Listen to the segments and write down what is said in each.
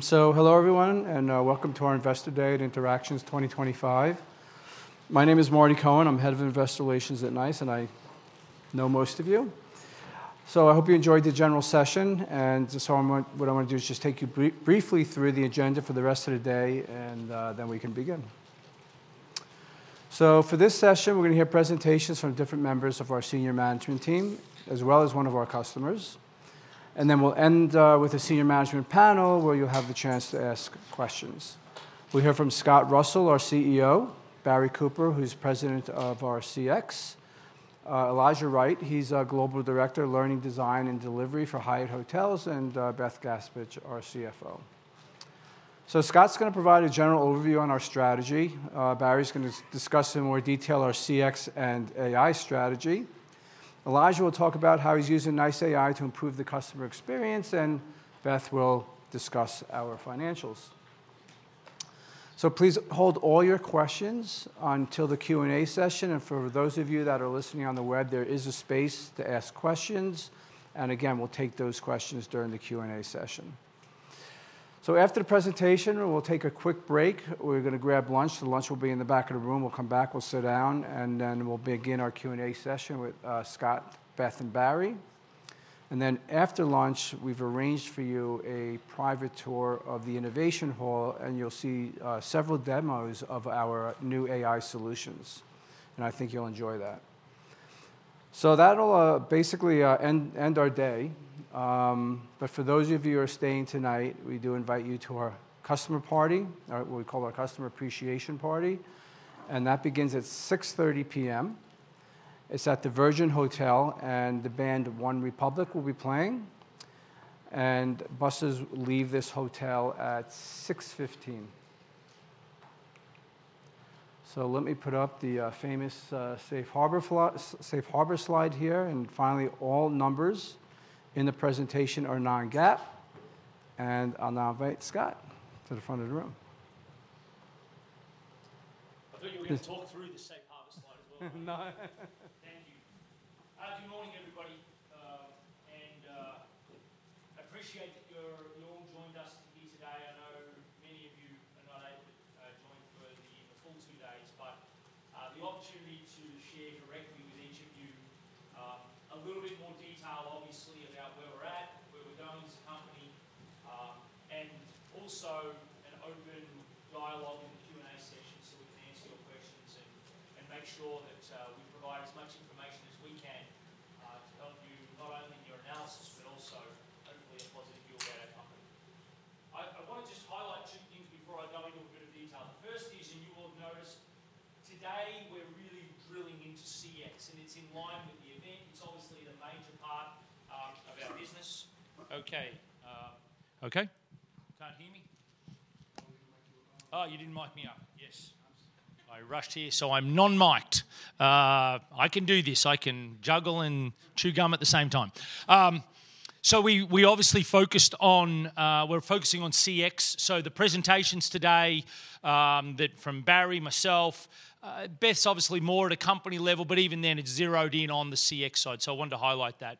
Hello, everyone, and welcome to our Investor Day at Interactions 2025. My name is Marty Cohen. I'm Head of Investor Relations at NiCE, and I know most of you. I hope you enjoyed the general session. What I want to do is just take you briefly through the agenda for the rest of the day, and then we can begin. For this session, we're going to hear presentations from different members of our senior management team, as well as one of our customers. Then we'll end with a senior management panel where you'll have the chance to ask questions. We'll hear from Scott Russell, our CEO; Barry Cooper, who's President of our CX; Elisha Wright, he's Global Director, Learning Design and Delivery for Hyatt Hotels; and Beth Gaspich, our CFO. Scott's going to provide a general overview on our strategy. Barry's going to discuss in more detail our CX and AI strategy. Elisha will talk about how he's using NiCE AI to improve the customer experience, and Beth will discuss our financials. Please hold all your questions until the Q&A session. For those of you that are listening on the web, there is a space to ask questions. Again, we'll take those questions during the Q&A session. After the presentation, we'll take a quick break. We're going to grab lunch. The lunch will be in the back of the room. We'll come back, we'll sit down, and then we'll begin our Q&A session with Scott, Beth, and Barry. After lunch, we've arranged for you a private tour of the Innovation Hall, and you'll see several demos of our new AI solutions. I think you'll enjoy that. That'll basically end our day. For those of you who are staying tonight, we do invite you to our customer party, what we call our customer appreciation party. That begins at 6:30 P.M. It is at the Virgin Hotels, and the band OneRepublic will be playing. Buses leave this hotel at 6:15. Let me put up the famous Safe Harbor slide here. Finally, all numbers in the presentation are non-GAAP. I will now invite Scott to the front of the room. I thought you were going to talk through the Safe Harbor slide as well. No. Thank you. Good morning, everybody. I appreciate that you all joined us here today. I know many of you are not able to join for the full two days, but the opportunity to share directly with each of you a little bit more detail, obviously, about where we're at, where we're going as a company, and also an open dialogue in the Q&A session so we can answer your questions and make sure that we provide as much information as we can to help you not only in your analysis, but also, hopefully, a positive view about our company. I want to just highlight two things before I go into a bit of detail. The first is, and you will have noticed, today we're really drilling into CX, and it's in line with the event. It's obviously the major part of our business. Okay. Okay? Can't hear me. Oh, you didn't mic you up. Oh, you didn't mic me up. Yes. I rushed here, so I'm non-mic'd. I can do this. I can juggle and chew gum at the same time. We obviously focused on we're focusing on CX. The presentations today from Barry, myself, Beth's obviously more at a company level, but even then it's zeroed in on the CX side. I wanted to highlight that.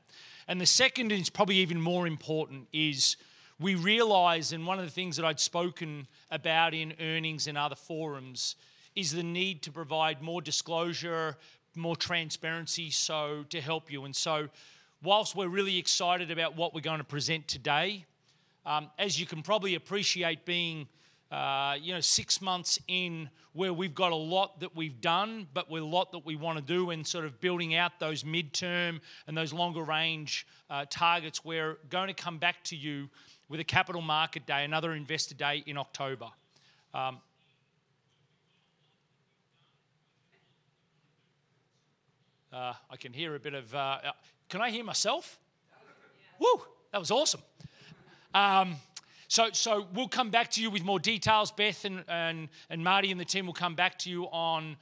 The second, and it's probably even more important, is we realize, and one of the things that I'd spoken about in earnings and other forums is the need to provide more disclosure, more transparency to help you. Whilst we're really excited about what we're going to present today, as you can probably appreciate, being six months in where we've got a lot that we've done, but with a lot that we want to do in sort of building out those midterm and those longer-range targets, we're going to come back to you with a capital market day, another investor day in October. I can hear a bit of can I hear myself? Yeah. Woo. That was awesome. We'll come back to you with more details. Beth and Marty and the team will come back to you on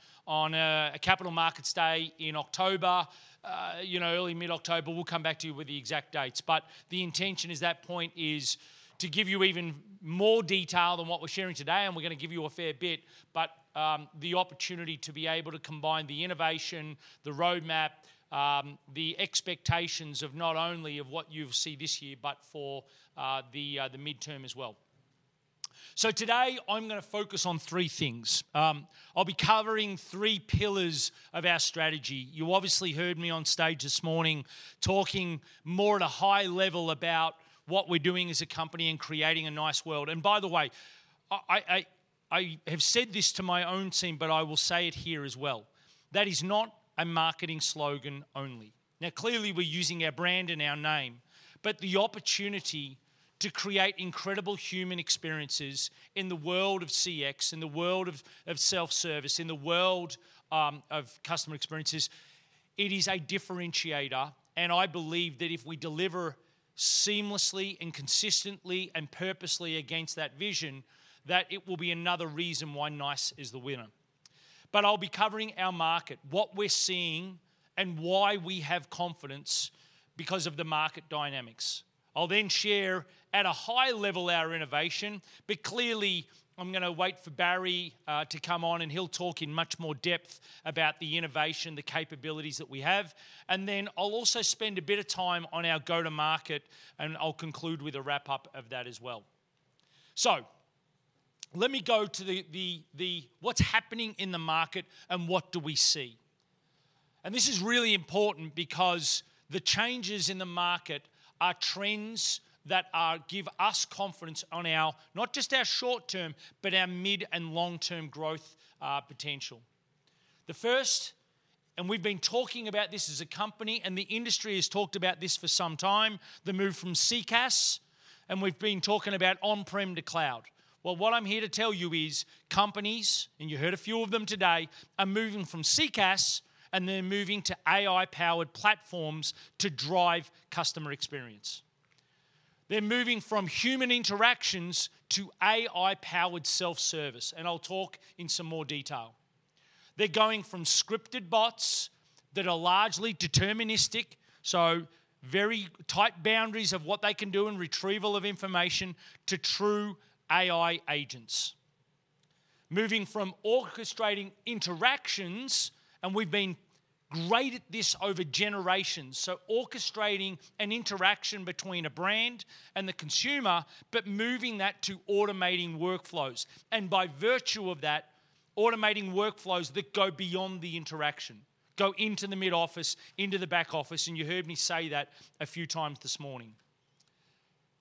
a capital markets day in October, early mid-October. We'll come back to you with the exact dates. The intention at that point is to give you even more detail than what we're sharing today, and we're going to give you a fair bit, but the opportunity to be able to combine the innovation, the roadmap, the expectations of not only what you'll see this year, but for the midterm as well. Today I'm going to focus on three things. I'll be covering three pillars of our strategy. You obviously heard me on stage this morning talking more at a high level about what we're doing as a company and creating a NiCE world. By the way, I have said this to my own team, but I will say it here as well. That is not a marketing slogan only. Clearly, we're using our brand and our name, but the opportunity to create incredible human experiences in the world of CX, in the world of self-service, in the world of customer experiences, it is a differentiator. I believe that if we deliver seamlessly and consistently and purposely against that vision, it will be another reason why NiCE is the winner. I'll be covering our market, what we're seeing, and why we have confidence because of the market dynamics. I'll then share at a high level our innovation, but clearly, I'm going to wait for Barry to come on, and he'll talk in much more depth about the innovation, the capabilities that we have. I'll also spend a bit of time on our go-to-market, and I'll conclude with a wrap-up of that as well. Let me go to what's happening in the market and what do we see. This is really important because the changes in the market are trends that give us confidence on not just our short-term, but our mid and long-term growth potential. The first, and we've been talking about this as a company, and the industry has talked about this for some time, the move from CCaaS, and we've been talking about on-prem to cloud. What I'm here to tell you is companies, and you heard a few of them today, are moving from CCaaS, and they're moving to AI-powered platforms to drive customer experience. They're moving from human interactions to AI-powered self-service, and I'll talk in some more detail. They're going from scripted bots that are largely deterministic, so very tight boundaries of what they can do in retrieval of information, to true AI agents. Moving from orchestrating interactions, and we've been great at this over generations, orchestrating an interaction between a brand and the consumer, but moving that to automating workflows. By virtue of that, automating workflows that go beyond the interaction, go into the mid-office, into the back office, and you heard me say that a few times this morning.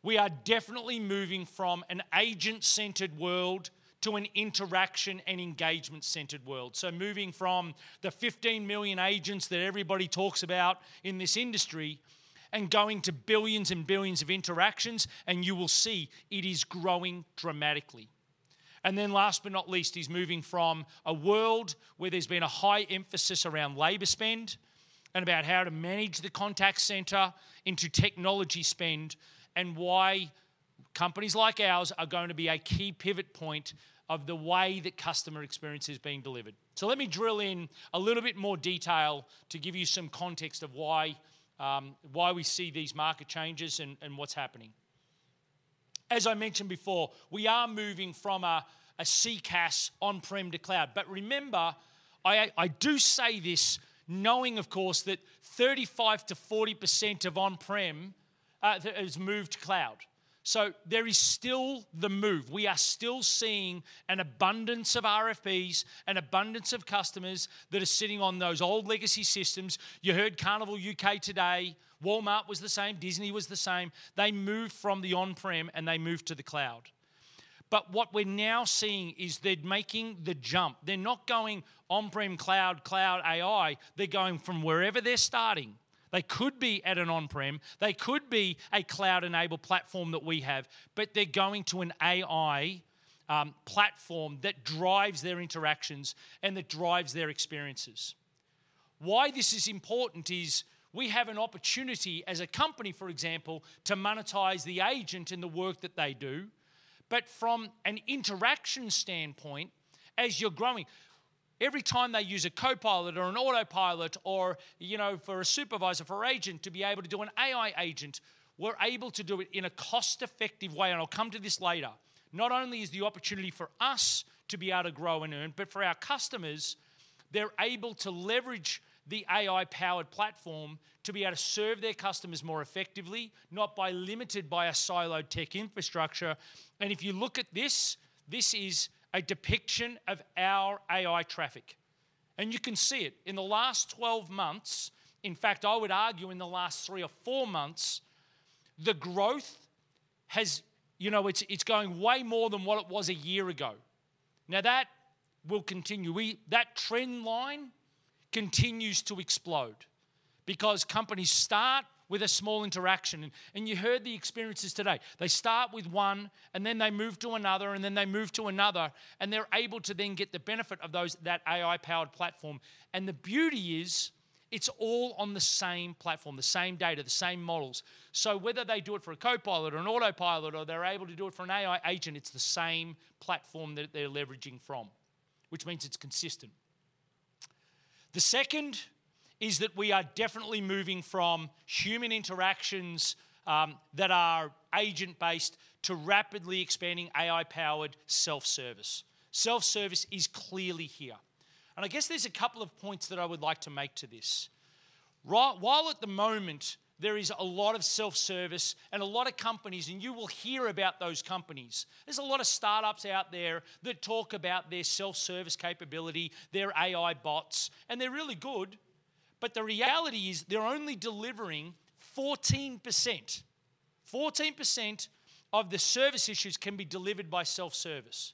We are definitely moving from an agent-centered world to an interaction and engagement-centered world. Moving from the 15 million agents that everybody talks about in this industry and going to billions and billions of interactions, and you will see it is growing dramatically. Last but not least is moving from a world where there's been a high emphasis around labor spend and about how to manage the contact center into technology spend and why companies like ours are going to be a key pivot point of the way that customer experience is being delivered. Let me drill in a little bit more detail to give you some context of why we see these market changes and what's happening. As I mentioned before, we are moving from a CCaaS on-prem to cloud. Remember, I do say this knowing, of course, that 35%-40% of on-prem has moved to cloud. There is still the move. We are still seeing an abundance of RFPs, an abundance of customers that are sitting on those old legacy systems. You heard Carnival UK today. Walmart was the same. Disney was the same. They moved from the on-prem, and they moved to the cloud. What we're now seeing is they're making the jump. They're not going on-prem cloud, cloud AI. They're going from wherever they're starting. They could be at an on-prem. They could be a cloud-enabled platform that we have, but they're going to an AI platform that drives their interactions and that drives their experiences. Why this is important is we have an opportunity, as a company, for example, to monetize the agent and the work that they do. From an interaction standpoint, as you're growing, every time they use a Copilot or an Autopilot or for a supervisor for agent to be able to do an AI agent, we're able to do it in a cost-effective way. I'll come to this later. Not only is the opportunity for us to be able to grow and earn, but for our customers, they're able to leverage the AI-powered platform to be able to serve their customers more effectively, not limited by a siloed tech infrastructure. If you look at this, this is a depiction of our AI traffic. You can see it. In the last 12 months, in fact, I would argue in the last three or four months, the growth has, it's going way more than what it was a year ago. That will continue. That trend line continues to explode because companies start with a small interaction. You heard the experiences today. They start with one, and then they move to another, and then they move to another, and they're able to then get the benefit of that AI-powered platform. The beauty is it's all on the same platform, the same data, the same models. Whether they do it for a Copilot or an Autopilot or they're able to do it for an AI agent, it's the same platform that they're leveraging from, which means it's consistent. The second is that we are definitely moving from human interactions that are agent-based to rapidly expanding AI-powered self-service. Self-service is clearly here. I guess there's a couple of points that I would like to make to this. While at the moment there is a lot of self-service and a lot of companies, and you will hear about those companies, there's a lot of startups out there that talk about their self-service capability, their AI bots, and they're really good. The reality is they're only delivering 14%. 14% of the service issues can be delivered by self-service.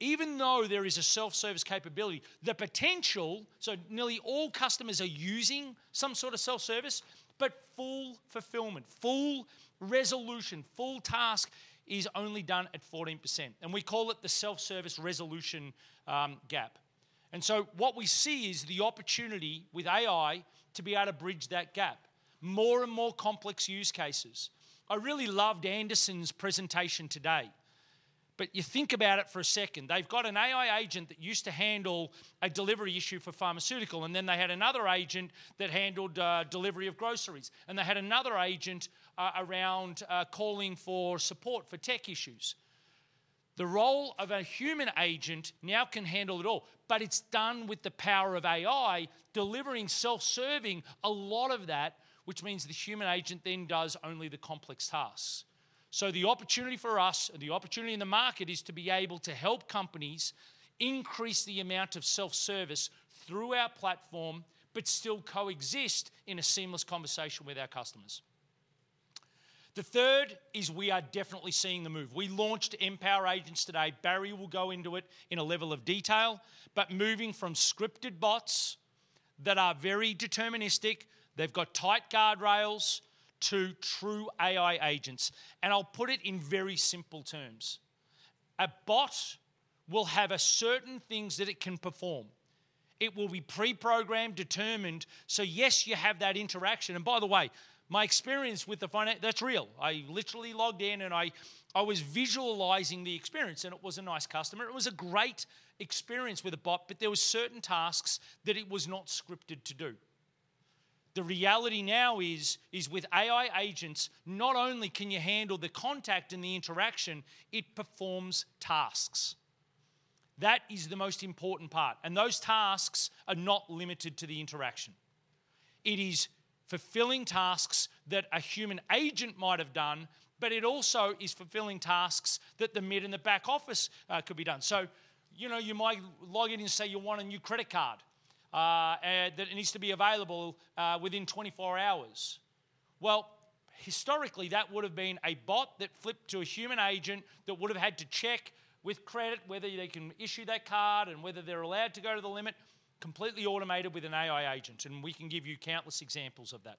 Even though there is a self-service capability, the potential, so nearly all customers are using some sort of self-service, but full fulfillment, full resolution, full task is only done at 14%. We call it the self-service resolution gap. What we see is the opportunity with AI to be able to bridge that gap, more and more complex use cases. I really loved Anderson's presentation today. You think about it for a second. They've got an AI agent that used to handle a delivery issue for pharmaceutical, and then they had another agent that handled delivery of groceries, and they had another agent around calling for support for tech issues. The role of a human agent now can handle it all, but it's done with the power of AI, delivering self-serving a lot of that, which means the human agent then does only the complex tasks. The opportunity for us and the opportunity in the market is to be able to help companies increase the amount of self-service through our platform, but still coexist in a seamless conversation with our customers. The third is we are definitely seeing the move. We launched Mpower Agents today. Barry will go into it in a level of detail, but moving from scripted bots that are very deterministic, they've got tight guardrails, to true AI agents. I'll put it in very simple terms. A bot will have certain things that it can perform. It will be pre-programmed, determined. Yes, you have that interaction. By the way, my experience with the finance, that's real. I literally logged in, and I was visualizing the experience, and it was a NiCE customer. It was a great experience with a bot, but there were certain tasks that it was not scripted to do. The reality now is with AI agents, not only can you handle the contact and the interaction, it performs tasks. That is the most important part. Those tasks are not limited to the interaction. It is fulfilling tasks that a human agent might have done, but it also is fulfilling tasks that the mid and the back office could be done. You might log in and say you want a new credit card that needs to be available within 24 hours. Historically, that would have been a bot that flipped to a human agent that would have had to check with credit whether they can issue that card and whether they're allowed to go to the limit, completely automated with an AI agent. We can give you countless examples of that.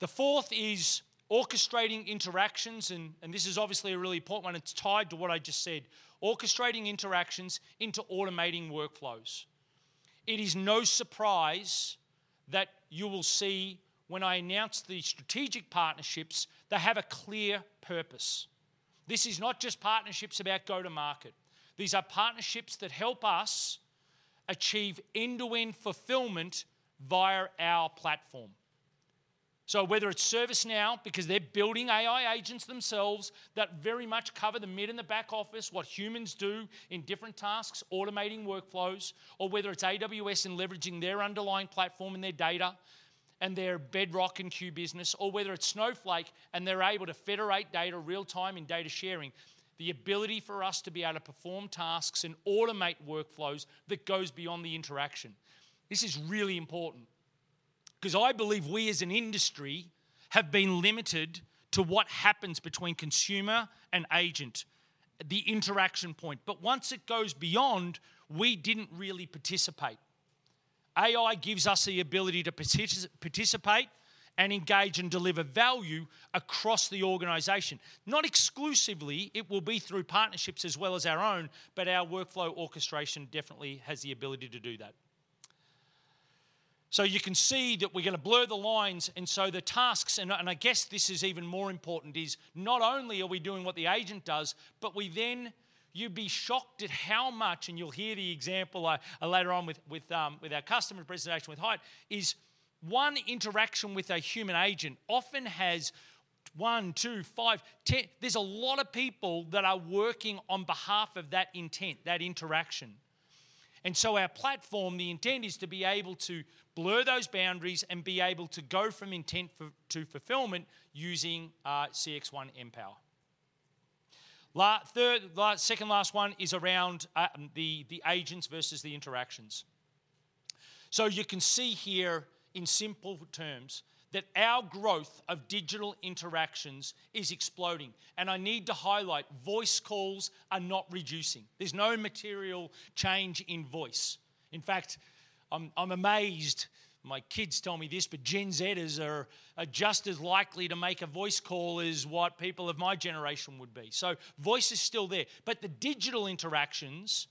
The fourth is orchestrating interactions, and this is obviously a really important one. It is tied to what I just said, orchestrating interactions into automating workflows. It is no surprise that you will see when I announce the strategic partnerships, they have a clear purpose. This is not just partnerships about go-to-market. These are partnerships that help us achieve end-to-end fulfillment via our platform. Whether it is ServiceNow, because they are building AI agents themselves that very much cover the mid and the back office, what humans do in different tasks, automating workflows, or whether it is AWS and leveraging their underlying platform and their data and their Bedrock and Q Business, or whether it is Snowflake and they are able to federate data real-time and data sharing, the ability for us to be able to perform tasks and automate workflows that goes beyond the interaction. This is really important because I believe we as an industry have been limited to what happens between consumer and agent, the interaction point. Once it goes beyond, we did not really participate. AI gives us the ability to participate and engage and deliver value across the organization. Not exclusively. It will be through partnerships as well as our own, but our workflow orchestration definitely has the ability to do that. You can see that we are going to blur the lines. The tasks, and I guess this is even more important, is not only are we doing what the agent does, but you would be shocked at how much, and you will hear the example later on with our customer presentation with Hyatt, is one interaction with a human agent often has one, two, five, ten. There's a lot of people that are working on behalf of that intent, that interaction. Our platform, the intent is to be able to blur those boundaries and be able to go from intent to fulfillment using CXone Mpower. Second last one is around the agents versus the interactions. You can see here in simple terms that our growth of digital interactions is exploding. I need to highlight voice calls are not reducing. There's no material change in voice. In fact, I'm amazed. My kids tell me this, but Gen Zers are just as likely to make a voice call as what people of my generation would be. Voice is still there. The digital interactions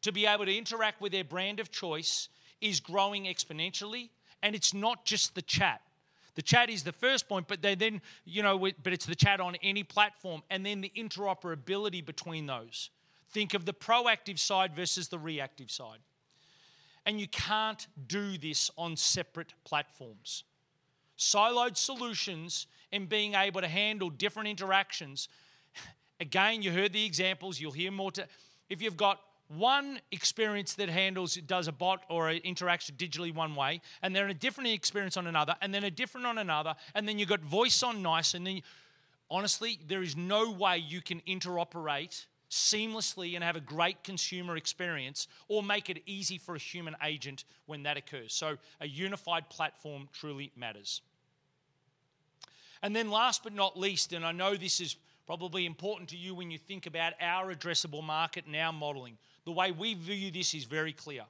to be able to interact with their brand of choice is growing exponentially. It's not just the chat. The chat is the first point, but then it's the chat on any platform, and then the interoperability between those. Think of the proactive side versus the reactive side. You can't do this on separate platforms. Siloed solutions and being able to handle different interactions. Again, you heard the examples. You'll hear more too if you've got one experience that handles it, does a bot or an interaction digitally one way, and then a different experience on another, and then a different on another, and then you've got voice on NiCE. Honestly, there is no way you can interoperate seamlessly and have a great consumer experience or make it easy for a human agent when that occurs. A unified platform truly matters. Last but not least, and I know this is probably important to you when you think about our addressable market and our modeling, the way we view this is very clear.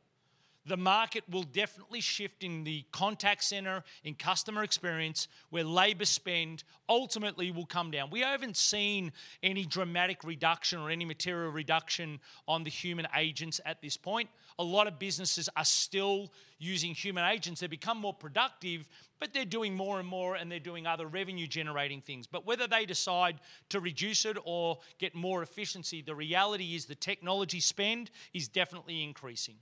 The market will definitely shift in the contact center, in customer experience, where labor spend ultimately will come down. We have not seen any dramatic reduction or any material reduction on the human agents at this point. A lot of businesses are still using human agents. They have become more productive, but they are doing more and more, and they are doing other revenue-generating things. Whether they decide to reduce it or get more efficiency, the reality is the technology spend is definitely increasing.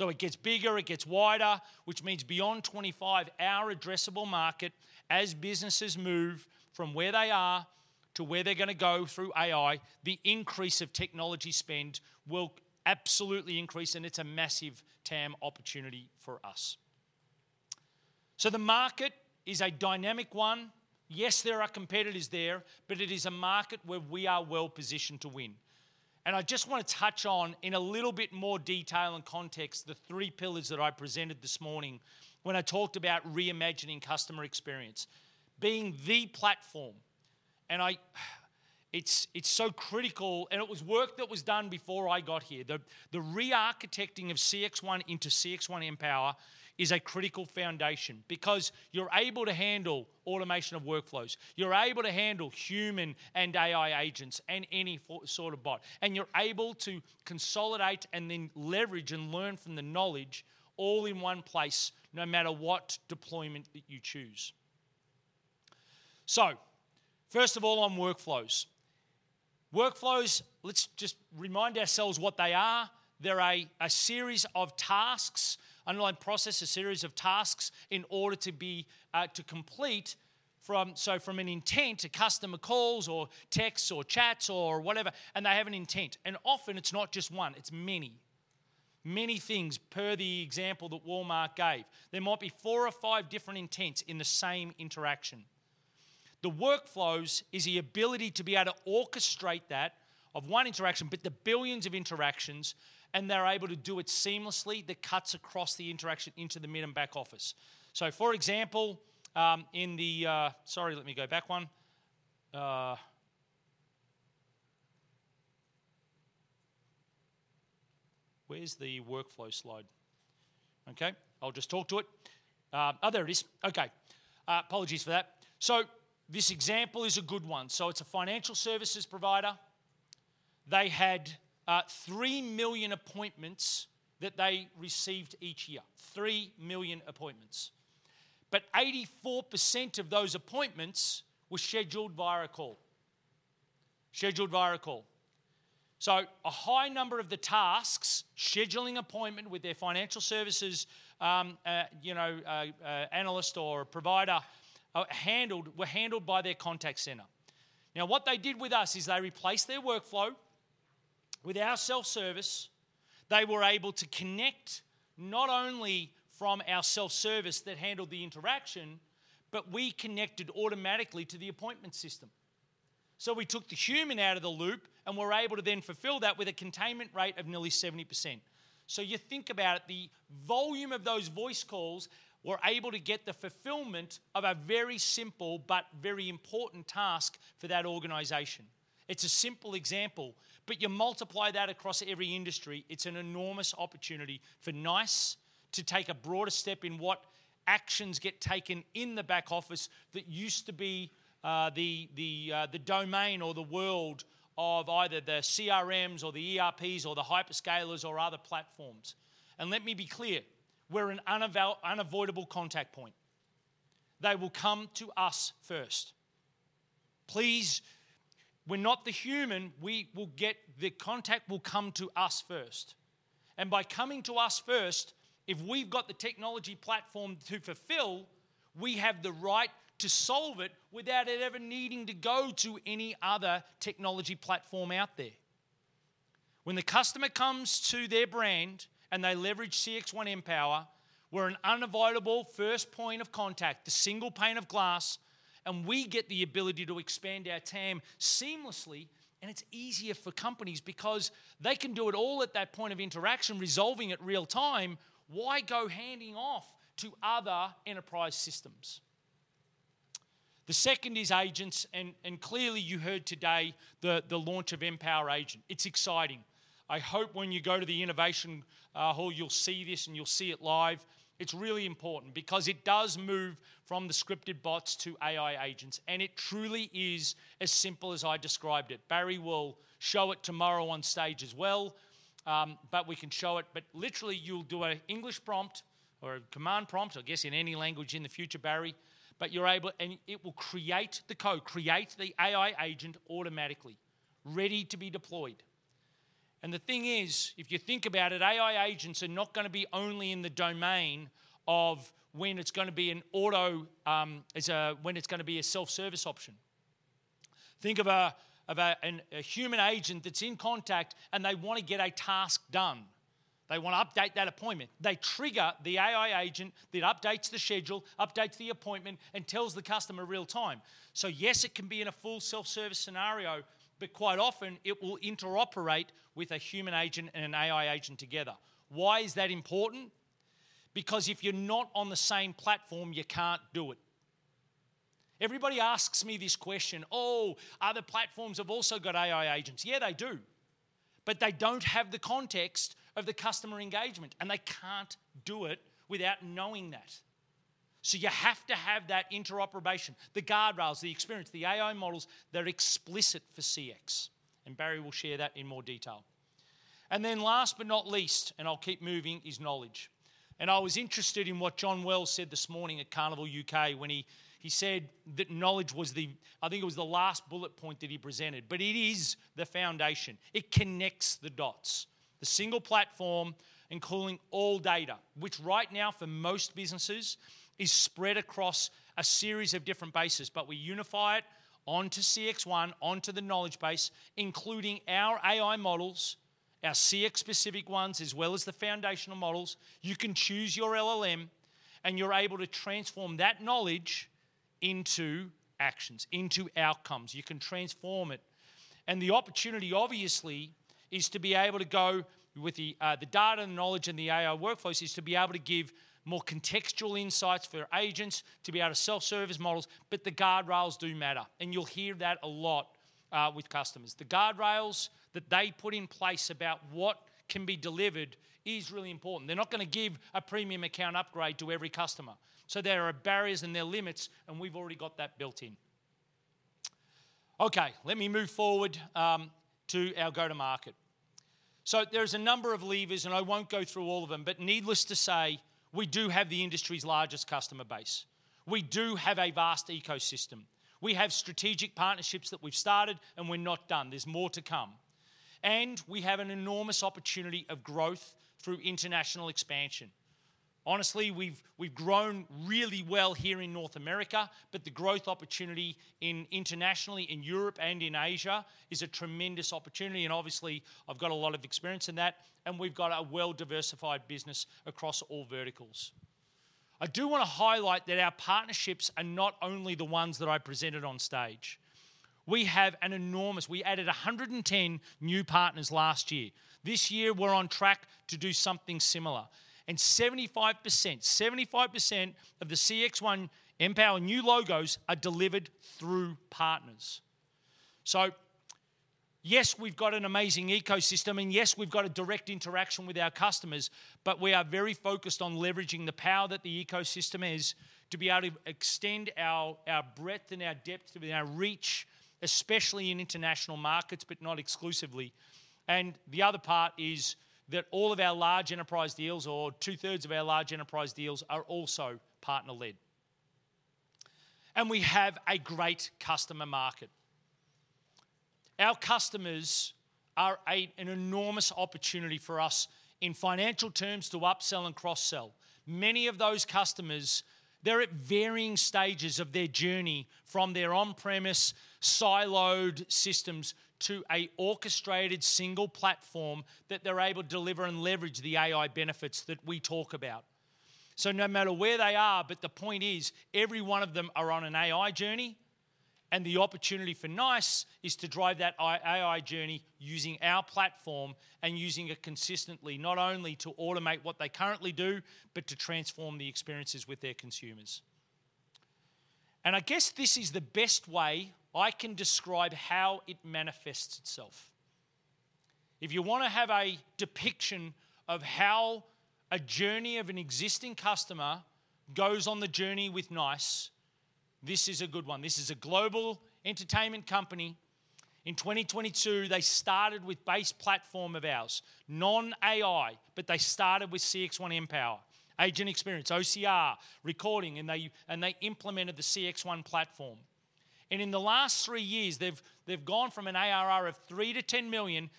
It gets bigger. It gets wider, which means beyond 2025, our addressable market, as businesses move from where they are to where they're going to go through AI, the increase of technology spend will absolutely increase, and it's a massive TAM opportunity for us. The market is a dynamic one. Yes, there are competitors there, but it is a market where we are well-positioned to win. I just want to touch on in a little bit more detail and context the three pillars that I presented this morning when I talked about reimagining customer experience, being the platform. It is so critical, and it was work that was done before I got here. The re-architecting of CXone into CXone Mpower is a critical foundation because you're able to handle automation of workflows. You're able to handle human and AI agents and any sort of bot. You are able to consolidate and then leverage and learn from the knowledge all in one place, no matter what deployment that you choose. First of all, on workflows. Workflows, let's just remind ourselves what they are. They're a series of tasks, underlying process, a series of tasks in order to complete from an intent to customer calls or texts or chats or whatever, and they have an intent. Often, it's not just one. It's many. Many things, per the example that Walmart gave. There might be four or five different intents in the same interaction. The workflows is the ability to be able to orchestrate that of one interaction, but the billions of interactions, and they're able to do it seamlessly, that cuts across the interaction into the mid and back office. For example, in the—sorry, let me go back one. Where's the workflow slide? Okay. I'll just talk to it. Oh, there it is. Okay. Apologies for that. This example is a good one. It's a financial services provider. They had three million appointments that they received each year, three million appointments. 84% of those appointments were scheduled via a call, scheduled via a call. A high number of the tasks, scheduling appointment with their financial services analyst or provider, were handled by their contact center. What they did with us is they replaced their workflow with our self-service. They were able to connect not only from our self-service that handled the interaction, but we connected automatically to the appointment system. We took the human out of the loop, and we're able to then fulfill that with a containment rate of nearly 70%. You think about it, the volume of those voice calls, we're able to get the fulfillment of a very simple but very important task for that organization. It's a simple example, but you multiply that across every industry, it's an enormous opportunity for NiCE to take a broader step in what actions get taken in the back office that used to be the domain or the world of either the CRMs or the ERPs or the hyperscalers or other platforms. Let me be clear. We're an unavoidable contact point. They will come to us first. Please. We're not the human. The contact will come to us first. By coming to us first, if we've got the technology platform to fulfill, we have the right to solve it without it ever needing to go to any other technology platform out there. When the customer comes to their brand and they leverage CXone Mpower, we're an unavoidable first point of contact, the single pane of glass, and we get the ability to expand our TAM seamlessly, and it's easier for companies because they can do it all at that point of interaction, resolving it real-time. Why go handing off to other enterprise systems? The second is agents, and clearly you heard today the launch of Mpower Agent. It's exciting. I hope when you go to the innovation hall, you'll see this and you'll see it live. It's really important because it does move from the scripted bots to AI agents, and it truly is as simple as I described it. Barry will show it tomorrow on stage as well, but we can show it. Literally, you'll do an English prompt or a command prompt, I guess, in any language in the future, Barry, but you're able, and it will create the code, create the AI agent automatically, ready to be deployed. The thing is, if you think about it, AI agents are not going to be only in the domain of when it's going to be an auto when it's going to be a self-service option. Think of a human agent that's in contact, and they want to get a task done. They want to update that appointment. They trigger the AI agent that updates the schedule, updates the appointment, and tells the customer real-time. Yes, it can be in a full self-service scenario, but quite often, it will interoperate with a human agent and an AI agent together. Why is that important? Because if you're not on the same platform, you can't do it. Everybody asks me this question, "Oh, other platforms have also got AI agents." Yeah, they do. But they don't have the context of the customer engagement, and they can't do it without knowing that. You have to have that interoperation, the guardrails, the experience, the AI models that are explicit for CX. Barry will share that in more detail. Last but not least, and I'll keep moving, is knowledge. I was interested in what John Wells said this morning at Carnival UK when he said that knowledge was the, I think it was the last bullet point that he presented, but it is the foundation. It connects the dots. The single platform, including all data, which right now for most businesses is spread across a series of different bases, but we unify it onto CXone, onto the knowledge base, including our AI models, our CX-specific ones, as well as the foundational models. You can choose your LLM, and you're able to transform that knowledge into actions, into outcomes. You can transform it. The opportunity, obviously, is to be able to go with the data and knowledge and the AI workflows is to be able to give more contextual insights for agents, to be able to self-serve as models, but the guardrails do matter. You'll hear that a lot with customers. The guardrails that they put in place about what can be delivered is really important. They're not going to give a premium account upgrade to every customer. There are barriers and there are limits, and we've already got that built in. Okay. Let me move forward to our go-to-market. There is a number of levers, and I won't go through all of them, but needless to say, we do have the industry's largest customer base. We do have a vast ecosystem. We have strategic partnerships that we've started, and we're not done. There is more to come. We have an enormous opportunity of growth through international expansion. Honestly, we've grown really well here in North America, but the growth opportunity internationally in Europe and in Asia is a tremendous opportunity. Obviously, I've got a lot of experience in that, and we've got a well-diversified business across all verticals. I do want to highlight that our partnerships are not only the ones that I presented on stage. We have an enormous, we added 110 new partners last year. This year, we're on track to do something similar. And 75%, 75% of the CXone Mpower new logos are delivered through partners. Yes, we've got an amazing ecosystem, and yes, we've got a direct interaction with our customers, but we are very focused on leveraging the power that the ecosystem is to be able to extend our breadth and our depth and our reach, especially in international markets, but not exclusively. The other part is that all of our large enterprise deals or two-thirds of our large enterprise deals are also partner-led. We have a great customer market. Our customers are an enormous opportunity for us in financial terms to upsell and cross-sell. Many of those customers, they're at varying stages of their journey from their on-premise siloed systems to an orchestrated single platform that they're able to deliver and leverage the AI benefits that we talk about. No matter where they are, the point is every one of them are on an AI journey, and the opportunity for NiCE is to drive that AI journey using our platform and using it consistently, not only to automate what they currently do, but to transform the experiences with their consumers. I guess this is the best way I can describe how it manifests itself. If you want to have a depiction of how a journey of an existing customer goes on the journey with NiCE, this is a good one. This is a global entertainment company. In 2022, they started with base platform of ours, non-AI, but they started with CXone Mpower, agent experience, OCR, recording, and they implemented the CXone platform. In the last three years, they've gone from an ARR of $3 million to $10 million.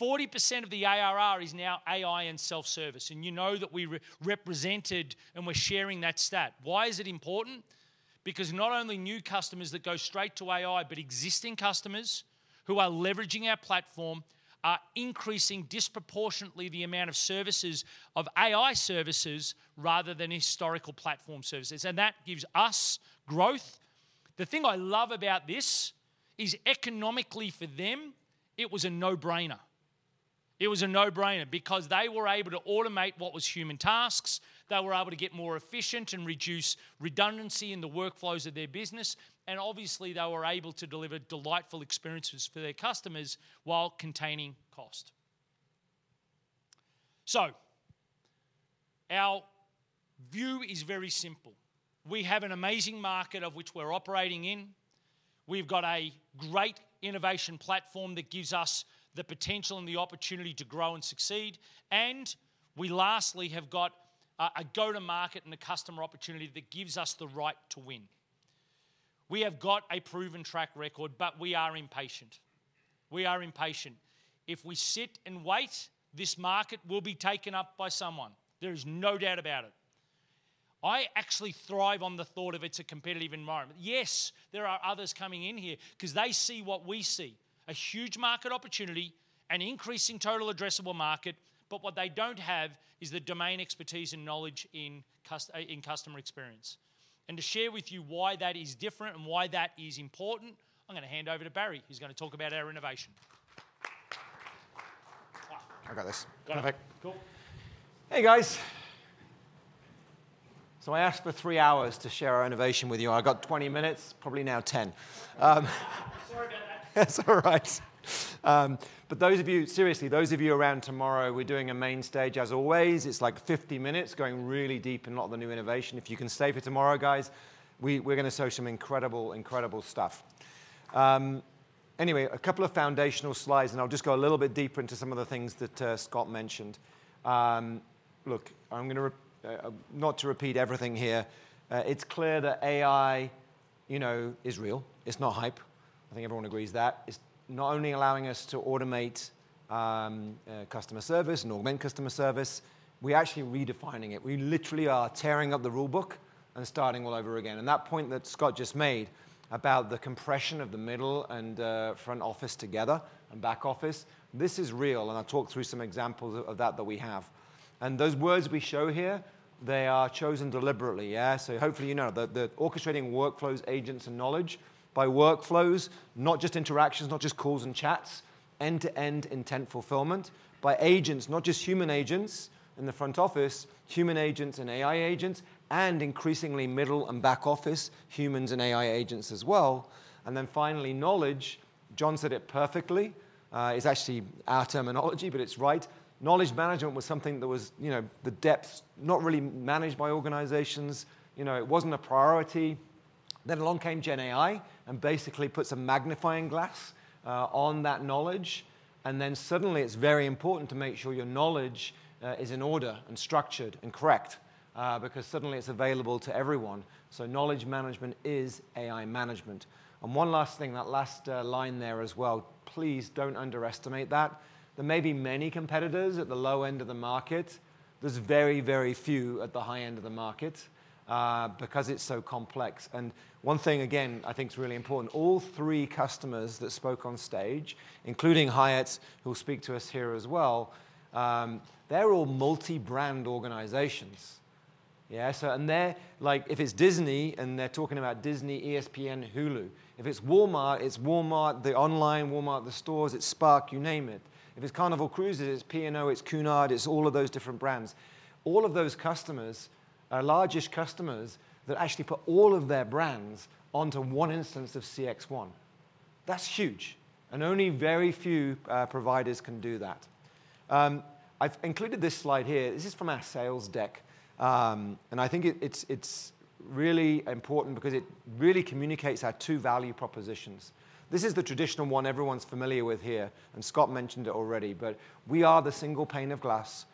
40% of the ARR is now AI and self-service. You know that we represented and we're sharing that stat. Why is it important? Because not only new customers that go straight to AI, but existing customers who are leveraging our platform are increasing disproportionately the amount of services of AI services rather than historical platform services. That gives us growth. The thing I love about this is economically for them, it was a no-brainer. It was a no-brainer because they were able to automate what was human tasks. They were able to get more efficient and reduce redundancy in the workflows of their business. Obviously, they were able to deliver delightful experiences for their customers while containing cost. Our view is very simple. We have an amazing market of which we're operating in. We've got a great innovation platform that gives us the potential and the opportunity to grow and succeed. We lastly have got a go-to-market and a customer opportunity that gives us the right to win. We have got a proven track record, but we are impatient. We are impatient. If we sit and wait, this market will be taken up by someone. There is no doubt about it. I actually thrive on the thought of it's a competitive environment. Yes, there are others coming in here because they see what we see: a huge market opportunity, an increasing total addressable market, but what they do not have is the domain expertise and knowledge in customer experience. To share with you why that is different and why that is important, I'm going to hand over to Barry. He's going to talk about our innovation. I got this. Going to pick. Cool. Hey, guys. So I asked for three hours to share our innovation with you. I got 20 minutes, probably now 10. Sorry about that. That's all right. Those of you, seriously, those of you around tomorrow, we're doing a main stage as always. It's like 50 minutes going really deep in a lot of the new innovation. If you can stay for tomorrow, guys, we're going to show some incredible, incredible stuff. Anyway, a couple of foundational slides, and I'll just go a little bit deeper into some of the things that Scott mentioned. Look, I'm going to not repeat everything here. It's clear that AI is real. It's not hype. I think everyone agrees with that. It's not only allowing us to automate customer service and augment customer service. We're actually redefining it. We literally are tearing up the rulebook and starting all over again. That point that Scott just made about the compression of the middle and front office together and back office, this is real. I'll talk through some examples of that that we have. Those words we show here, they are chosen deliberately. Yeah? Hopefully, you know that the orchestrating workflows, agents, and knowledge by workflows, not just interactions, not just calls and chats, end-to-end intent fulfillment by agents, not just human agents in the front office, human agents and AI agents, and increasingly middle and back office humans and AI agents as well. Finally, knowledge, John said it perfectly. It's actually our terminology, but it's right. Knowledge management was something that was the depth not really managed by organizations. It wasn't a priority. Along came GenAI and basically put some magnifying glass on that knowledge. Suddenly, it's very important to make sure your knowledge is in order and structured and correct because suddenly, it's available to everyone. Knowledge management is AI management. One last thing, that last line there as well. Please do not underestimate that. There may be many competitors at the low end of the market. There are very, very few at the high end of the market because it is so complex. One thing, again, I think is really important. All three customers that spoke on stage, including Hyatt's, who will speak to us here as well, they are all multi-brand organizations. Yeah? If it is Disney, and they are talking about Disney, ESPN, Hulu. If it is Walmart, it is Walmart, the online Walmart, the stores, it is Spark, you name it. If it is Carnival Cruises, it is P&O, it is Cunard, it is all of those different brands. All of those customers are our largest customers that actually put all of their brands onto one instance of CXone. That is huge. Only very few providers can do that. I have included this slide here. This is from our sales deck. I think it's really important because it really communicates our two value propositions. This is the traditional one everyone's familiar with here. Scott mentioned it already, but we are the single pane of glass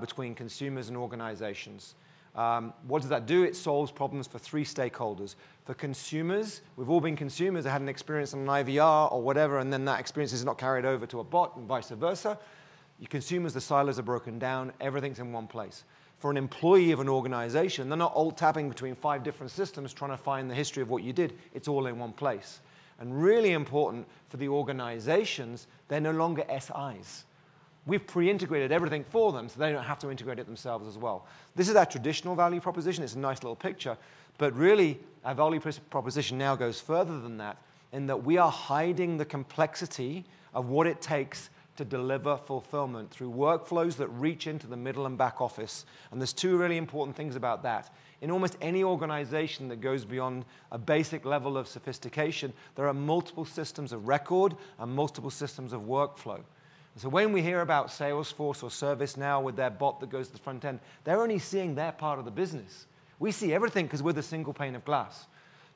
between consumers and organizations. What does that do? It solves problems for three stakeholders. For consumers, we've all been consumers. I had an experience on an IVR or whatever, and then that experience is not carried over to a bot and vice versa. Your consumers, the silos are broken down. Everything's in one place. For an employee of an organization, they're not alt-tabbing between five different systems trying to find the history of what you did. It's all in one place. Really important for the organizations, they're no longer SIs. We've pre-integrated everything for them so they don't have to integrate it themselves as well. This is our traditional value proposition. It's a nice little picture. Really, our value proposition now goes further than that in that we are hiding the complexity of what it takes to deliver fulfillment through workflows that reach into the middle and back office. There are two really important things about that. In almost any organization that goes beyond a basic level of sophistication, there are multiple systems of record and multiple systems of workflow. When we hear about Salesforce or ServiceNow with their bot that goes to the front end, they're only seeing their part of the business. We see everything because we're the single pane of glass.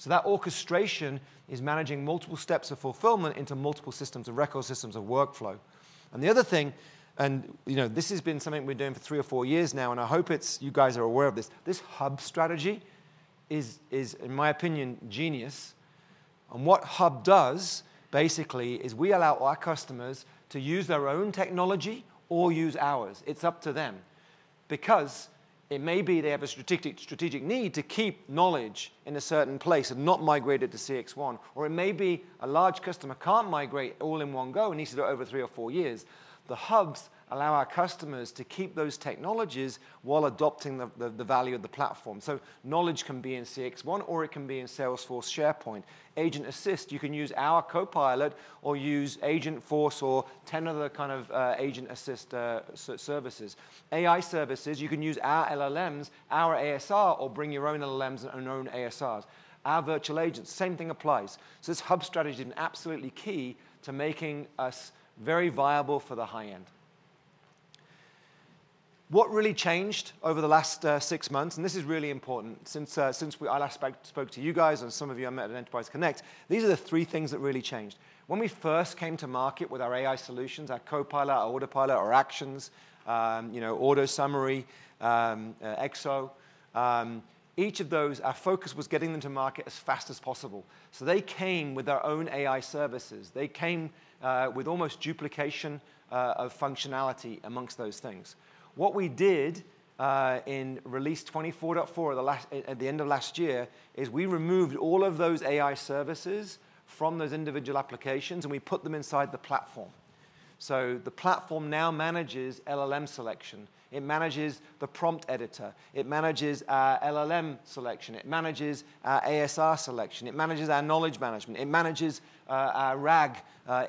That orchestration is managing multiple steps of fulfillment into multiple systems of record, systems of workflow. The other thing, and this has been something we're doing for three or four years now, and I hope you guys are aware of this. This hub strategy is, in my opinion, genius. What hub does basically is we allow our customers to use their own technology or use ours. It's up to them. Because it may be they have a strategic need to keep knowledge in a certain place and not migrate it to CXone, or it may be a large customer can't migrate all in one go and needs to do it over three or four years. The hubs allow our customers to keep those technologies while adopting the value of the platform. Knowledge can be in CXone, or it can be in Salesforce, SharePoint, Agent Assist. You can use our Copilot or use Agentforce or 10 other kind of Agent Assist services. AI services, you can use our LLMs, our ASR, or bring your own LLMs and own ASRs. Our virtual agents, same thing applies. This hub strategy is absolutely key to making us very viable for the high end. What really changed over the last six months, and this is really important since I last spoke to you guys and some of you I met at Enterprise Connect, these are the three things that really changed. When we first came to market with our AI solutions, our Copilot, our Autopilot, our Actions, Autosummary, Exo, each of those, our focus was getting them to market as fast as possible. They came with their own AI services. They came with almost duplication of functionality amongst those things. What we did in release 24.4 at the end of last year is we removed all of those AI services from those individual applications, and we put them inside the platform. The platform now manages LLM selection. It manages the prompt editor. It manages LLM selection. It manages our ASR selection. It manages our knowledge management. It manages our RAG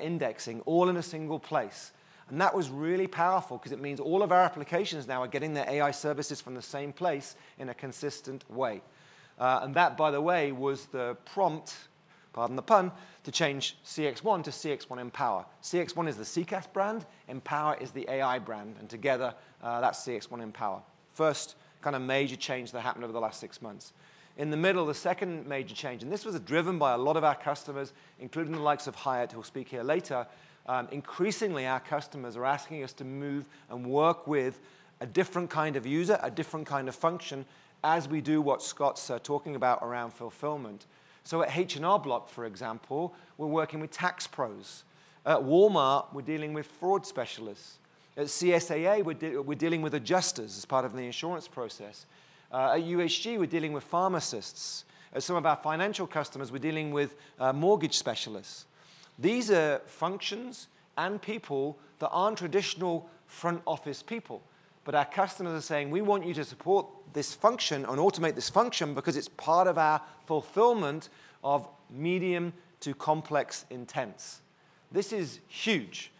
indexing all in a single place. That was really powerful because it means all of our applications now are getting their AI services from the same place in a consistent way. That, by the way, was the prompt, pardon the pun, to change CXone to CXone Mpower. CXone is the CCaaS brand. Empower is the AI brand. Together, that's CXone Mpower. First kind of major change that happened over the last six months. In the middle, the second major change, and this was driven by a lot of our customers, including the likes of Hyatt, who will speak here later, increasingly our customers are asking us to move and work with a different kind of user, a different kind of function as we do what Scott's talking about around fulfillment. At H&R Block, for example, we're working with tax pros. At Walmart, we're dealing with fraud specialists. At CSAA, we're dealing with adjusters as part of the insurance process. At UHG, we're dealing with pharmacists. At some of our financial customers, we're dealing with mortgage specialists. These are functions and people that aren't traditional front office people. Our customers are saying, "We want you to support this function and automate this function because it's part of our fulfillment of medium to complex intents." This is huge.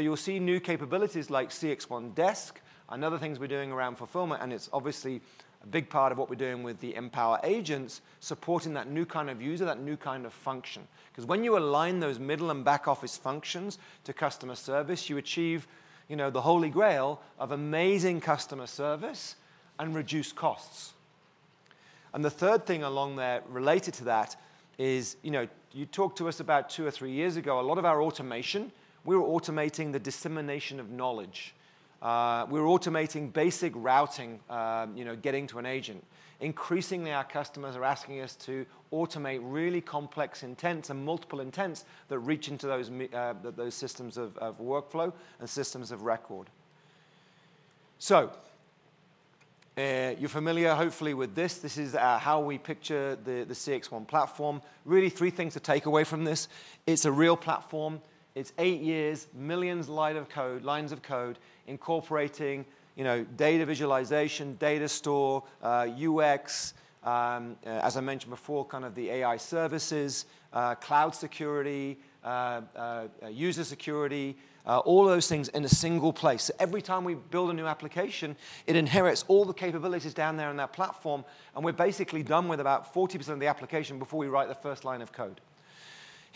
You will see new capabilities like CXone Desk and other things we are doing around fulfillment. It is obviously a big part of what we are doing with the Mpower Agents, supporting that new kind of user, that new kind of function. Because when you align those middle and back office functions to customer service, you achieve the holy grail of amazing customer service and reduced costs. The third thing along there related to that is you talked to us about two or three years ago, a lot of our automation, we were automating the dissemination of knowledge. We were automating basic routing, getting to an agent. Increasingly, our customers are asking us to automate really complex intents and multiple intents that reach into those systems of workflow and systems of record. You are familiar, hopefully, with this. This is how we picture the CXone platform. Really, three things to take away from this. It's a real platform. It's eight years, millions of lines of code, incorporating data visualization, data store, UX, as I mentioned before, kind of the AI services, cloud security, user security, all those things in a single place. Every time we build a new application, it inherits all the capabilities down there on that platform. We're basically done with about 40% of the application before we write the first line of code.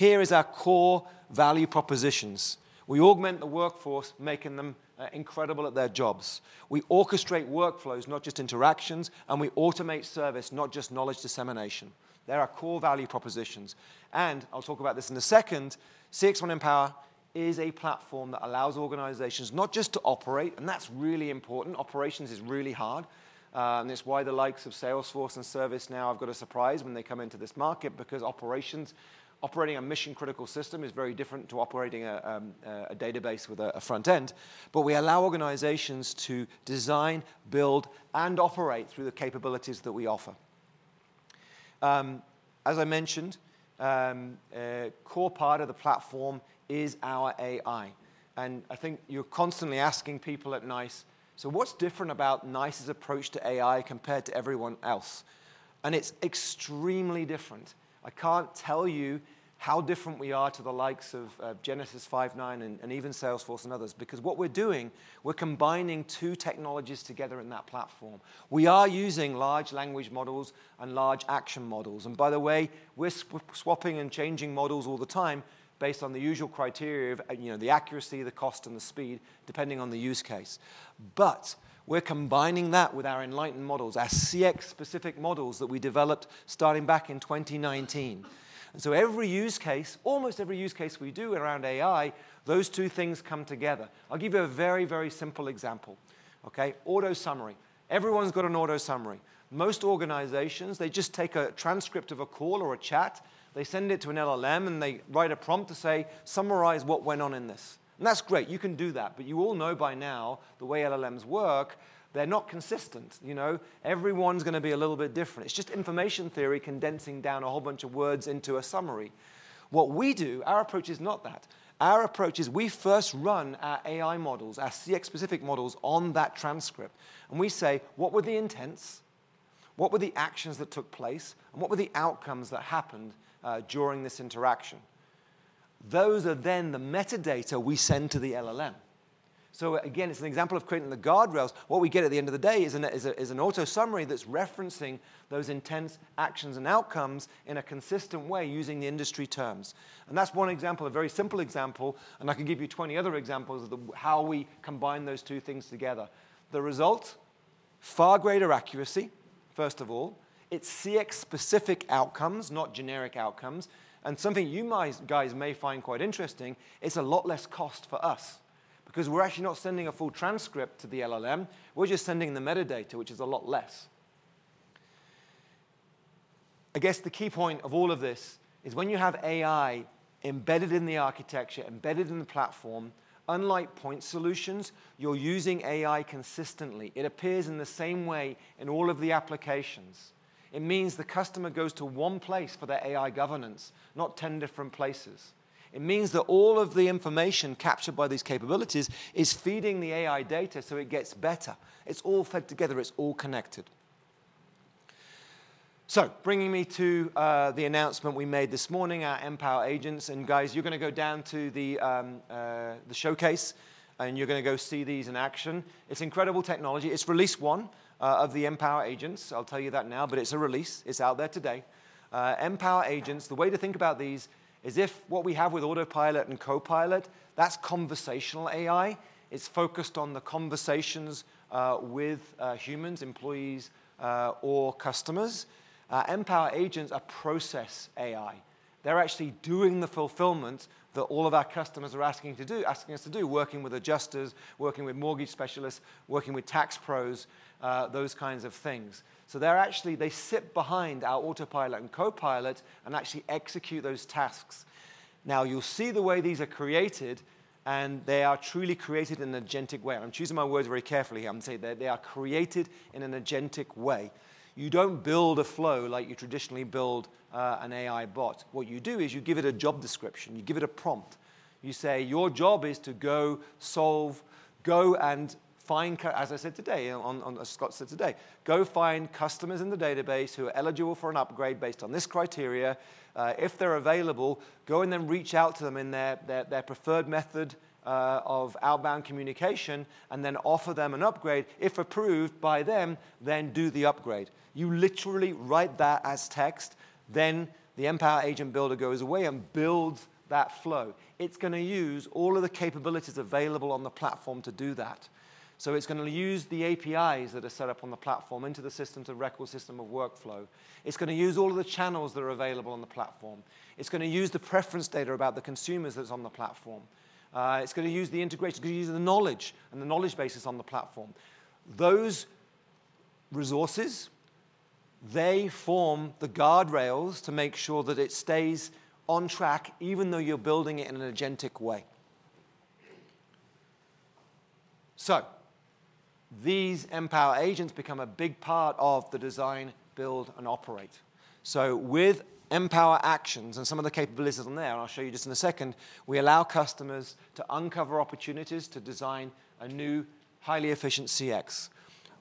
Here is our core value propositions. We augment the workforce, making them incredible at their jobs. We orchestrate workflows, not just interactions, and we automate service, not just knowledge dissemination. They're our core value propositions. I'll talk about this in a second. CXone Mpower is a platform that allows organizations not just to operate, and that's really important. Operations is really hard. It is why the likes of Salesforce and ServiceNow have got a surprise when they come into this market because operations operating a mission-critical system is very different to operating a database with a front end. We allow organizations to design, build, and operate through the capabilities that we offer. As I mentioned, a core part of the platform is our AI. I think you're constantly asking people at NiCE, "So what's different about NiCE's approach to AI compared to everyone else?" It is extremely different. I can't tell you how different we are to the likes of Genesys, Five9, and even Salesforce and others because what we're doing, we're combining two technologies together in that platform. We are using large language models and large action models. By the way, we're swapping and changing models all the time based on the usual criteria of the accuracy, the cost, and the speed, depending on the use case. We're combining that with our Enlighten models, our CX-specific models that we developed starting back in 2019. Every use case, almost every use case we do around AI, those two things come together. I'll give you a very, very simple example. Okay? AutoSummary. Everyone's got an AutoSummary. Most organizations, they just take a transcript of a call or a chat. They send it to an LLM, and they write a prompt to say, "Summarize what went on in this." That's great. You can do that. You all know by now the way LLMs work, they're not consistent. Everyone's going to be a little bit different. It's just information theory condensing down a whole bunch of words into a summary. What we do, our approach is not that. Our approach is we first run our AI models, our CX-specific models on that transcript. We say, "What were the intents? What were the actions that took place? What were the outcomes that happened during this interaction?" Those are then the metadata we send to the LLM. Again, it's an example of creating the guardrails. What we get at the end of the day is an autosummary that's referencing those intents, actions, and outcomes in a consistent way using the industry terms. That's one example, a very simple example. I can give you 20 other examples of how we combine those two things together. The result, far greater accuracy, first of all. It's CX-specific outcomes, not generic outcomes. Something you guys may find quite interesting, it's a lot less cost for us because we're actually not sending a full transcript to the LLM. We're just sending the metadata, which is a lot less. I guess the key point of all of this is when you have AI embedded in the architecture, embedded in the platform, unlike point solutions, you're using AI consistently. It appears in the same way in all of the applications. It means the customer goes to one place for their AI governance, not 10 different places. It means that all of the information captured by these capabilities is feeding the AI data so it gets better. It's all fed together. It's all connected. Bringing me to the announcement we made this morning, our Mpower Agents. You're going to go down to the showcase, and you're going to go see these in action. It's incredible technology. It's release one of the Mpower Agents. I'll tell you that now, but it's a release. It's out there today. Mpower Agents, the way to think about these is if what we have with Autopilot and Copilot, that's conversational AI. It's focused on the conversations with humans, employees, or customers. Mpower Agents are process AI. They're actually doing the fulfillment that all of our customers are asking us to do, working with adjusters, working with mortgage specialists, working with tax pros, those kinds of things. They sit behind our Autopilot and Copilot and actually execute those tasks. You'll see the way these are created, and they are truly created in an agentic way. I'm choosing my words very carefully here. I'm going to say they are created in an agentic way. You don't build a flow like you traditionally build an AI bot. What you do is you give it a job description. You give it a prompt. You say, "Your job is to go solve, go and find," as I said today, as Scott said today, "go find customers in the database who are eligible for an upgrade based on this criteria. If they're available, go and then reach out to them in their preferred method of outbound communication and then offer them an upgrade. If approved by them, then do the upgrade." You literally write that as text. Then the Mpower Agent builder goes away and builds that flow. It's going to use all of the capabilities available on the platform to do that. It's going to use the APIs that are set up on the platform into the system to record system of workflow. It's going to use all of the channels that are available on the platform. It's going to use the preference data about the consumers that's on the platform. It's going to use the integration, going to use the knowledge and the knowledge bases on the platform. Those resources, they form the guardrails to make sure that it stays on track even though you're building it in an agentic way. These Mpower Agents become a big part of the design, build, and operate. With Empower actions and some of the capabilities on there, and I'll show you just in a second, we allow customers to uncover opportunities to design a new, highly efficient CX.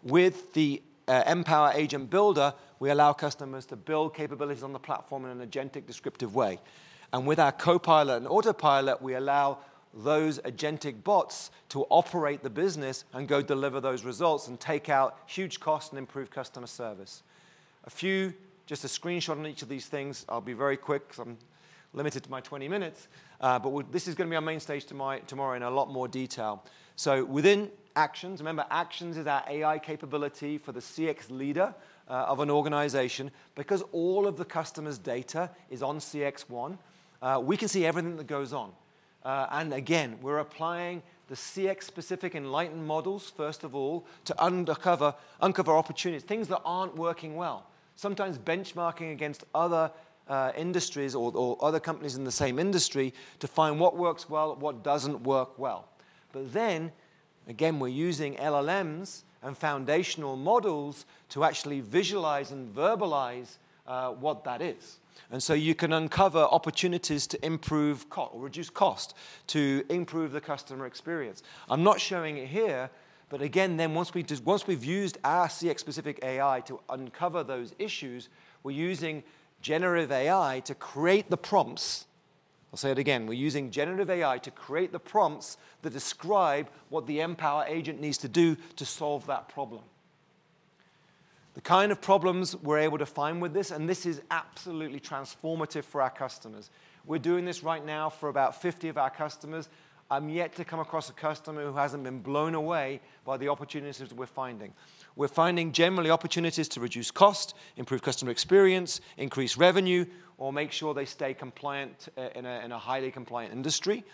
With the Mpower Agent builder, we allow customers to build capabilities on the platform in an agentic, descriptive way. With our Copilot and Autopilot, we allow those agentic bots to operate the business and go deliver those results and take out huge costs and improve customer service. Just a screenshot on each of these things. I'll be very quick because I'm limited to my 20 minutes. This is going to be our main stage tomorrow in a lot more detail. Within actions, remember, actions is our AI capability for the CX leader of an organization. Because all of the customer's data is on CXone, we can see everything that goes on. Again, we're applying the CX-specific Enlighten models, first of all, to uncover opportunities, things that aren't working well. Sometimes benchmarking against other industries or other companies in the same industry to find what works well, what does not work well. Then, again, we are using LLMs and foundational models to actually visualize and verbalize what that is. You can uncover opportunities to improve or reduce cost to improve the customer experience. I am not showing it here. Again, once we have used our CX-specific AI to uncover those issues, we are using generative AI to create the prompts. I will say it again. We are using generative AI to create the prompts that describe what the Mpower Agent needs to do to solve that problem. The kind of problems we are able to find with this, and this is absolutely transformative for our customers. We are doing this right now for about 50 of our customers. I'm yet to come across a customer who hasn't been blown away by the opportunities we're finding. We're finding generally opportunities to reduce cost, improve customer experience, increase revenue, or make sure they stay compliant in a highly compliant industry.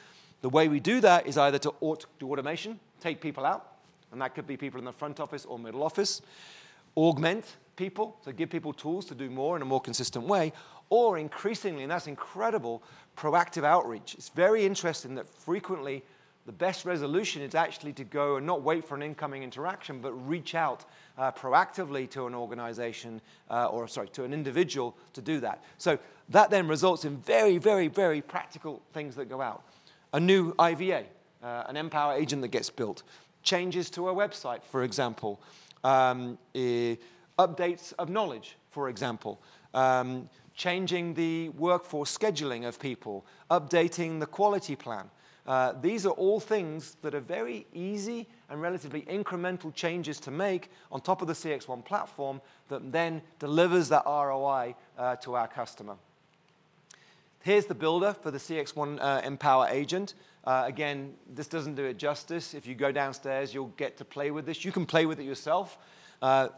The way we do that is either through automation, take people out, and that could be people in the front office or middle office, augment people to give people tools to do more in a more consistent way, or increasingly, and that's incredible, proactive outreach. It's very interesting that frequently the best resolution is actually to go and not wait for an incoming interaction, but reach out proactively to an organization or, sorry, to an individual to do that. That then results in very, very, very practical things that go out. A new IVA, an Mpower Agent that gets built, changes to a website, for example, updates of knowledge, for example, changing the workforce scheduling of people, updating the quality plan. These are all things that are very easy and relatively incremental changes to make on top of the CXone platform that then delivers that ROI to our customer. Here's the builder for the CXone Mpower Agent. Again, this doesn't do it justice. If you go downstairs, you'll get to play with this. You can play with it yourself.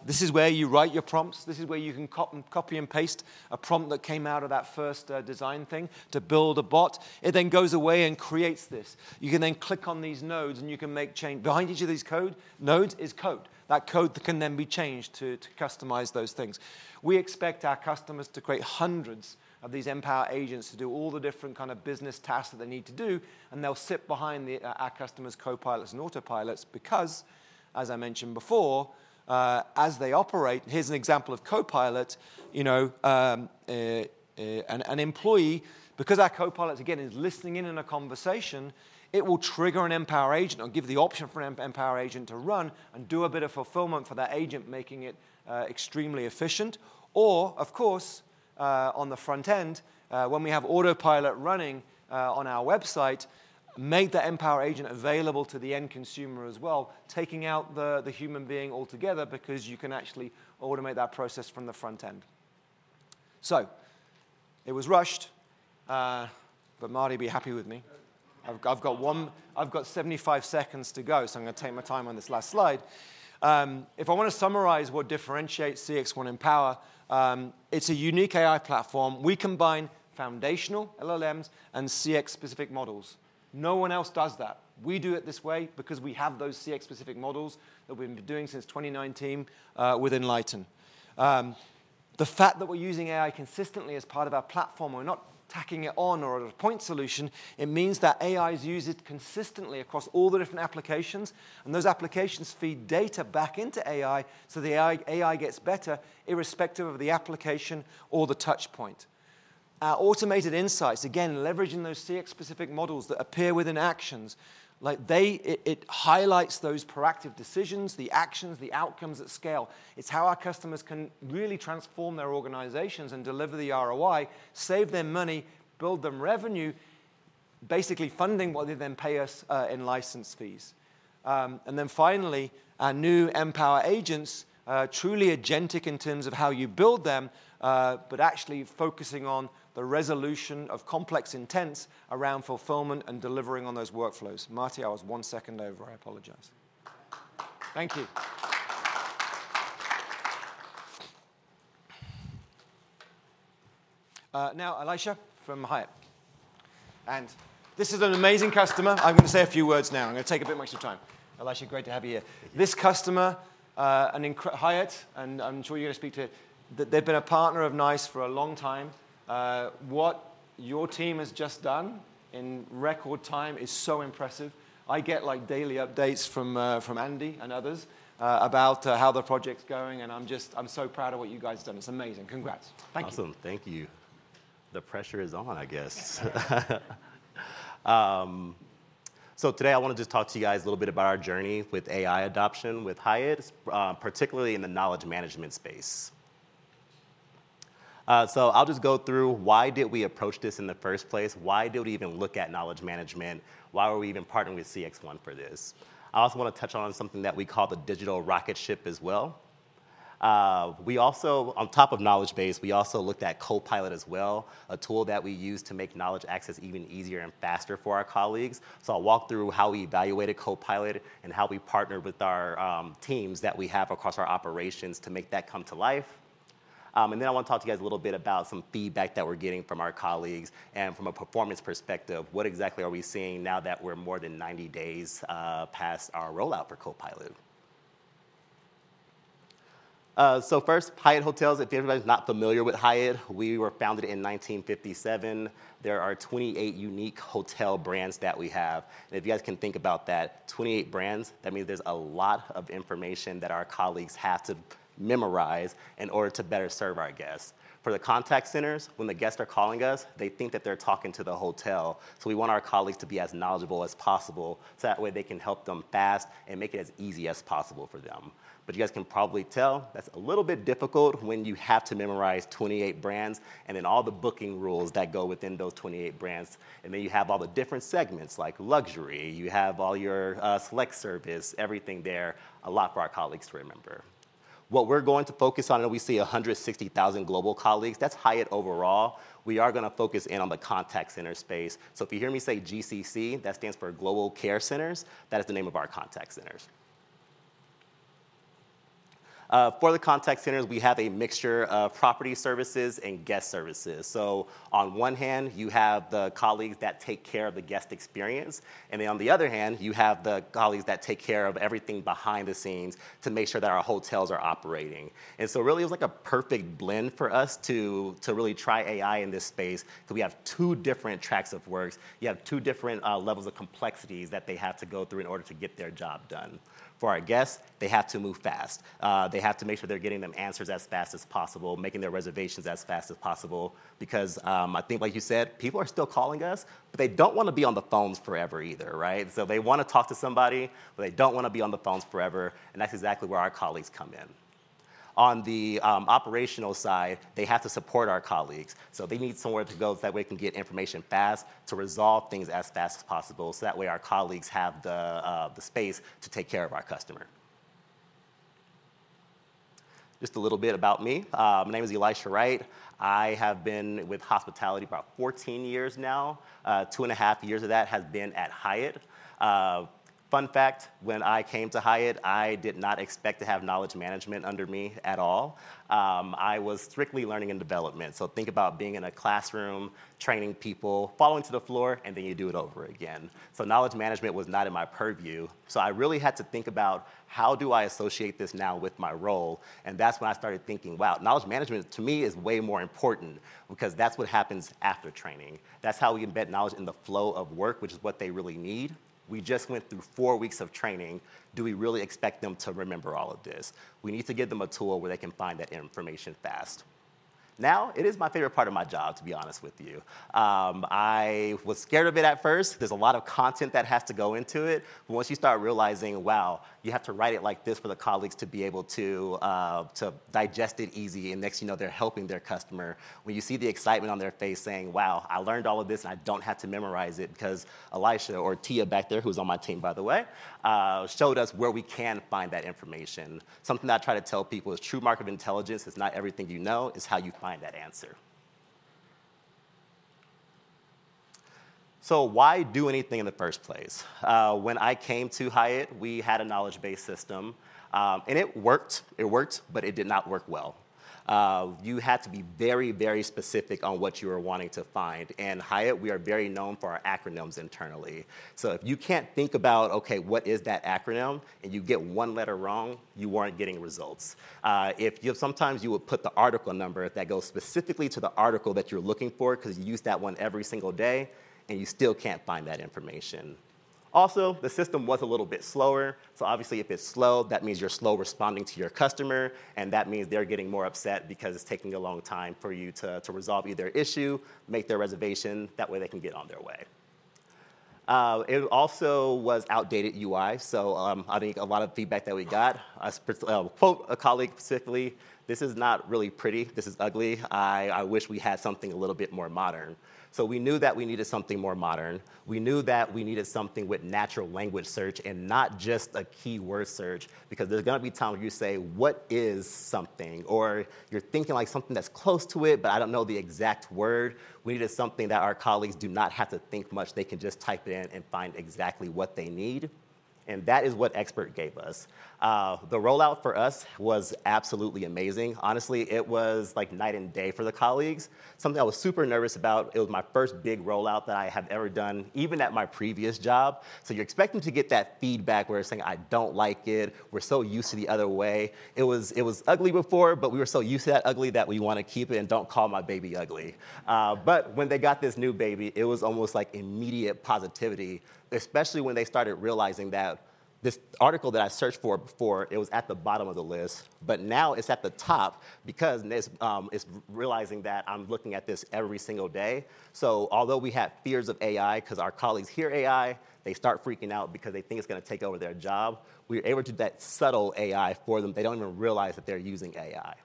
This is where you write your prompts. This is where you can copy and paste a prompt that came out of that first design thing to build a bot. It then goes away and creates this. You can then click on these nodes, and you can make change behind each of these codes. Nodes is code. That code can then be changed to customize those things. We expect our customers to create hundreds of these Mpower Agents to do all the different kind of business tasks that they need to do. They'll sit behind our customers, Copilots and Autopilots because, as I mentioned before, as they operate, here's an example of Copilot. An employee, because our Copilot, again, is listening in on a conversation, it will trigger an Mpower Agent or give the option for an Mpower Agent to run and do a bit of fulfillment for that agent, making it extremely efficient. Of course, on the front end, when we have Autopilot running on our website, make that Mpower Agent available to the end consumer as well, taking out the human being altogether because you can actually automate that process from the front end. It was rushed, but Marty will be happy with me. I've got 75 seconds to go, so I'm going to take my time on this last slide. If I want to summarize what differentiates CXone Mpower, it's a unique AI platform. We combine foundational LLMs and CX-specific models. No one else does that. We do it this way because we have those CX-specific models that we've been doing since 2019 with Enlighten. The fact that we're using AI consistently as part of our platform, we're not tacking it on or a point solution. It means that AI is used consistently across all the different applications. Those applications feed data back into AI so the AI gets better irrespective of the application or the touchpoint. Our automated insights, again, leveraging those CX-specific models that appear within actions, it highlights those proactive decisions, the actions, the outcomes at scale. It's how our customers can really transform their organizations and deliver the ROI, save them money, build them revenue, basically funding what they then pay us in license fees. Finally, our new Mpower Agents, truly agentic in terms of how you build them, but actually focusing on the resolution of complex intents around fulfillment and delivering on those workflows. Marty, I was one second over. I apologize. Thank you. Now, Elisha from Hyatt. This is an amazing customer. I'm going to say a few words now. I'm going to take a bit more extra time. Elisha, great to have you here. This customer, Hyatt, and I'm sure you're going to speak to, they've been a partner of NiCE for a long time. What your team has just done in record time is so impressive. I get daily updates from Andy and others about how the project's going. I am so proud of what you guys have done. It's amazing. Congrats. Awesome. Thank you. The pressure is on, I guess. Today, I want to just talk to you guys a little bit about our journey with AI adoption with Hyatt, particularly in the knowledge management space. I'll just go through why did we approach this in the first place? Why did we even look at knowledge management? Why were we even partnering with CXone for this? I also want to touch on something that we call the digital rocket ship as well. On top of knowledge base, we also looked at Copilot as well, a tool that we use to make knowledge access even easier and faster for our colleagues. I'll walk through how we evaluated Copilot and how we partnered with our teams that we have across our operations to make that come to life. I want to talk to you guys a little bit about some feedback that we're getting from our colleagues and from a performance perspective. What exactly are we seeing now that we're more than 90 days past our rollout for Copilot? First, Hyatt Hotels. If anybody's not familiar with Hyatt, we were founded in 1957. There are 28 unique hotel brands that we have. If you guys can think about that, 28 brands, that means there's a lot of information that our colleagues have to memorize in order to better serve our guests. For the contact centers, when the guests are calling us, they think that they're talking to the hotel. We want our colleagues to be as knowledgeable as possible so that way they can help them fast and make it as easy as possible for them. You guys can probably tell that's a little bit difficult when you have to memorize 28 brands and then all the booking rules that go within those 28 brands. You have all the different segments like luxury. You have all your select service, everything there, a lot for our colleagues to remember. What we're going to focus on, I know we see 160,000 global colleagues. That's Hyatt overall. We are going to focus in on the contact center space. If you hear me say GCC, that stands for Global Care Centers. That is the name of our contact centers. For the contact centers, we have a mixture of property services and guest services. On one hand, you have the colleagues that take care of the guest experience. On the other hand, you have the colleagues that take care of everything behind the scenes to make sure that our hotels are operating. It was like a perfect blend for us to really try AI in this space because we have two different tracks of work. You have two different levels of complexities that they have to go through in order to get their job done. For our guests, they have to move fast. They have to make sure they're getting them answers as fast as possible, making their reservations as fast as possible. I think, like you said, people are still calling us, but they don't want to be on the phones forever either, right? They want to talk to somebody, but they don't want to be on the phones forever. That's exactly where our colleagues come in. On the operational side, they have to support our colleagues. They need somewhere to go that way they can get information fast to resolve things as fast as possible. That way our colleagues have the space to take care of our customer. Just a little bit about me. My name is Elisha Wright. I have been with hospitality for about 14 years now. Two and a half years of that has been at Hyatt. Fun fact, when I came to Hyatt, I did not expect to have knowledge management under me at all. I was strictly learning and development. Think about being in a classroom, training people, falling to the floor, and then you do it over again. Knowledge management was not in my purview. I really had to think about how do I associate this now with my role. That is when I started thinking, wow, knowledge management to me is way more important because that is what happens after training. That is how we embed knowledge in the flow of work, which is what they really need. We just went through four weeks of training. Do we really expect them to remember all of this? We need to give them a tool where they can find that information fast. Now, it is my favorite part of my job, to be honest with you. I was scared of it at first. There is a lot of content that has to go into it. Once you start realizing, wow, you have to write it like this for the colleagues to be able to digest it easy. Next, you know they are helping their customer. When you see the excitement on their face saying, wow, I learned all of this and I do not have to memorize it because Elisha or Tia back there, who is on my team, by the way, showed us where we can find that information. Something that I try to tell people is true market intelligence is not everything you know. It is how you find that answer. Why do anything in the first place? When I came to Hyatt, we had a knowledge-based system. It worked. It worked, but it did not work well. You had to be very, very specific on what you were wanting to find. At Hyatt, we are very known for our acronyms internally. If you cannot think about, okay, what is that acronym, and you get one letter wrong, you were not getting results. Sometimes you would put the article number that goes specifically to the article that you're looking for because you use that one every single day, and you still can't find that information. Also, the system was a little bit slower. Obviously, if it's slow, that means you're slow responding to your customer. That means they're getting more upset because it's taking a long time for you to resolve either issue, make their reservation. That way they can get on their way. It also was outdated UI. I think a lot of feedback that we got, I'll quote a colleague specifically, "This is not really pretty. This is ugly. I wish we had something a little bit more modern." We knew that we needed something more modern. We knew that we needed something with natural language search and not just a keyword search because there's going to be times where you say, "What is something?" or you're thinking like something that's close to it, but I don't know the exact word. We needed something that our colleagues do not have to think much. They can just type it in and find exactly what they need. That is what Expert gave us. The rollout for us was absolutely amazing. Honestly, it was like night and day for the colleagues. Something I was super nervous about, it was my first big rollout that I have ever done, even at my previous job. You're expecting to get that feedback where you're saying, "I don't like it. We're so used to the other way. It was ugly before, but we were so used to that ugly that we want to keep it and don't call my baby ugly. When they got this new baby, it was almost like immediate positivity, especially when they started realizing that this article that I searched for before, it was at the bottom of the list. Now it's at the top because it's realizing that I'm looking at this every single day. Although we have fears of AI because our colleagues hear AI, they start freaking out because they think it's going to take over their job. We were able to do that subtle AI for them. They don't even realize that they're using AI.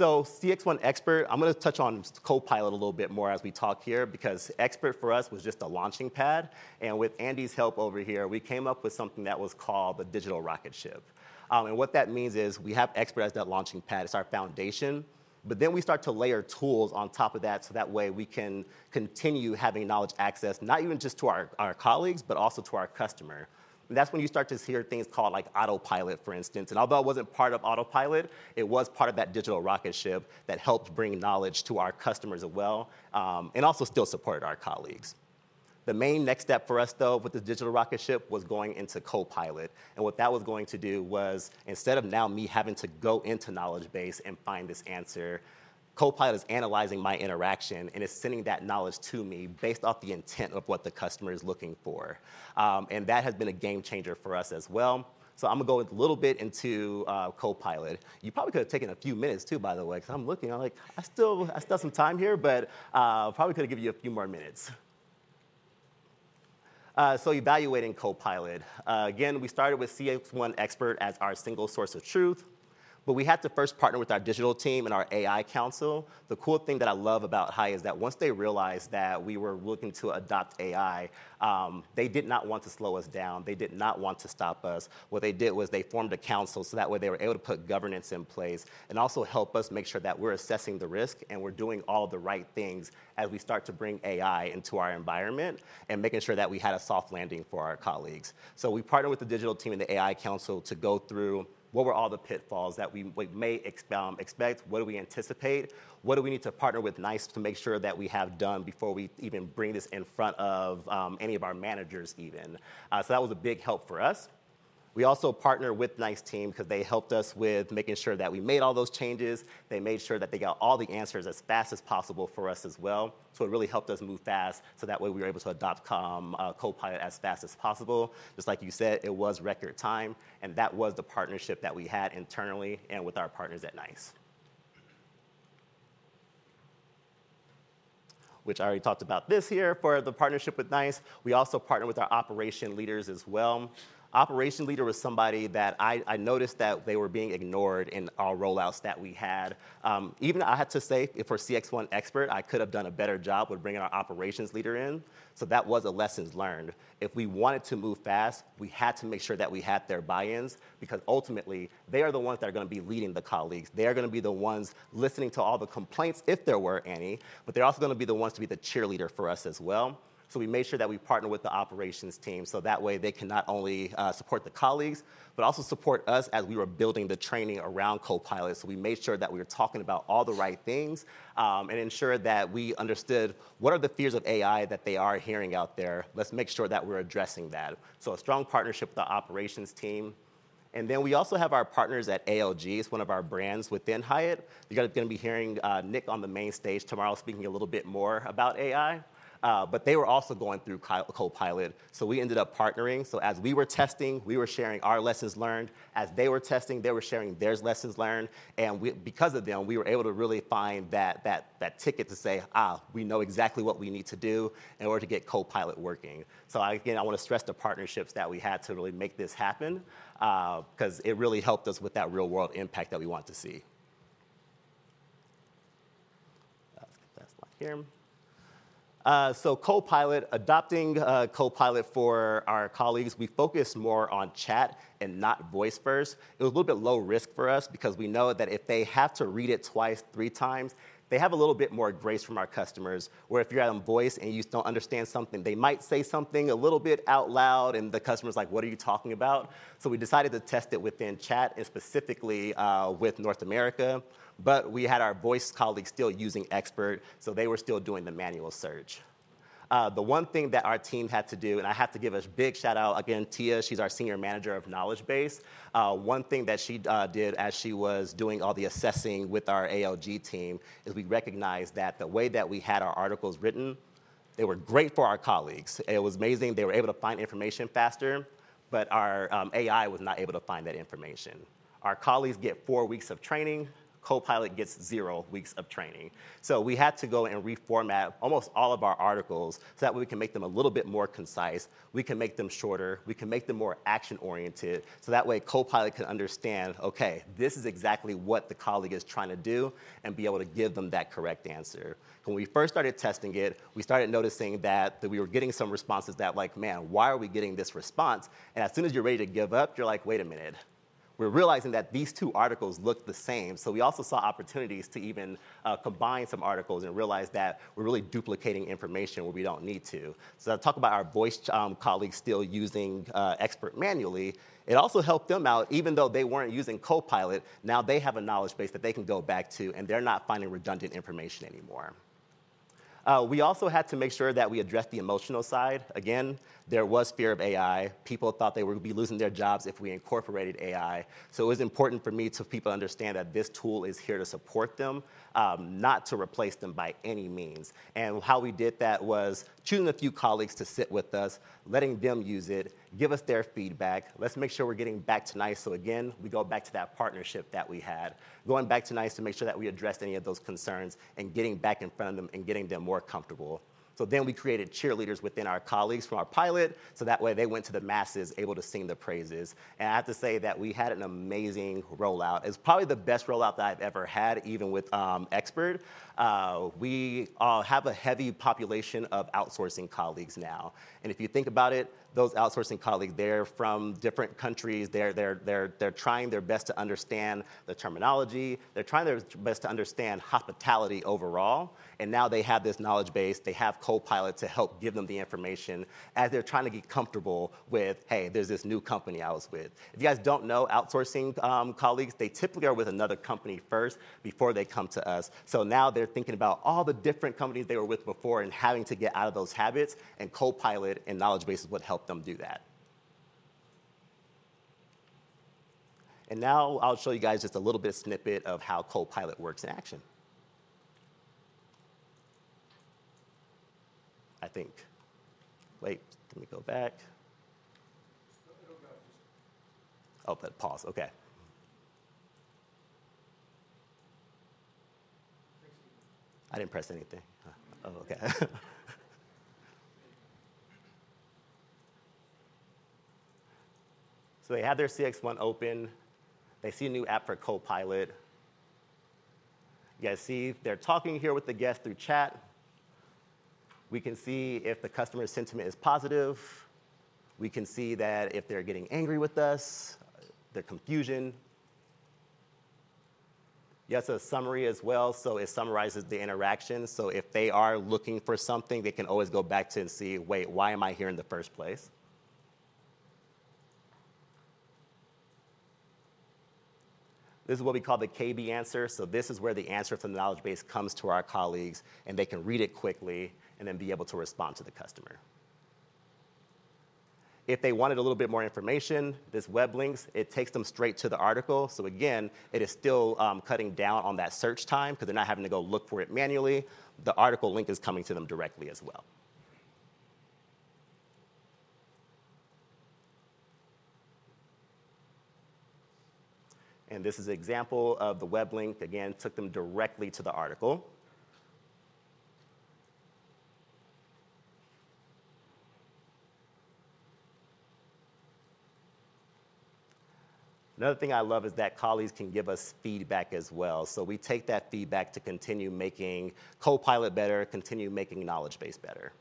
CXone Expert, I'm going to touch on Copilot a little bit more as we talk here because Expert for us was just a launching pad. With Andy's help over here, we came up with something that was called the digital rocket ship. What that means is we have Expert as that launching pad. It's our foundation. We start to layer tools on top of that so that way we can continue having knowledge access, not even just to our colleagues, but also to our customer. That's when you start to hear things called Autopilot, for instance. Although I wasn't part of Autopilot, it was part of that digital rocket ship that helped bring knowledge to our customers as well and also still supported our colleagues. The main next step for us, though, with the digital rocket ship was going into Copilot. What that was going to do was instead of now me having to go into knowledge base and find this answer, Copilot is analyzing my interaction and is sending that knowledge to me based off the intent of what the customer is looking for. That has been a game changer for us as well. I am going to go a little bit into Copilot. You probably could have taken a few minutes too, by the way, because I am looking. I still have some time here, but I probably could have given you a few more minutes. Evaluating Copilot. Again, we started with CXone Expert as our single source of truth. We had to first partner with our digital team and our AI council. The cool thing that I love about Hyatt is that once they realized that we were looking to adopt AI, they did not want to slow us down. They did not want to stop us. What they did was they formed a council. That way they were able to put governance in place and also help us make sure that we're assessing the risk and we're doing all the right things as we start to bring AI into our environment and making sure that we had a soft landing for our colleagues. We partnered with the digital team and the AI council to go through what were all the pitfalls that we may expect, what do we anticipate, what do we need to partner with NiCE to make sure that we have done before we even bring this in front of any of our managers even. That was a big help for us. We also partnered with the NiCE team because they helped us with making sure that we made all those changes. They made sure that they got all the answers as fast as possible for us as well. It really helped us move fast. That way we were able to adopt Copilot as fast as possible. Just like you said, it was record time. That was the partnership that we had internally and with our partners at NiCE, which I already talked about here for the partnership with NiCE. We also partnered with our operation leaders as well. Operation leader was somebody that I noticed that they were being ignored in our rollouts that we had. Even I had to say for CXone Expert, I could have done a better job with bringing our operations leader in. That was a lesson learned. If we wanted to move fast, we had to make sure that we had their buy-ins because ultimately, they are the ones that are going to be leading the colleagues. They are going to be the ones listening to all the complaints if there were any. They are also going to be the ones to be the cheerleader for us as well. We made sure that we partnered with the operations team so that way they can not only support the colleagues, but also support us as we were building the training around Copilot. We made sure that we were talking about all the right things and ensured that we understood what are the fears of AI that they are hearing out there. Let's make sure that we're addressing that. A strong partnership with the operations team. We also have our partners at ALG. It's one of our brands within Hyatt. You guys are going to be hearing Nick on the main stage tomorrow speaking a little bit more about AI. They were also going through Copilot. We ended up partnering. As we were testing, we were sharing our lessons learned. As they were testing, they were sharing their lessons learned. Because of them, we were able to really find that ticket to say, we know exactly what we need to do in order to get Copilot working. I want to stress the partnerships that we had to really make this happen because it really helped us with that real-world impact that we want to see. That's the last slide here. Copilot, adopting Copilot for our colleagues, we focused more on chat and not voice first. It was a little bit low risk for us because we know that if they have to read it twice, three times, they have a little bit more grace from our customers. Where if you're on voice and you just don't understand something, they might say something a little bit out loud and the customer's like, "What are you talking about?" We decided to test it within chat and specifically with North America. We had our voice colleagues still using Expert. They were still doing the manual search. The one thing that our team had to do, and I have to give a big shout-out again, Tia, she's our Senior Manager of Knowledge Base. One thing that she did as she was doing all the assessing with our ALG team is we recognized that the way that we had our articles written, they were great for our colleagues. It was amazing. They were able to find information faster, but our AI was not able to find that information. Our colleagues get four weeks of training. Copilot gets zero weeks of training. We had to go and reformat almost all of our articles so that we can make them a little bit more concise. We can make them shorter. We can make them more action-oriented. That way Copilot can understand, "Okay, this is exactly what the colleague is trying to do," and be able to give them that correct answer. When we first started testing it, we started noticing that we were getting some responses that like, "Man, why are we getting this response?" As soon as you're ready to give up, you're like, "Wait a minute." We're realizing that these two articles look the same. We also saw opportunities to even combine some articles and realize that we're really duplicating information where we don't need to. I talk about our voice colleagues still using Expert manually. It also helped them out. Even though they weren't using Copilot, now they have a knowledge base that they can go back to, and they're not finding redundant information anymore. We also had to make sure that we addressed the emotional side. Again, there was fear of AI. People thought they would be losing their jobs if we incorporated AI. It was important for me to have people understand that this tool is here to support them, not to replace them by any means. How we did that was choosing a few colleagues to sit with us, letting them use it, give us their feedback. Let's make sure we're getting back to NiCE. We go back to that partnership that we had, going back to NiCE to make sure that we addressed any of those concerns and getting back in front of them and getting them more comfortable. We created cheerleaders within our colleagues from our pilot. That way they went to the masses, able to sing the praises. I have to say that we had an amazing rollout. It's probably the best rollout that I've ever had, even with Expert. We have a heavy population of outsourcing colleagues now. If you think about it, those outsourcing colleagues, they're from different countries. They're trying their best to understand the terminology. They're trying their best to understand hospitality overall. Now they have this knowledge base. They have Copilot to help give them the information as they're trying to get comfortable with, "Hey, there's this new company I was with." If you guys don't know, outsourcing colleagues, they typically are with another company first before they come to us. Now they're thinking about all the different companies they were with before and having to get out of those habits. Copilot and knowledge bases would help them do that. Now I'll show you guys just a little bit of a snippet of how Copilot works in action, I think. Wait, let me go back. Oh, that paused. Okay. I didn't press anything. Oh, okay. They have their CXone open. They see a new app for Copilot. You guys see they're talking here with the guest through chat. We can see if the customer sentiment is positive. We can see that if they're getting angry with us, their confusion. You have a summary as well. It summarizes the interaction. If they are looking for something, they can always go back to and see, "Wait, why am I here in the first place?" This is what we call the KB answer. This is where the answer from the knowledge base comes to our colleagues, and they can read it quickly and then be able to respond to the customer. If they wanted a little bit more information, this web link, it takes them straight to the article. It is still cutting down on that search time because they're not having to go look for it manually. The article link is coming to them directly as well. This is an example of the web link. It took them directly to the article. Another thing I love is that colleagues can give us feedback as well. We take that feedback to continue making Copilot better, continue making knowledge base better.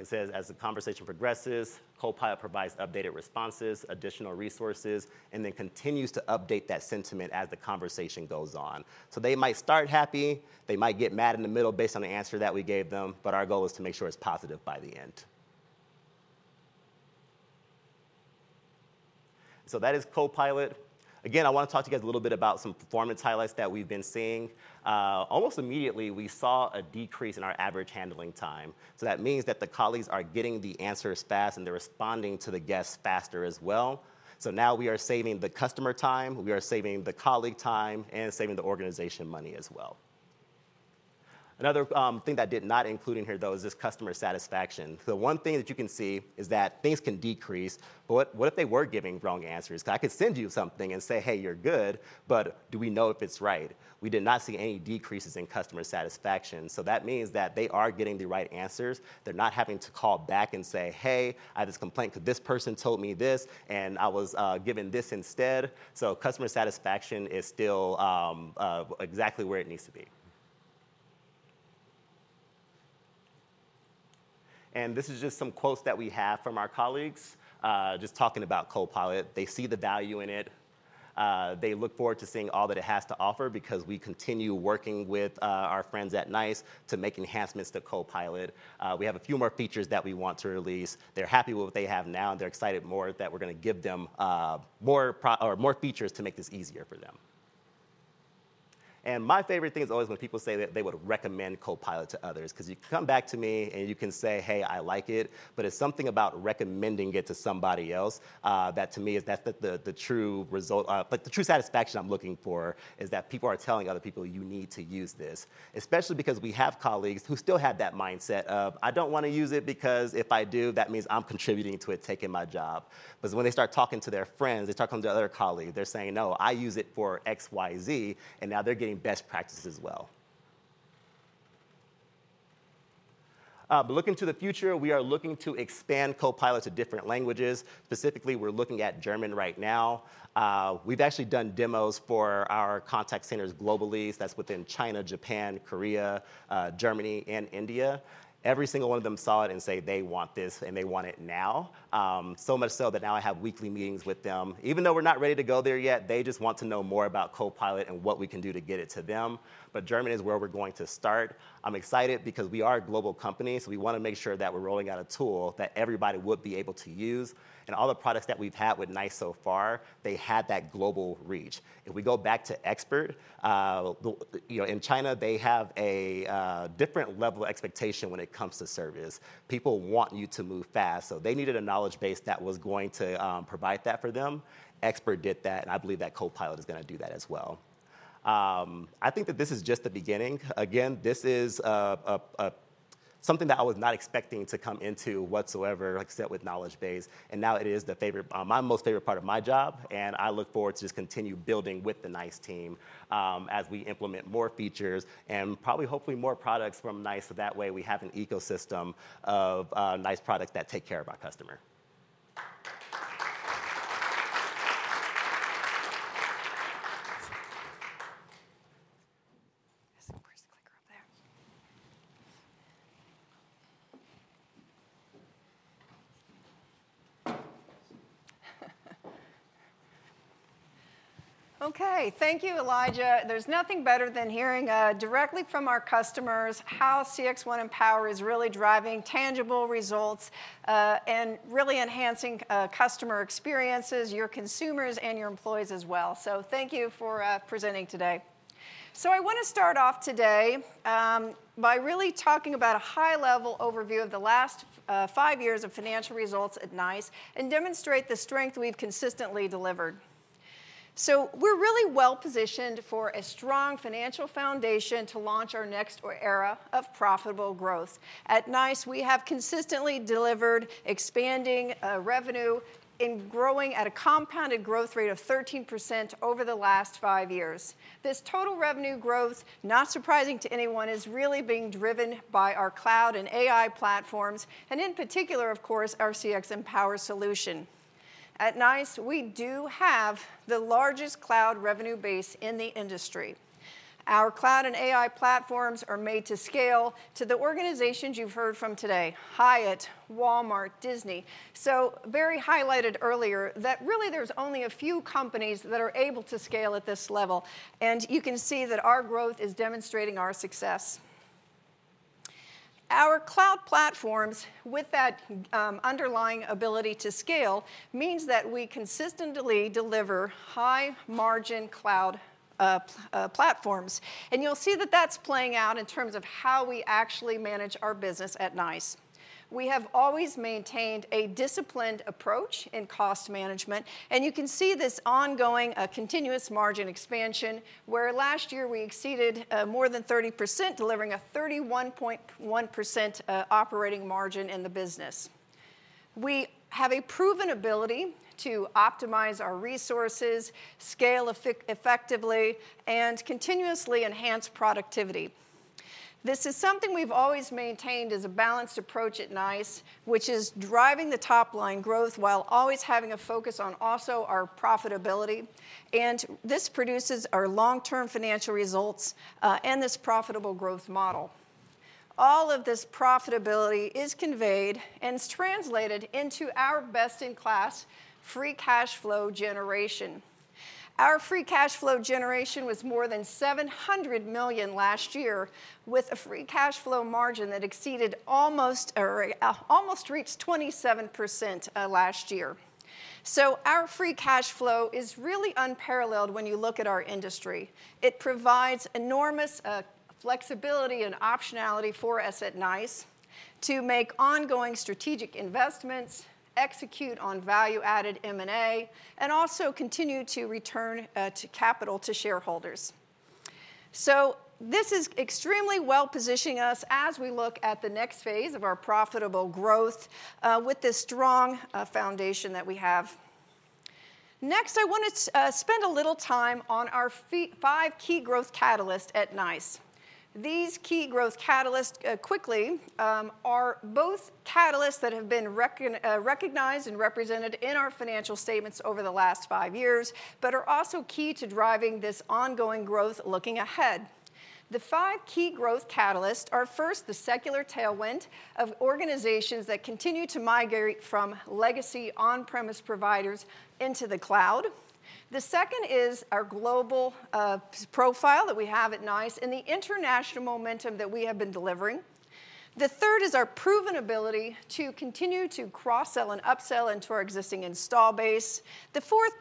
Like I said, as the conversation progresses, Copilot provides updated responses, additional resources, and then continues to update that sentiment as the conversation goes on. They might start happy. They might get mad in the middle based on the answer that we gave them. Our goal is to make sure it's positive by the end. That is Copilot. Again, I want to talk to you guys a little bit about some performance highlights that we've been seeing. Almost immediately, we saw a decrease in our average handling time. That means that the colleagues are getting the answers fast, and they're responding to the guests faster as well. Now we are saving the customer time. We are saving the colleague time and saving the organization money as well. Another thing that I did not include in here, though, is this customer satisfaction. The one thing that you can see is that things can decrease. What if they were giving wrong answers? Because I could send you something and say, "Hey, you're good, but do we know if it's right?" We did not see any decreases in customer satisfaction. That means that they are getting the right answers. They're not having to call back and say, "Hey, I have this complaint because this person told me this, and I was given this instead." Customer satisfaction is still exactly where it needs to be. This is just some quotes that we have from our colleagues just talking about Copilot. They see the value in it. They look forward to seeing all that it has to offer because we continue working with our friends at NiCE to make enhancements to Copilot. We have a few more features that we want to release. They're happy with what they have now, and they're excited more that we're going to give them more features to make this easier for them. My favorite thing is always when people say that they would recommend Copilot to others because you can come back to me and you can say, "Hey, I like it." It is something about recommending it to somebody else that, to me, is the true result. The true satisfaction I'm looking for is that people are telling other people, "You need to use this," especially because we have colleagues who still have that mindset of, "I don't want to use it because if I do, that means I'm contributing to it taking my job." When they start talking to their friends, they start talking to other colleagues, they're saying, "No, I use it for X, Y, Z," and now they're getting best practices as well. Looking to the future, we are looking to expand Copilot to different languages. Specifically, we're looking at German right now. We've actually done demos for our contact centers globally. That's within China, Japan, Korea, Germany, and India. Every single one of them saw it and said, "They want this, and they want it now." So much so that now I have weekly meetings with them. Even though we're not ready to go there yet, they just want to know more about Copilot and what we can do to get it to them. German is where we're going to start. I'm excited because we are a global company. We want to make sure that we're rolling out a tool that everybody would be able to use. All the products that we've had with NiCE so far, they had that global reach. If we go back to Expert, in China, they have a different level of expectation when it comes to service. People want you to move fast. So they needed a knowledge base that was going to provide that for them. Expert did that. I believe that Copilot is going to do that as well. I think that this is just the beginning. Again, this is something that I was not expecting to come into whatsoever, except with knowledge base. Now it is my most favorite part of my job. I look forward to just continuing building with the NiCE team as we implement more features and probably, hopefully, more products from NiCE so that way we have an ecosystem of NiCE products that take care of our customer. Okay. Thank you, Elisha. There is nothing better than hearing directly from our customers how CXone Mpower is really driving tangible results and really enhancing customer experiences, your consumers, and your employees as well. Thank you for presenting today. I want to start off today by really talking about a high-level overview of the last five years of financial results at NiCE and demonstrate the strength we've consistently delivered. We're really well-positioned for a strong financial foundation to launch our next era of profitable growth. At NiCE, we have consistently delivered expanding revenue and growing at a compounded growth rate of 13% over the last five years. This total revenue growth, not surprising to anyone, is really being driven by our cloud and AI platforms, and in particular, of course, our CX Mpower solution. At NiCE, we do have the largest cloud revenue base in the industry. Our cloud and AI platforms are made to scale to the organizations you've heard from today: Hyatt, Walmart, Disney. Very highlighted earlier that really there's only a few companies that are able to scale at this level. You can see that our growth is demonstrating our success. Our cloud platforms, with that underlying ability to scale, means that we consistently deliver high-margin cloud platforms. You will see that is playing out in terms of how we actually manage our business at NiCE. We have always maintained a disciplined approach in cost management. You can see this ongoing continuous margin expansion where last year we exceeded more than 30%, delivering a 31.1% operating margin in the business. We have a proven ability to optimize our resources, scale effectively, and continuously enhance productivity. This is something we have always maintained as a balanced approach at NiCE, which is driving the top-line growth while always having a focus on also our profitability. This produces our long-term financial results and this profitable growth model. All of this profitability is conveyed and translated into our best-in-class free cash flow generation. Our free cash flow generation was more than $700 million last year, with a free cash flow margin that exceeded, almost reached, 27% last year. Our free cash flow is really unparalleled when you look at our industry. It provides enormous flexibility and optionality for us at NiCE to make ongoing strategic investments, execute on value-added M&A, and also continue to return capital to shareholders. This is extremely well-positioning us as we look at the next phase of our profitable growth with this strong foundation that we have. Next, I want to spend a little time on our five key growth catalysts at NiCE. These key growth catalysts quickly are both catalysts that have been recognized and represented in our financial statements over the last five years but are also key to driving this ongoing growth looking ahead. The five key growth catalysts are first, the secular tailwind of organizations that continue to migrate from legacy on-premise providers into the cloud. The second is our global profile that we have at NiCE and the international momentum that we have been delivering. The third is our proven ability to continue to cross-sell and upsell into our existing install base. The fourth,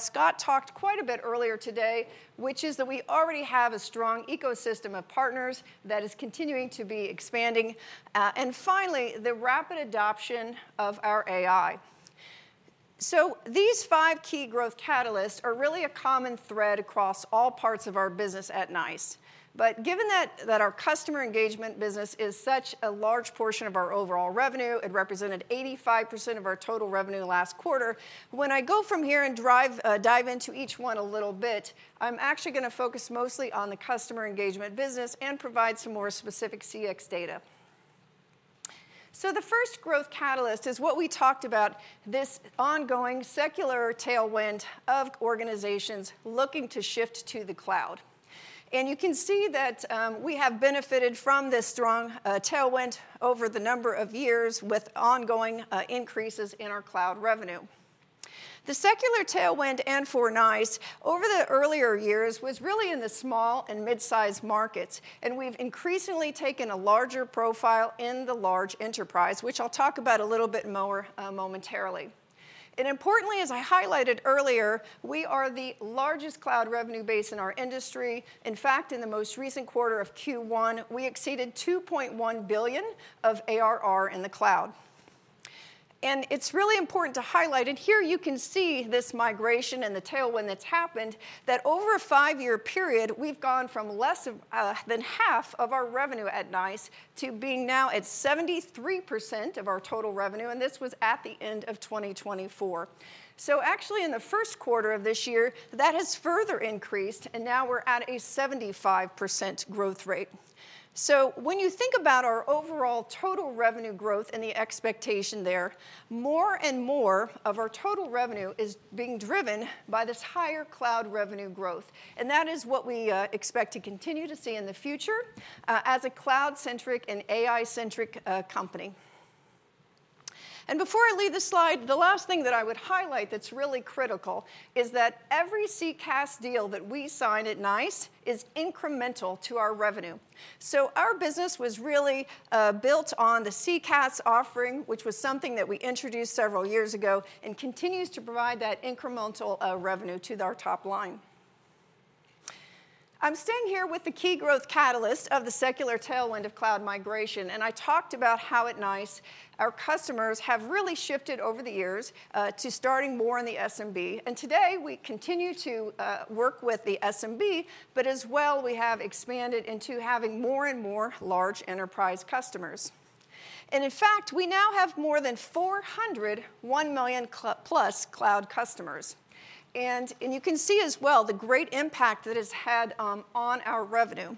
Scott talked quite a bit earlier today, which is that we already have a strong ecosystem of partners that is continuing to be expanding. Finally, the rapid adoption of our AI. These five key growth catalysts are really a common thread across all parts of our business at NiCE. Given that our customer engagement business is such a large portion of our overall revenue, it represented 85% of our total revenue last quarter. When I go from here and dive into each one a little bit, I'm actually going to focus mostly on the customer engagement business and provide some more specific CX data. The first growth catalyst is what we talked about, this ongoing secular tailwind of organizations looking to shift to the cloud. You can see that we have benefited from this strong tailwind over the number of years with ongoing increases in our cloud revenue. The secular tailwind for NiCE over the earlier years was really in the small and mid-sized markets. We've increasingly taken a larger profile in the large enterprise, which I'll talk about a little bit more momentarily. Importantly, as I highlighted earlier, we are the largest cloud revenue base in our industry. In fact, in the most recent quarter of Q1, we exceeded $2.1 billion of ARR in the cloud. It is really important to highlight. Here you can see this migration and the tailwind that has happened that over a five-year period, we have gone from less than half of our revenue at NiCE to being now at 73% of our total revenue. This was at the end of 2024. Actually, in the first quarter of this year, that has further increased. Now we are at a 75% growth rate. When you think about our overall total revenue growth and the expectation there, more and more of our total revenue is being driven by this higher cloud revenue growth. That is what we expect to continue to see in the future as a cloud-centric and AI-centric company. Before I leave the slide, the last thing that I would highlight that's really critical is that every CCaaS deal that we sign at NiCE is incremental to our revenue. Our business was really built on the CCaaS offering, which was something that we introduced several years ago and continues to provide that incremental revenue to our top line. I'm standing here with the key growth catalyst of the secular tailwind of cloud migration. I talked about how at NiCE, our customers have really shifted over the years to starting more in the SMB. Today, we continue to work with the SMB, but as well, we have expanded into having more and more large enterprise customers. In fact, we now have more than 401 cloud customers. You can see as well the great impact that it's had on our revenue.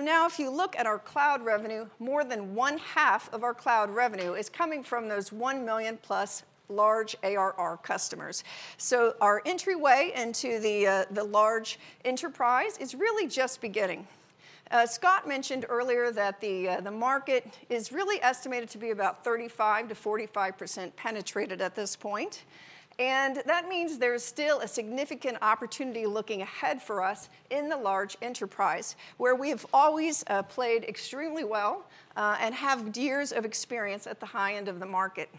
Now if you look at our cloud revenue, more than one half of our cloud revenue is coming from those $1 million plus large ARR customers. Our entryway into the large enterprise is really just beginning. Scott mentioned earlier that the market is really estimated to be about 35%-45% penetrated at this point. That means there's still a significant opportunity looking ahead for us in the large enterprise where we have always played extremely well and have years of experience at the high end of the market.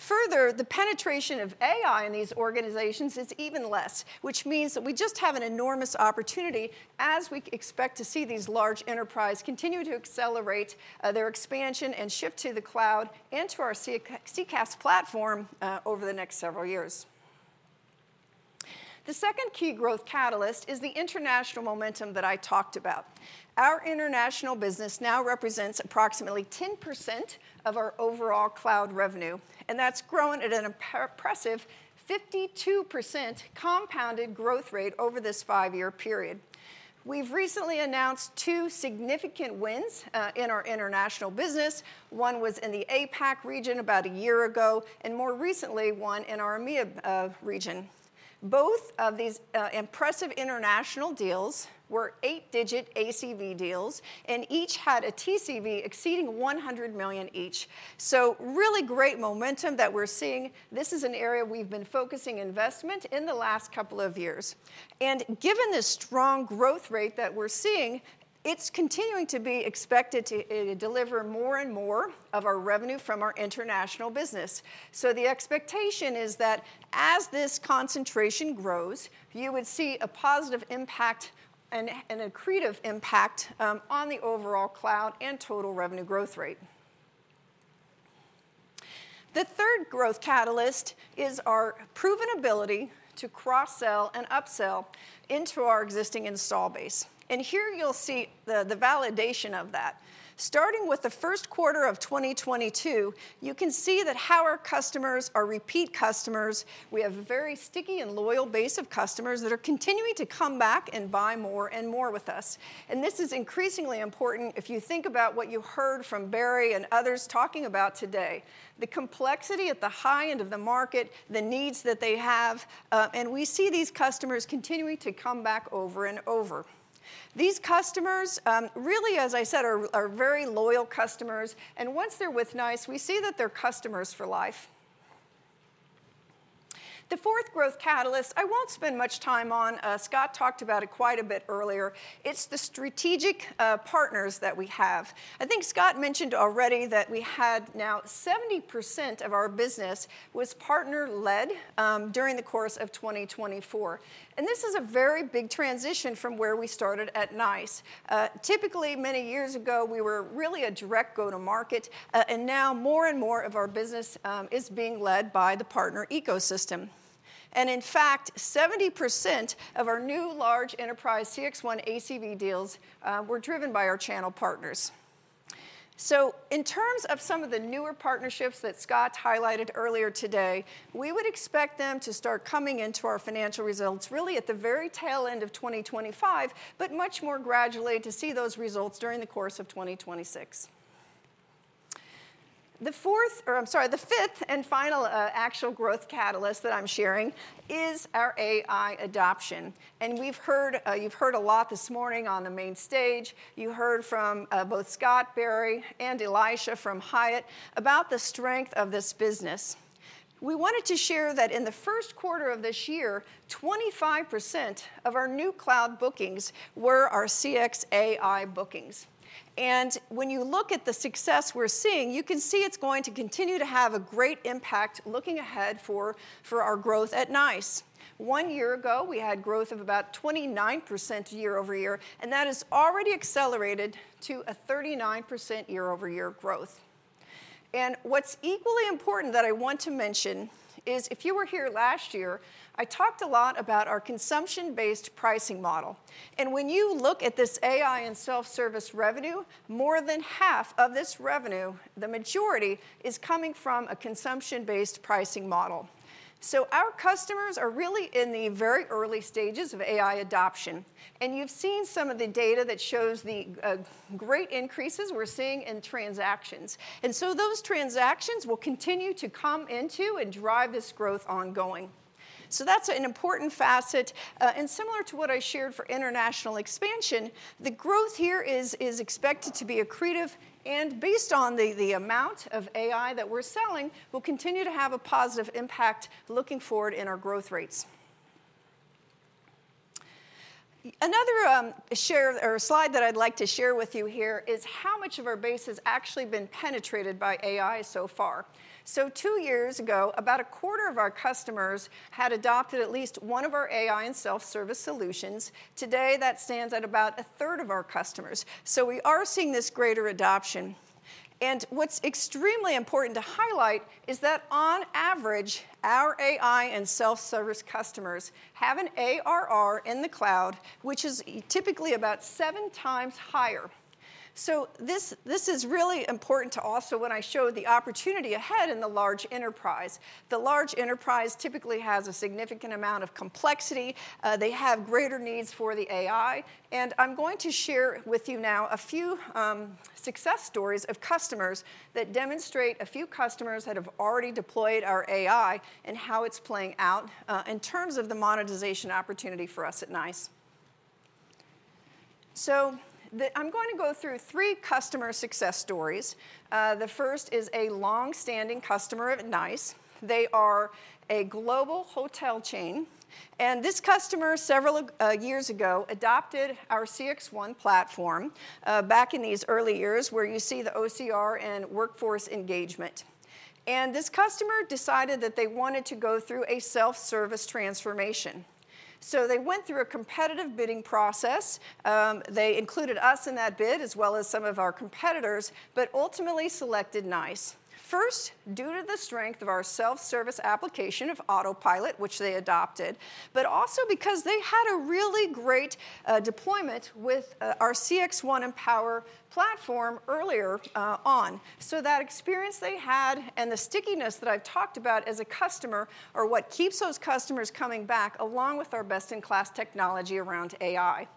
Further, the penetration of AI in these organizations is even less, which means that we just have an enormous opportunity as we expect to see these large enterprises continue to accelerate their expansion and shift to the cloud and to our CCaaS platform over the next several years. The second key growth catalyst is the international momentum that I talked about. Our international business now represents approximately 10% of our overall cloud revenue. That's grown at an impressive 52% compounded growth rate over this five-year period. We've recently announced two significant wins in our international business. One was in the APAC region about a year ago and more recently, one in our AMEA region. Both of these impressive international deals were eight-digit ACV deals, and each had a TCV exceeding $100 million each. Really great momentum that we're seeing. This is an area we've been focusing investment in the last couple of years. Given the strong growth rate that we're seeing, it's continuing to be expected to deliver more and more of our revenue from our international business. The expectation is that as this concentration grows, you would see a positive impact and a creative impact on the overall cloud and total revenue growth rate. The third growth catalyst is our proven ability to cross-sell and upsell into our existing install base. Here you'll see the validation of that. Starting with the first quarter of 2022, you can see how our customers are repeat customers. We have a very sticky and loyal base of customers that are continuing to come back and buy more and more with us. This is increasingly important if you think about what you heard from Barry and others talking about today, the complexity at the high end of the market, the needs that they have. We see these customers continuing to come back over and over. These customers really, as I said, are very loyal customers. Once they're with NiCE, we see that they're customers for life. The fourth growth catalyst I won't spend much time on. Scott talked about it quite a bit earlier. It's the strategic partners that we have. I think Scott mentioned already that we had now 70% of our business was partner-led during the course of 2024. This is a very big transition from where we started at NiCE. Typically, many years ago, we were really a direct go-to-market. Now more and more of our business is being led by the partner ecosystem. In fact, 70% of our new large enterprise CXone ACV deals were driven by our channel partners. In terms of some of the newer partnerships that Scott highlighted earlier today, we would expect them to start coming into our financial results really at the very tail end of 2025, but much more gradually to see those results during the course of 2026. The fifth and final actual growth catalyst that I'm sharing is our AI adoption. You've heard a lot this morning on the main stage. You heard from both Scott, Barry, and Elisha from Hyatt about the strength of this business. We wanted to share that in the first quarter of this year, 25% of our new cloud bookings were our CX AI bookings. When you look at the success we're seeing, you can see it's going to continue to have a great impact looking ahead for our growth at NiCE. One year ago, we had growth of about 29% year-over-year. That has already accelerated to a 39% year-over-year growth. What's equally important that I want to mention is if you were here last year, I talked a lot about our consumption-based pricing model. When you look at this AI and self-service revenue, more than half of this revenue, the majority, is coming from a consumption-based pricing model. Our customers are really in the very early stages of AI adoption. You've seen some of the data that shows the great increases we're seeing in transactions. Those transactions will continue to come into and drive this growth ongoing. That's an important facet. Similar to what I shared for international expansion, the growth here is expected to be accretive. Based on the amount of AI that we're selling, we'll continue to have a positive impact looking forward in our growth rates. Another slide that I'd like to share with you here is how much of our base has actually been penetrated by AI so far. Two years ago, about a quarter of our customers had adopted at least one of our AI and self-service solutions. Today, that stands at about a third of our customers. We are seeing this greater adoption. What's extremely important to highlight is that on average, our AI and self-service customers have an ARR in the cloud, which is typically about seven times higher. This is really important also when I show the opportunity ahead in the large enterprise. The large enterprise typically has a significant amount of complexity. They have greater needs for the AI. I'm going to share with you now a few success stories of customers that demonstrate a few customers that have already deployed our AI and how it's playing out in terms of the monetization opportunity for us at NiCE. I'm going to go through three customer success stories. The first is a long-standing customer of NiCE. They are a global hotel chain. This customer, several years ago, adopted our CXone platform back in these early years where you see the OCR and workforce engagement. This customer decided that they wanted to go through a self-service transformation. They went through a competitive bidding process. They included us in that bid as well as some of our competitors, but ultimately selected NiCE. First, due to the strength of our self-service application of Autopilot, which they adopted, but also because they had a really great deployment with our CXone Mpower platform earlier on. That experience they had and the stickiness that I've talked about as a customer are what keeps those customers coming back along with our best-in-class technology around AI.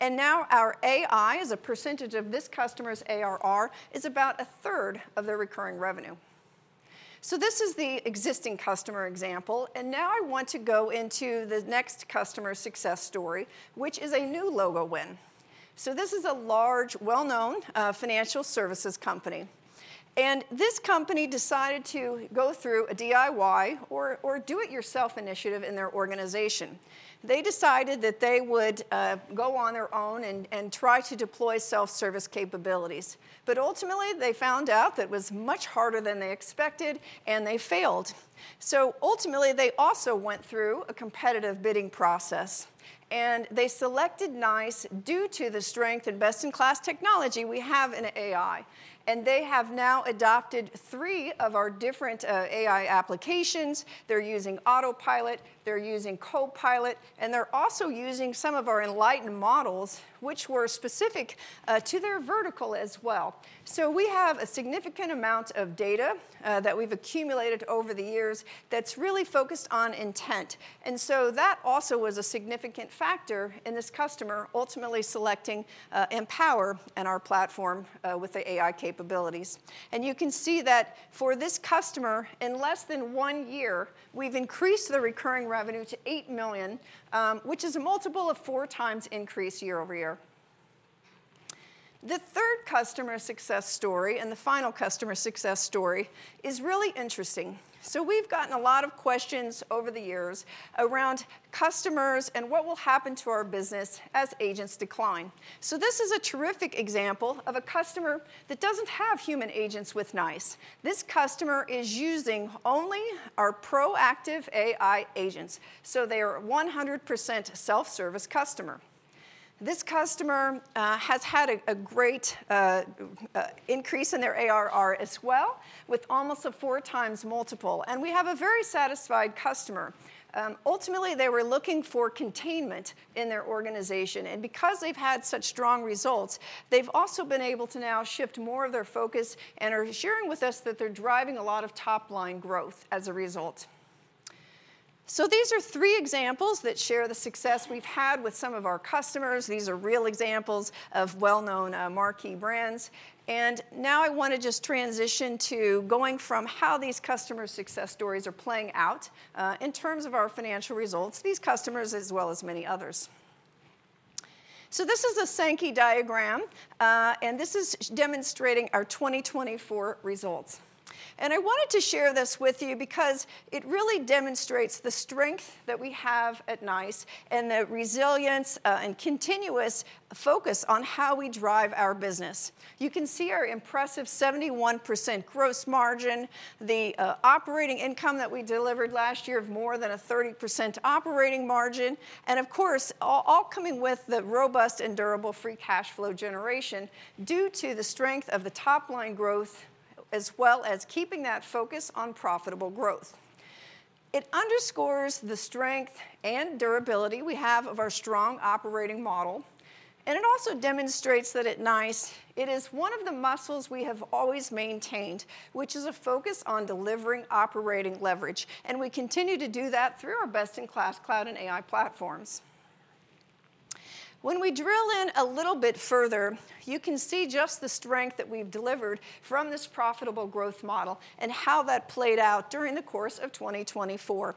Now our AI, as a percentage of this customer's ARR, is about a third of their recurring revenue. This is the existing customer example. Now I want to go into the next customer success story, which is a new logo win. This is a large, well-known financial services company. This company decided to go through a DIY or do-it-yourself initiative in their organization. They decided that they would go on their own and try to deploy self-service capabilities. Ultimately, they found out that it was much harder than they expected, and they failed. Ultimately, they also went through a competitive bidding process. They selected NiCE due to the strength and best-in-class technology we have in AI. They have now adopted three of our different AI applications. They're using Autopilot. They're using Copilot. They're also using some of our Enlighten models, which were specific to their vertical as well. We have a significant amount of data that we've accumulated over the years that's really focused on intent. That also was a significant factor in this customer ultimately selecting Empower and our platform with the AI capabilities. You can see that for this customer, in less than one year, we've increased the recurring revenue to $8 million, which is a multiple of four times increase year-over-year. The third customer success story and the final customer success story is really interesting. We have gotten a lot of questions over the years around customers and what will happen to our business as agents decline. This is a terrific example of a customer that does not have human agents with NiCE. This customer is using only our proactive AI agents. They are a 100% self-service customer. This customer has had a great increase in their ARR as well with almost a four-times multiple. We have a very satisfied customer. Ultimately, they were looking for containment in their organization. Because they have had such strong results, they have also been able to now shift more of their focus and are sharing with us that they are driving a lot of top-line growth as a result. These are three examples that share the success we've had with some of our customers. These are real examples of well-known marquee brands. I want to just transition to going from how these customer success stories are playing out in terms of our financial results, these customers, as well as many others. This is a Sankey diagram. This is demonstrating our 2024 results. I wanted to share this with you because it really demonstrates the strength that we have at NiCE and the resilience and continuous focus on how we drive our business. You can see our impressive 71% gross margin, the operating income that we delivered last year of more than a 30% operating margin. Of course, all coming with the robust and durable free cash flow generation due to the strength of the top-line growth, as well as keeping that focus on profitable growth. It underscores the strength and durability we have of our strong operating model. It also demonstrates that at NiCE, it is one of the muscles we have always maintained, which is a focus on delivering operating leverage. We continue to do that through our best-in-class cloud and AI platforms. When we drill in a little bit further, you can see just the strength that we've delivered from this profitable growth model and how that played out during the course of 2024.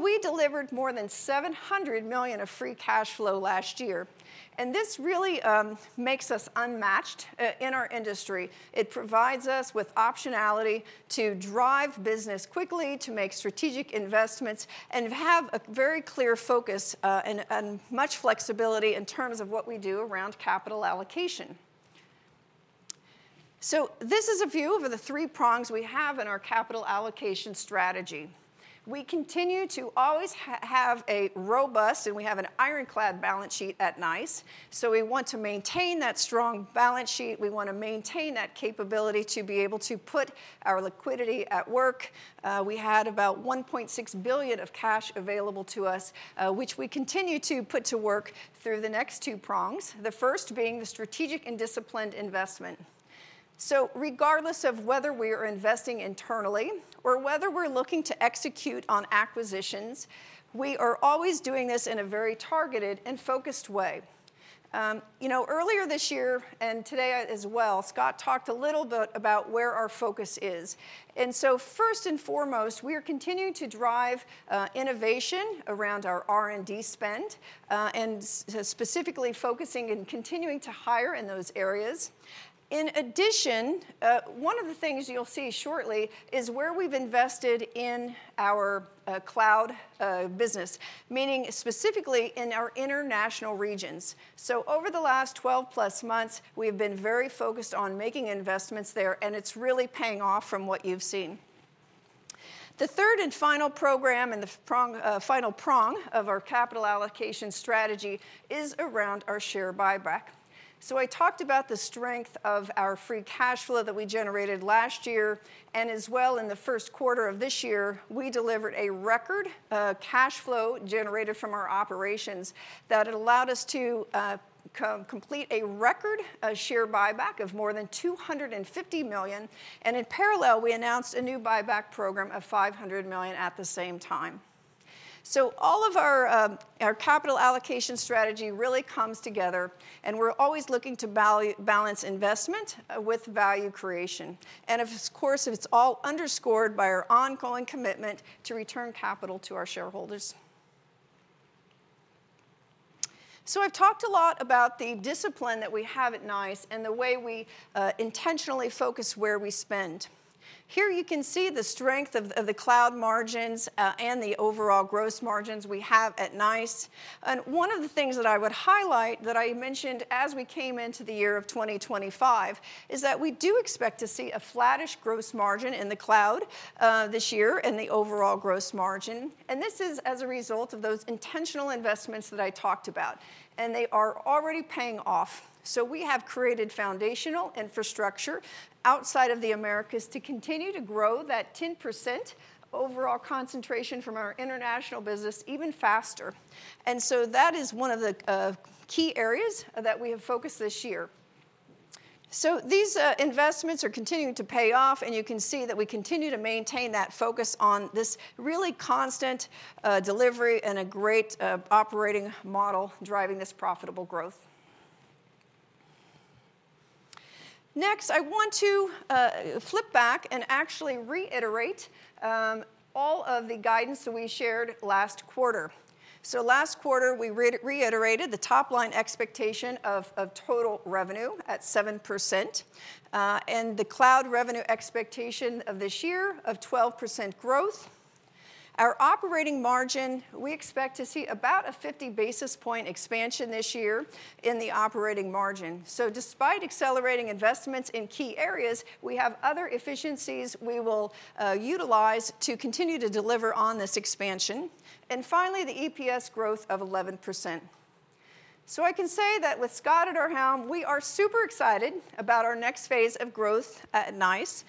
We delivered more than $700 million of free cash flow last year. This really makes us unmatched in our industry. It provides us with optionality to drive business quickly, to make strategic investments, and have a very clear focus and much flexibility in terms of what we do around capital allocation. This is a view of the three prongs we have in our capital allocation strategy. We continue to always have a robust, and we have an ironclad balance sheet at NiCE. We want to maintain that strong balance sheet. We want to maintain that capability to be able to put our liquidity at work. We had about $1.6 billion of cash available to us, which we continue to put to work through the next two prongs, the first being the strategic and disciplined investment. Regardless of whether we are investing internally or whether we're looking to execute on acquisitions, we are always doing this in a very targeted and focused way. Earlier this year and today as well, Scott talked a little bit about where our focus is. First and foremost, we are continuing to drive innovation around our R&D spend and specifically focusing and continuing to hire in those areas. In addition, one of the things you'll see shortly is where we've invested in our cloud business, meaning specifically in our international regions. Over the last 12-plus months, we have been very focused on making investments there. It's really paying off from what you've seen. The third and final program and the final prong of our capital allocation strategy is around our share buyback. I talked about the strength of our free cash flow that we generated last year. As well, in the first quarter of this year, we delivered a record cash flow generated from our operations that allowed us to complete a record share buyback of more than $250 million. In parallel, we announced a new buyback program of $500 million at the same time. All of our capital allocation strategy really comes together. We are always looking to balance investment with value creation. Of course, it is all underscored by our ongoing commitment to return capital to our shareholders. I have talked a lot about the discipline that we have at NiCE and the way we intentionally focus where we spend. Here you can see the strength of the cloud margins and the overall gross margins we have at NiCE. One of the things that I would highlight that I mentioned as we came into the year of 2025 is that we do expect to see a flattish gross margin in the cloud this year and the overall gross margin. This is as a result of those intentional investments that I talked about. They are already paying off. We have created foundational infrastructure outside of the Americas to continue to grow that 10% overall concentration from our international business even faster. That is one of the key areas that we have focused this year. These investments are continuing to pay off. You can see that we continue to maintain that focus on this really constant delivery and a great operating model driving this profitable growth. Next, I want to flip back and actually reiterate all of the guidance that we shared last quarter. Last quarter, we reiterated the top-line expectation of total revenue at 7% and the cloud revenue expectation of this year of 12% growth. Our operating margin, we expect to see about a 50 basis point expansion this year in the operating margin. Despite accelerating investments in key areas, we have other efficiencies we will utilize to continue to deliver on this expansion. Finally, the EPS growth of 11%. I can say that with Scott at our helm, we are super excited about our next phase of growth at NiCE.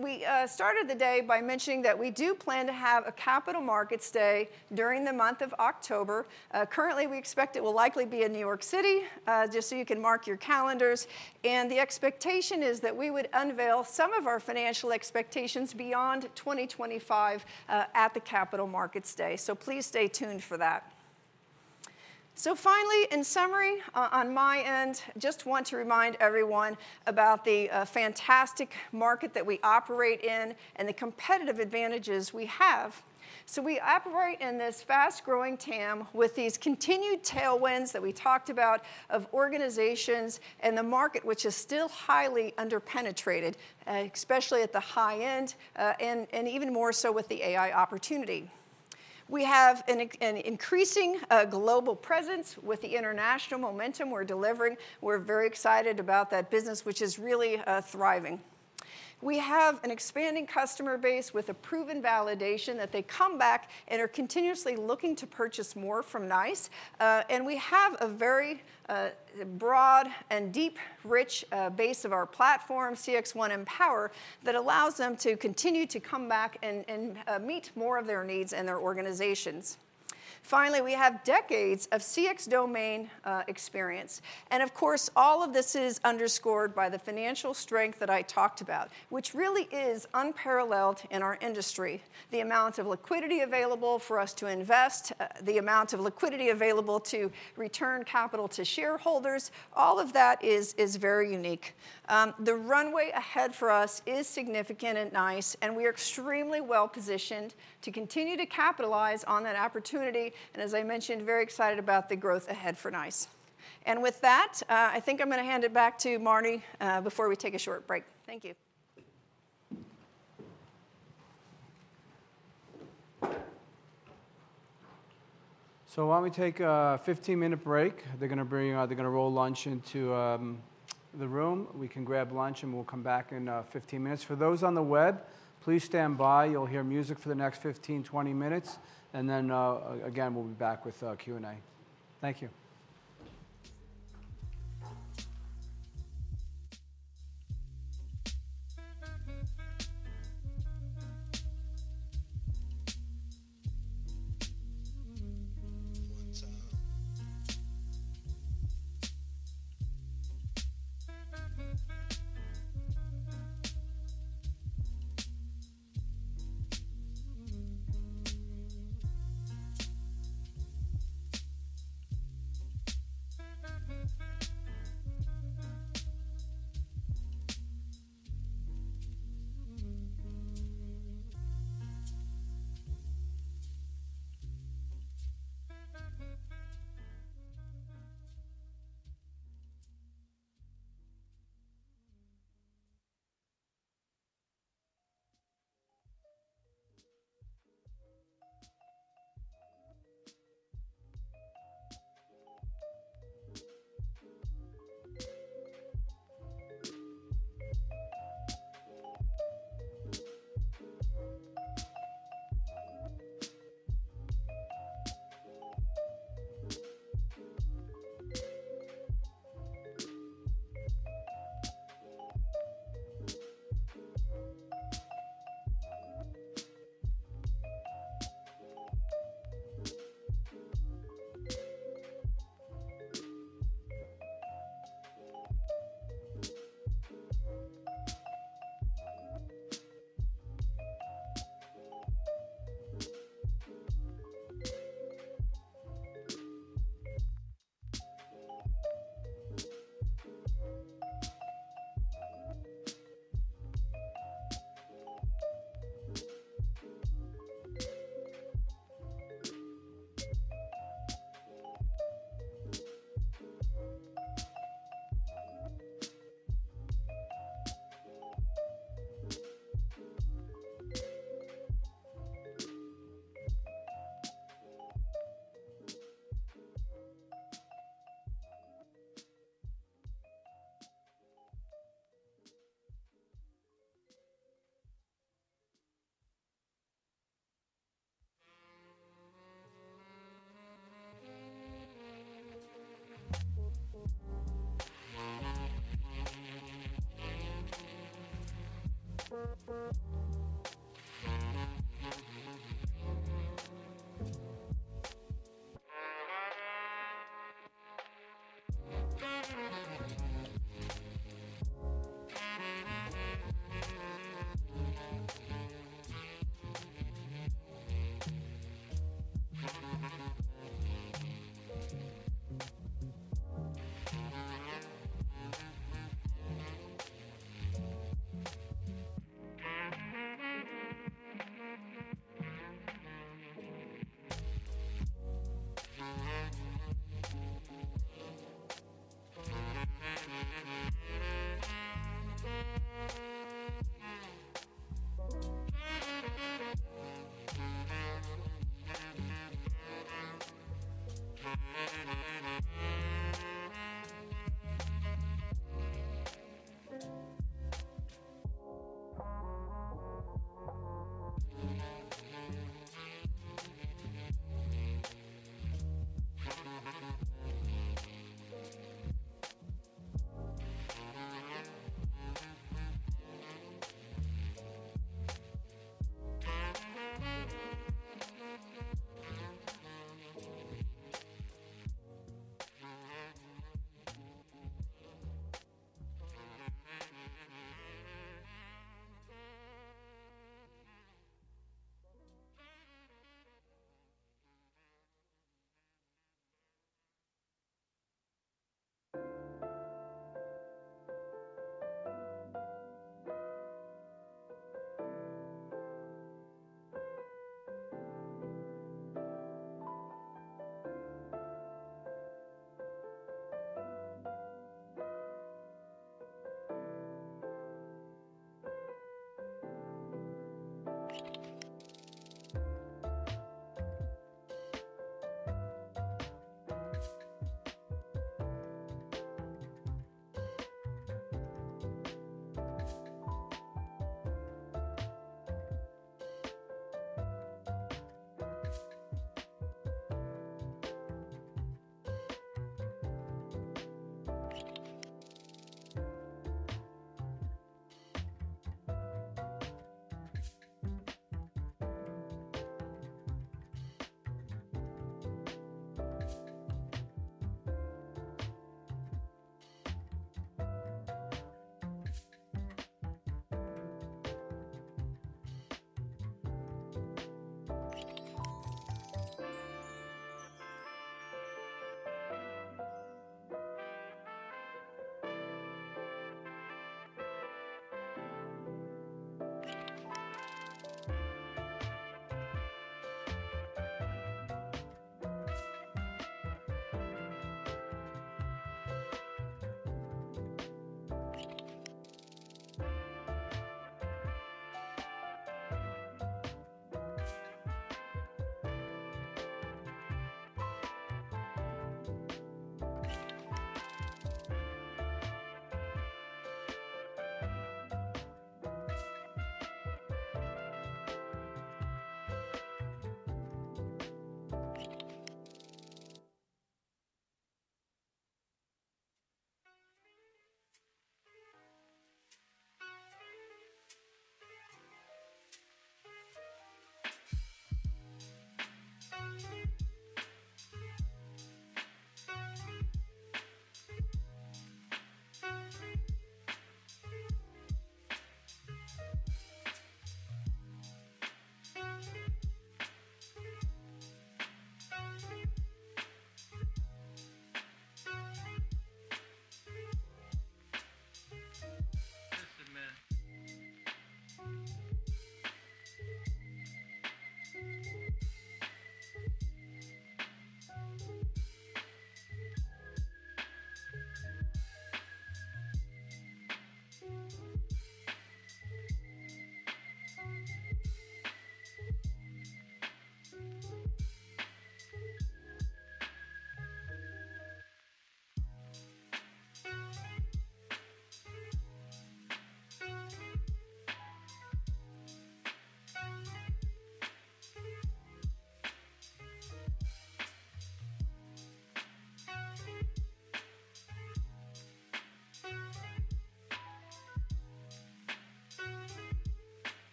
We started the day by mentioning that we do plan to have a Capital Markets Day during the month of October. Currently, we expect it will likely be in New York City, just so you can mark your calendars. The expectation is that we would unveil some of our financial expectations beyond 2025 at the Capital Markets Day. Please stay tuned for that. Finally, in summary on my end, just want to remind everyone about the fantastic market that we operate in and the competitive advantages we have. We operate in this fast-growing TAM with these continued tailwinds that we talked about of organizations and the market, which is still highly underpenetrated, especially at the high end and even more so with the AI opportunity. We have an increasing global presence with the international momentum we are delivering. We are very excited about that business, which is really thriving. We have an expanding customer base with a proven validation that they come back and are continuously looking to purchase more from NiCE. We have a very broad and deep, rich base of our platform, CXone Mpower, that allows them to continue to come back and meet more of their needs and their organizations. Finally, we have decades of CX domain experience. Of course, all of this is underscored by the financial strength that I talked about, which really is unparalleled in our industry. The amount of liquidity available for us to invest, the amount of liquidity available to return capital to shareholders, all of that is very unique. The runway ahead for us is significant at NiCE. We are extremely well-positioned to continue to capitalize on that opportunity. As I mentioned, very excited about the growth ahead for NiCE. I think I'm going to hand it back to Marty before we take a short break. Thank you. Why don't we take a 15-minute break? They're going to roll lunch into the room. We can grab lunch, and we'll come back in 15 minutes. For those on the web, please stand by. You'll hear music for the next 15-20 minutes. Then again, we'll be back with Q&A. Thank you.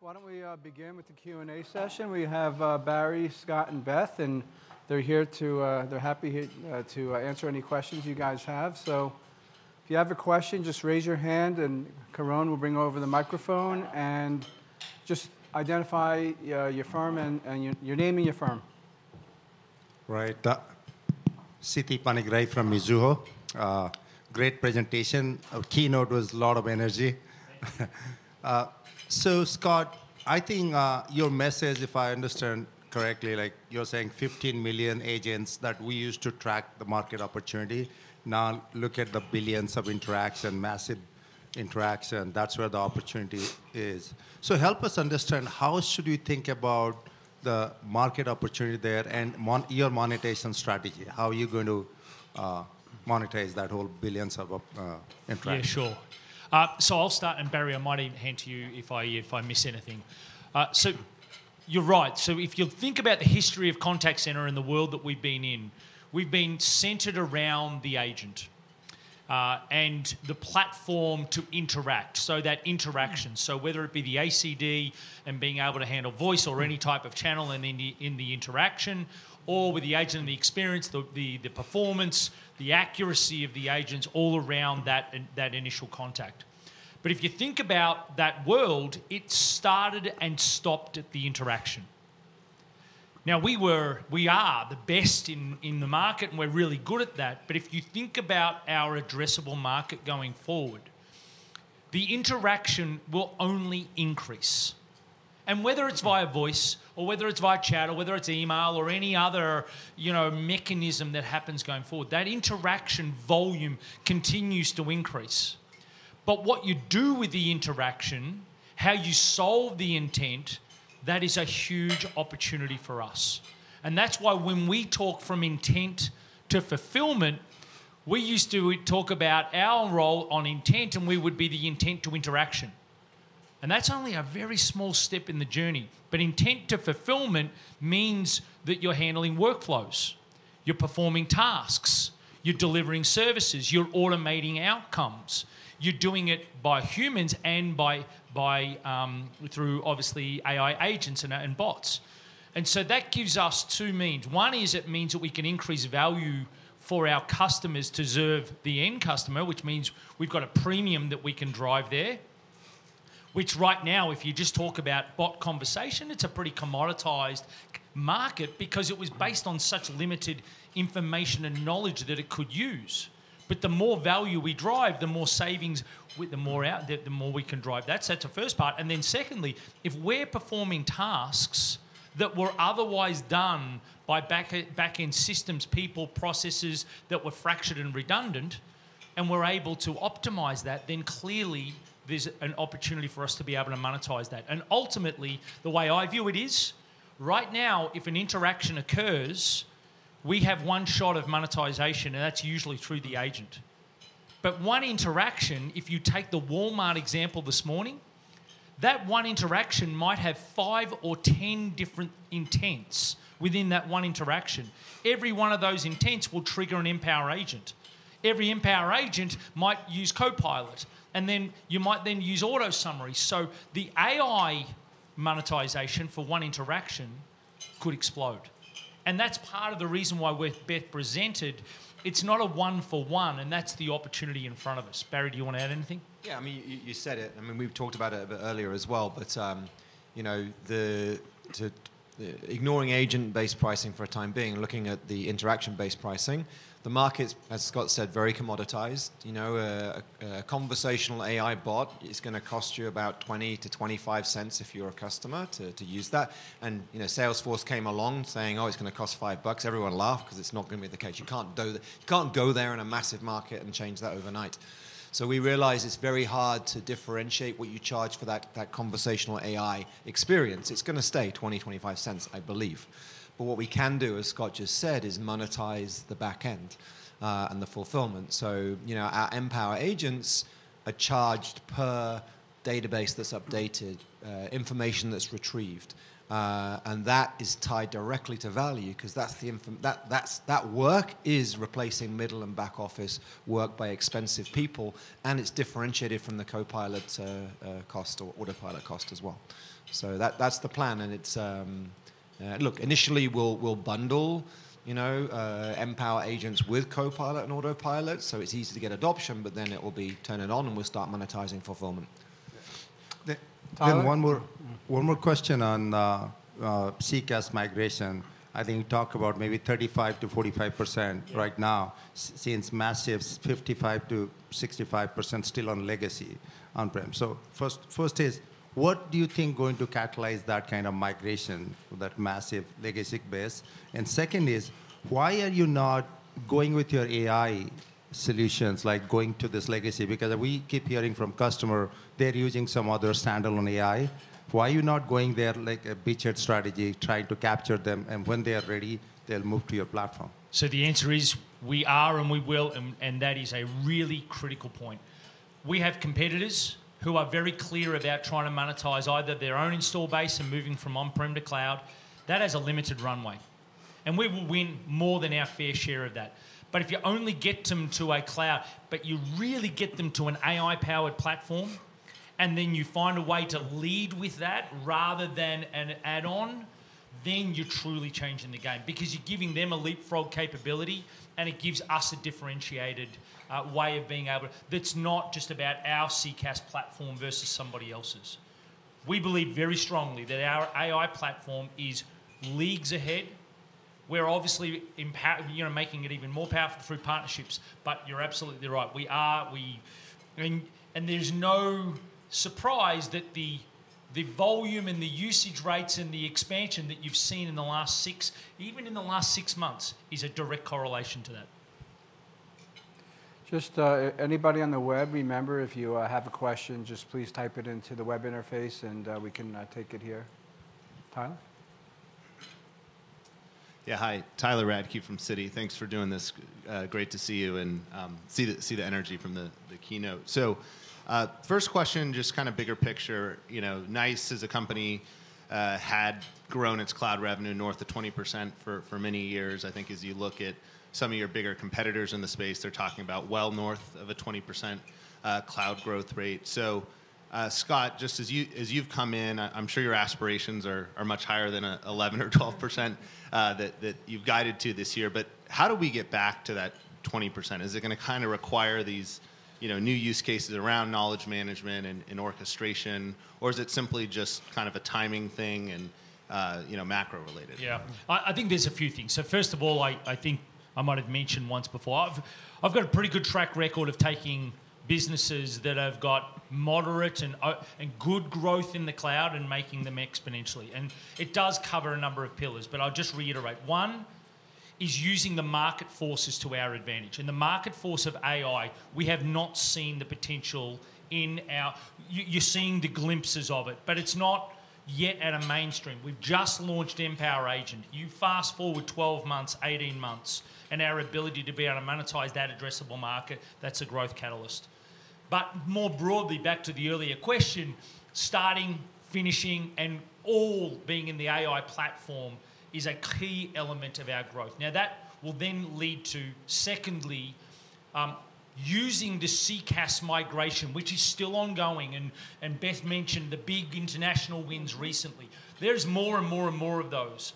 Why don't we begin with the Q&A session? We have Barry, Scott, and Beth, and they're here to—they're happy to answer any questions you guys have. If you have a question, just raise your hand, and Coron will bring over the microphone and just identify your name and your firm. Right. Siti Panigrahi from Mizuho. Great presentation. Keynote was a lot of energy. Scott, I think your message, if I understand correctly, like you're saying 15 million agents that we use to track the market opportunity. Now look at the billions of interaction, massive interaction. That's where the opportunity is. Help us understand how should we think about the market opportunity there and your monetization strategy. How are you going to monetize that whole billions of interaction? Yeah, sure. I'll start, and Barry, I might hand to you if I miss anything. You're right. If you think about the history of Contact Center and the world that we've been in, we've been centered around the agent and the platform to interact. That interaction, whether it be the ACD and being able to handle voice or any type of channel in the interaction, or with the agent and the experience, the performance, the accuracy of the agents all around that initial contact. If you think about that world, it started and stopped at the interaction. Now, we are the best in the market, and we're really good at that. If you think about our addressable market going forward, the interaction will only increase. Whether it's via voice or whether it's via chat or whether it's email or any other mechanism that happens going forward, that interaction volume continues to increase. What you do with the interaction, how you solve the intent, that is a huge opportunity for us. That is why when we talk from intent to fulfillment, we used to talk about our role on intent, and we would be the intent to interaction. That is only a very small step in the journey. Intent to fulfillment means that you're handling workflows, you're performing tasks, you're delivering services, you're automating outcomes. You're doing it by humans and by, through, obviously, AI agents and bots. That gives us two means. One is it means that we can increase value for our customers to serve the end customer, which means we've got a premium that we can drive there, which right now, if you just talk about bot conversation, it's a pretty commoditized market because it was based on such limited information and knowledge that it could use. The more value we drive, the more savings, the more out there, the more we can drive. That's the first part. Secondly, if we're performing tasks that were otherwise done by backend systems, people, processes that were fractured and redundant, and we're able to optimize that, then clearly there's an opportunity for us to be able to monetize that. Ultimately, the way I view it is, right now, if an interaction occurs, we have one shot of monetization, and that's usually through the agent. One interaction, if you take the Walmart example this morning, that one interaction might have five or ten different intents within that one interaction. Every one of those intents will trigger an Mpower Agent. Every Mpower Agent might use Copilot, and then you might then use auto summary. The AI monetization for one interaction could explode. That's part of the reason why we're best presented. It's not a one-for-one, and that's the opportunity in front of us. Barry, do you want to add anything? Yeah, I mean, you said it. I mean, we've talked about it a bit earlier as well, but ignoring agent-based pricing for the time being and looking at the interaction-based pricing, the market's, as Scott said, very commoditized. A conversational AI bot is going to cost you about 20-25 cents if you're a customer to use that. And Salesforce came along saying, "Oh, it's going to cost five bucks." Everyone laughed because it's not going to be the case. You can't go there in a massive market and change that overnight. We realize it's very hard to differentiate what you charge for that conversational AI experience. It's going to stay 20-25 cents, I believe. What we can do, as Scott just said, is monetize the backend and the fulfillment. Our Mpower Agents are charged per database that's updated, information that's retrieved. That is tied directly to value because that work is replacing middle and back office work by expensive people, and it is differentiated from the Copilot cost or Autopilot cost as well. That is the plan. Initially, we will bundle Mpower Agents with Copilot and Autopilot so it is easy to get adoption, but then it will be turned on and we will start monetizing fulfillment. One more question on CCaaS migration. I think you talked about maybe 35%-45% right now since a massive 55%-65% are still on legacy on-prem. First, what do you think is going to catalyze that kind of migration, that massive legacy base? Second, why are you not going with your AI solutions, like going to this legacy? Because we keep hearing from customers they are using some other standalone AI. Why are you not going there like a beachhead strategy, trying to capture them? When they're ready, they'll move to your platform. The answer is we are and we will, and that is a really critical point. We have competitors who are very clear about trying to monetize either their own install base and moving from on-prem to cloud. That has a limited runway, and we will win more than our fair share of that. If you only get them to a cloud, but you really get them to an AI-powered platform, and then you find a way to lead with that rather than an add-on, you are truly changing the game because you are giving them a leapfrog capability, and it gives us a differentiated way of being able to—that's not just about our CCaaS platform versus somebody else's. We believe very strongly that our AI platform is leagues ahead. We're obviously making it even more powerful through partnerships, but you're absolutely right. There's no surprise that the volume and the usage rates and the expansion that you've seen in the last six, even in the last six months, is a direct correlation to that. Just anybody on the web, remember if you have a question, just please type it into the web interface, and we can take it here. Tyler? Yeah, hi. Tyler Radke from Citi. Thanks for doing this. Great to see you and see the energy from the keynote. First question, just kind of bigger picture. NiCE as a company had grown its cloud revenue north of 20% for many years. I think as you look at some of your bigger competitors in the space, they're talking about well north of a 20% cloud growth rate. Scott, just as you've come in, I'm sure your aspirations are much higher than 11% or 12% that you've guided to this year. How do we get back to that 20%? Is it going to kind of require these new use cases around knowledge management and orchestration, or is it simply just kind of a timing thing and macro-related? Yeah, I think there's a few things. First of all, I think I might have mentioned once before, I've got a pretty good track record of taking businesses that have got moderate and good growth in the cloud and making them exponentially. It does cover a number of pillars, but I'll just reiterate. One is using the market forces to our advantage. In the market force of AI, we have not seen the potential in our—you are seeing the glimpses of it, but it is not yet at a mainstream. We have just launched Mpower Agent. You fast forward 12 months, 18 months, and our ability to be able to monetize that addressable market, that is a growth catalyst. More broadly, back to the earlier question, starting, finishing, and all being in the AI platform is a key element of our growth. That will then lead to, secondly, using the CCaaS migration, which is still ongoing. Beth mentioned the big international wins recently. There is more and more and more of those,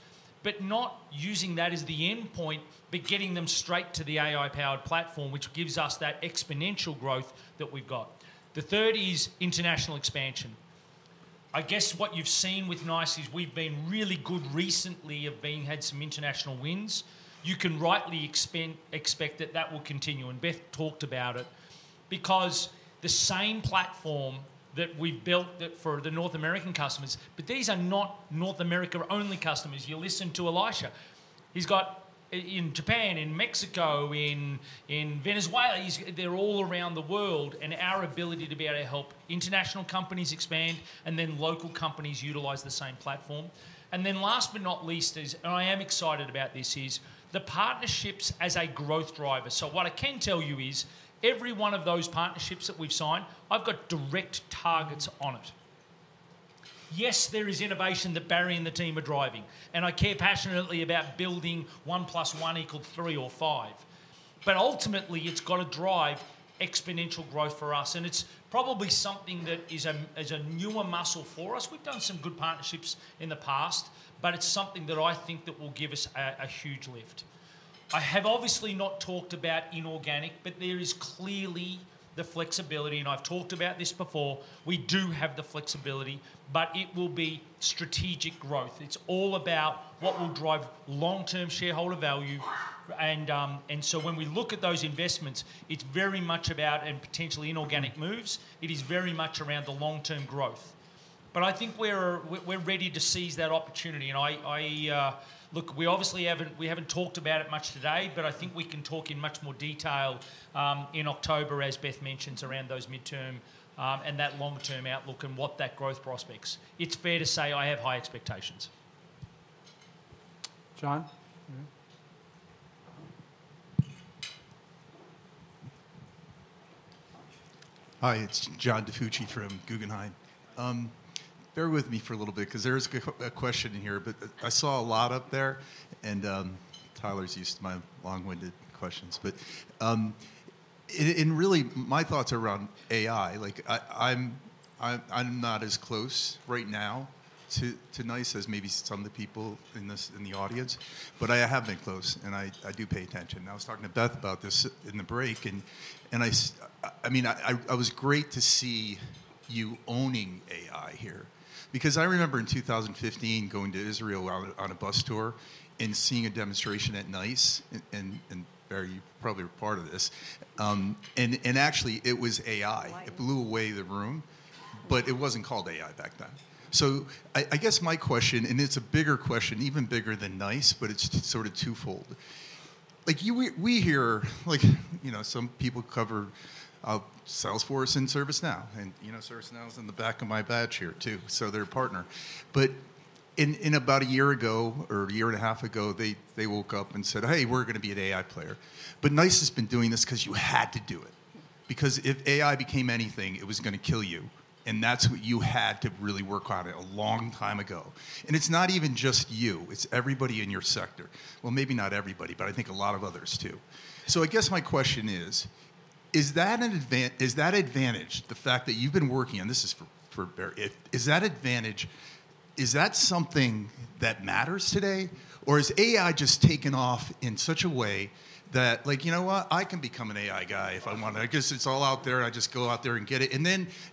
not using that as the endpoint, but getting them straight to the AI-powered platform, which gives us that exponential growth that we have got. The third is international expansion. I guess what you've seen with NiCE is we've been really good recently at being, had some international wins. You can rightly expect that that will continue. Beth talked about it because the same platform that we've built for the North American customers, but these are not North America-only customers. You listen to Elisha. He's got in Japan, in Mexico, in Venezuela. They're all around the world, and our ability to be able to help international companies expand and then local companies utilize the same platform. Last but not least, I am excited about this, is the partnerships as a growth driver. What I can tell you is every one of those partnerships that we've signed, I've got direct targets on it. Yes, there is innovation that Barry and the team are driving, and I care passionately about building one plus one equal three or five. Ultimately, it has got to drive exponential growth for us, and it is probably something that is a newer muscle for us. We have done some good partnerships in the past, but it is something that I think that will give us a huge lift. I have obviously not talked about inorganic, but there is clearly the flexibility, and I have talked about this before. We do have the flexibility, but it will be strategic growth. It is all about what will drive long-term shareholder value. When we look at those investments, it is very much about, and potentially inorganic moves, it is very much around the long-term growth. I think we are ready to seize that opportunity. Look, we obviously have not talked about it much today, but I think we can talk in much more detail in October, as Beth mentions, around those midterm and that long-term outlook and what that growth prospects. It is fair to say I have high expectations. John? Hi, it is John DiFucci from Guggenheim. Bear with me for a little bit because there is a question here, but I saw a lot up there, and Tyler's used my long-winded questions. Really, my thoughts are around AI. I am not as close right now to NiCE as maybe some of the people in the audience, but I have been close, and I do pay attention. I was talking to Beth about this in the break, and I mean, it was great to see you owning AI here because I remember in 2015 going to Israel on a bus tour and seeing a demonstration at NiCE and Barry, you probably were part of this. Actually, it was AI. It blew away the room, but it was not called AI back then. I guess my question, and it is a bigger question, even bigger than NiCE, but it is sort of twofold. We hear some people cover Salesforce and ServiceNow, and ServiceNow is in the back of my badge here too, so they are a partner. About a year ago or a year and a half ago, they woke up and said, "Hey, we're going to be an AI player." NiCE has been doing this because you had to do it, because if AI became anything, it was going to kill you, and that is what you had to really work on a long time ago. It is not even just you, it is everybody in your sector. Maybe not everybody, but I think a lot of others too. I guess my question is, is that advantage, the fact that you've been working on this is for Barry, is that advantage, is that something that matters today, or is AI just taken off in such a way that, like, you know what, I can become an AI guy if I want to because it's all out there, I just go out there and get it.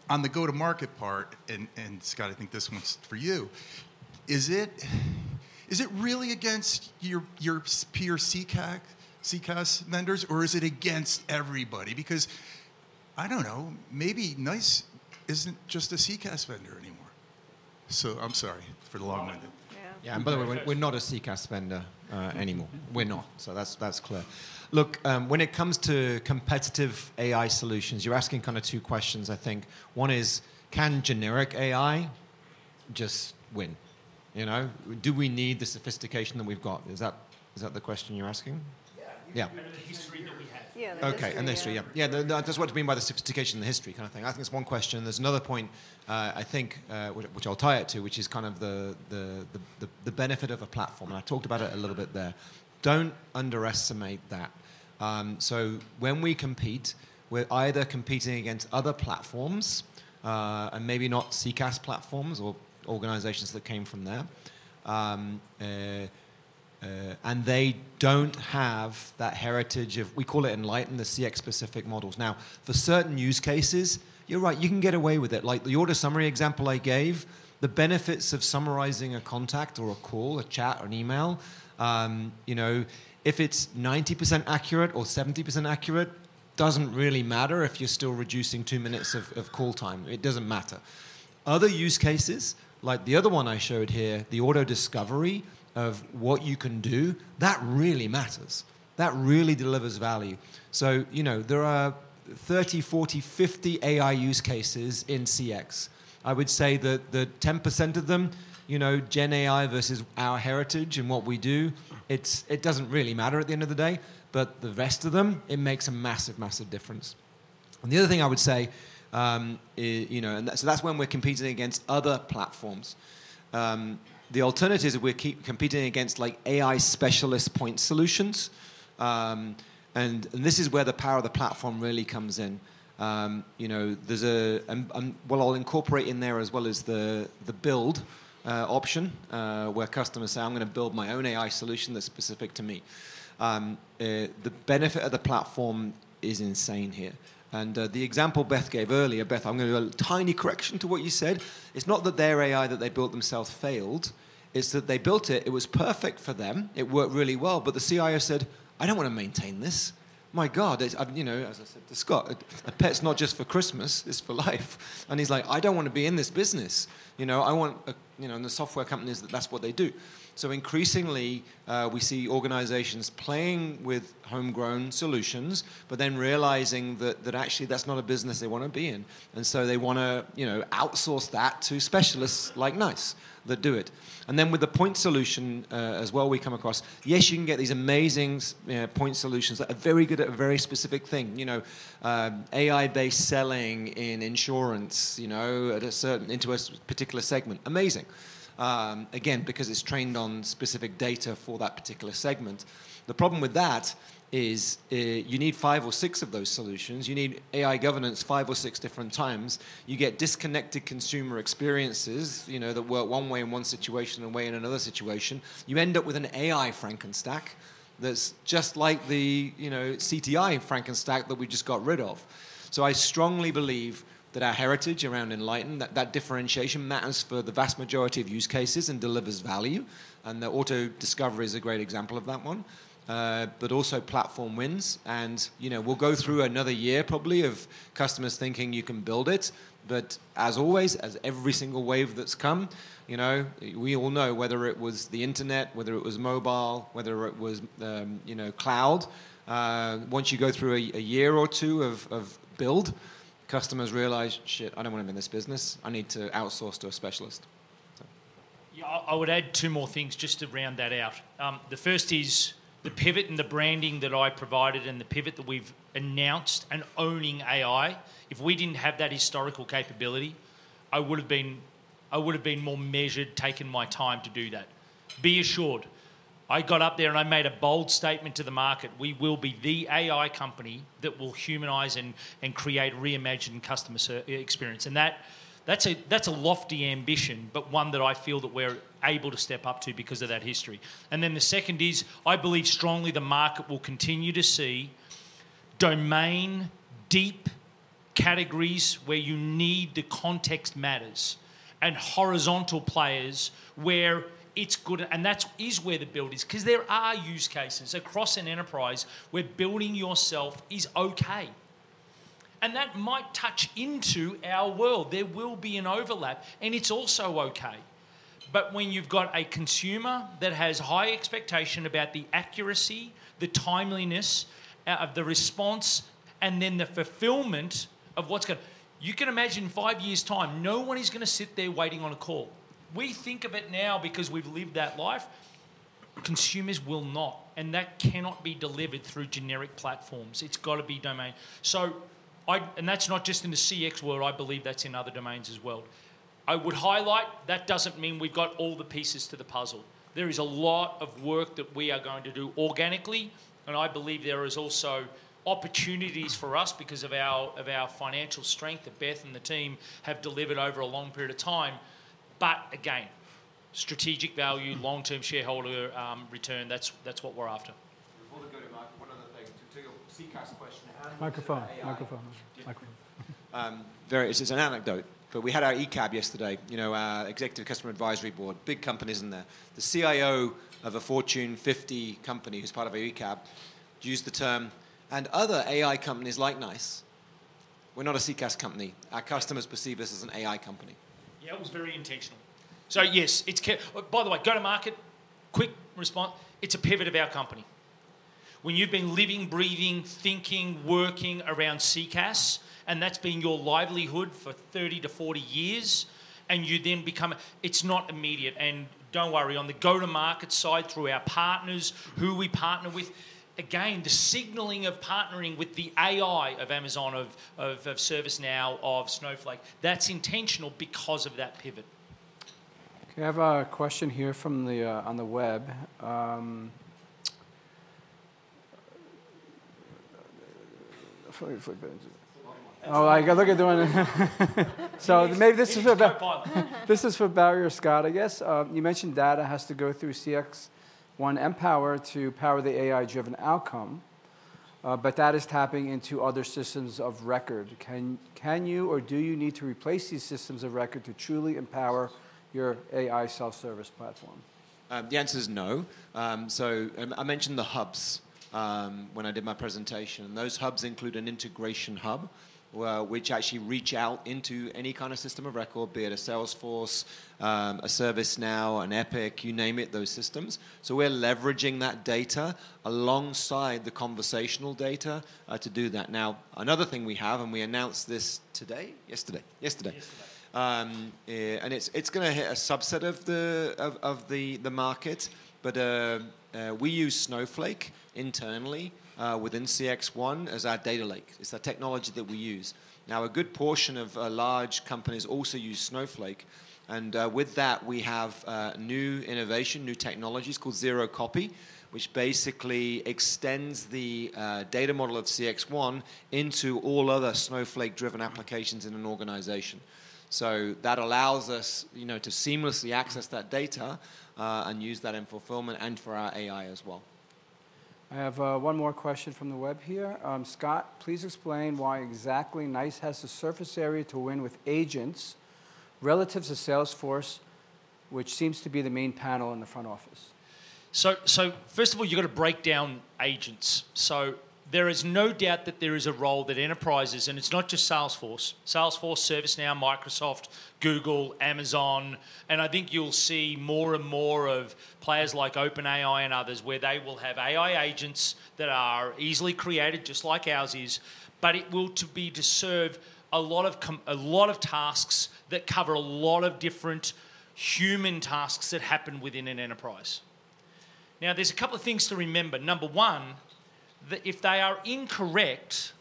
On the go-to-market part, and Scott, I think this one's for you, is it really against your peer CCaaS vendors, or is it against everybody? Because I don't know, maybe NiCE isn't just a CCaaS vendor anymore. I'm sorry for the long-winded. Yeah, and by the way, we're not a CCaaS vendor anymore. We're not, so that's clear. Look, when it comes to competitive AI solutions, you're asking kind of two questions, I think. One is, can generic AI just win? Do we need the sophistication that we've got? Is that the question you're asking? Yeah. Yeah. And the history that we have. Yeah. Okay, and the history. Yeah. Yeah, that's what I mean by the sophistication and the history kind of thing. I think it's one question. There's another point, I think, which I'll tie it to, which is kind of the benefit of a platform, and I talked about it a little bit there. Don't underestimate that. When we compete, we're either competing against other platforms and maybe not CCaaS platforms or organizations that came from there, and they don't have that heritage of, we call it Enlighten, the CX-specific models. Now, for certain use cases, you're right, you can get away with it. Like the order summary example I gave, the benefits of summarizing a contact or a call, a chat, or an email, if it's 90% accurate or 70% accurate, doesn't really matter if you're still reducing two minutes of call time. It doesn't matter. Other use cases, like the other one I showed here, the auto-discovery of what you can do, that really matters. That really delivers value. There are 30-40-50 AI use cases in CX. I would say that 10% of them, GenAI versus our heritage and what we do, it doesn't really matter at the end of the day, but the rest of them, it makes a massive, massive difference. The other thing I would say, that's when we're competing against other platforms. The alternative is we're competing against AI specialist point solutions, and this is where the power of the platform really comes in. I'll incorporate in there as well as the build option where customers say, "I'm going to build my own AI solution that's specific to me." The benefit of the platform is insane here. The example Beth gave earlier, Beth, I'm going to do a tiny correction to what you said. It's not that their AI that they built themselves failed, it's that they built it, it was perfect for them, it worked really well, but the CIO said, "I don't want to maintain this." My God, as I said to Scott, a pet's not just for Christmas, it's for life. He's like, "I don't want to be in this business. I want the software companies that that's what they do. Increasingly, we see organizations playing with homegrown solutions, but then realizing that actually that's not a business they want to be in. They want to outsource that to specialists like NiCE that do it. With the point solution as well, we come across, yes, you can get these amazing point solutions that are very good at a very specific thing, AI-based selling in insurance into a particular segment. Amazing. Again, because it's trained on specific data for that particular segment. The problem with that is you need five or six of those solutions. You need AI governance five or six different times. You get disconnected consumer experiences that work one way in one situation and a way in another situation. You end up with an AI Frankenstack that's just like the CTI Frankenstack that we just got rid of. I strongly believe that our heritage around Enlighten, that differentiation matters for the vast majority of use cases and delivers value. The auto-discovery is a great example of that one, but also platform wins. We will go through another year probably of customers thinking you can build it, but as always, as every single wave that's come, we all know whether it was the internet, whether it was mobile, whether it was cloud, once you go through a year or two of build, customers realize, "Shit, I don't want to be in this business. I need to outsource to a specialist." I would add two more things just to round that out. The first is the pivot and the branding that I provided and the pivot that we've announced and owning AI. If we didn't have that historical capability, I would have been more measured, taken my time to do that. Be assured, I got up there and I made a bold statement to the market, "We will be the AI company that will humanize and create a reimagined customer experience." That is a lofty ambition, but one that I feel that we're able to step up to because of that history. The second is, I believe strongly the market will continue to see domain deep categories where you need the context matters and horizontal players where it's good, and that is where the build is because there are use cases across an enterprise where building yourself is okay. That might touch into our world. There will be an overlap, and it's also okay. When you've got a consumer that has high expectation about the accuracy, the timeliness of the response, and then the fulfillment of what's going to, you can imagine in five years' time, no one is going to sit there waiting on a call. We think of it now because we've lived that life. Consumers will not, and that cannot be delivered through generic platforms. It's got to be domain. That is not just in the CX world. I believe that is in other domains as well. I would highlight that does not mean we've got all the pieces to the puzzle. There is a lot of work that we are going to do organically, and I believe there are also opportunities for us because of our financial strength that Beth and the team have delivered over a long period of time. Again, strategic value, long-term shareholder return, that's what we're after. Before we go to Mark, one other thing, to your CCaaS question, how do you— Microphone. Microphone. It's an anecdote, but we had our ECAB yesterday, Executive Customer Advisory Board, big companies in there. The CIO of a Fortune 50 company who's part of our ECAB used the term, "And other AI companies like NiCE, we're not a CCaaS company. Our customers perceive us as an AI company." Yeah, it was very intentional. Yes, by the way, go to market, quick response, it's a pivot of our company. When you've been living, breathing, thinking, working around CCaaS, and that's been your livelihood for 30 to 40 years, and you then become, it's not immediate. Don't worry, on the go-to-market side through our partners, who we partner with, again, the signaling of partnering with the AI of Amazon, of ServiceNow, of Snowflake, that's intentional because of that pivot. Can I have a question here on the web? Oh, I got to look at the one—so maybe this is for Barry or Scott, I guess. You mentioned data has to go through CXone Mpower to power the AI-driven outcome, but that is tapping into other systems of record. Can you or do you need to replace these systems of record to truly empower your AI self-service platform? The answer is no. I mentioned the hubs when I did my presentation, and those hubs include an integration hub, which actually reach out into any kind of system of record, be it a Salesforce, a ServiceNow, an Epic, you name it, those systems. We're leveraging that data alongside the conversational data to do that. Another thing we have, and we announced this yesterday, and it's going to hit a subset of the market, but we use Snowflake internally within CXone as our data lake. It's the technology that we use. A good portion of large companies also use Snowflake, and with that, we have new innovation, new technologies Zero-Copy, which basically extends the data model of CXone into all other Snowflake-driven applications in an organization. That allows us to seamlessly access that data and use that in fulfillment and for our AI as well. I have one more question from the web here. Scott, please explain why exactly NiCE has the surface area to win with agents relative to Salesforce, which seems to be the main panel in the front office. First of all, you've got to break down agents. There is no doubt that there is a role that enterprises, and it's not just Salesforce. Salesforce, ServiceNow, Microsoft, Google, Amazon, and I think you'll see more and more of players like OpenAI and others where they will have AI agents that are easily created just like ours is, but it will be to serve a lot of tasks that cover a lot of different human tasks that happen within an enterprise. Now, there's a couple of things to remember. Number one, that if they are incorrect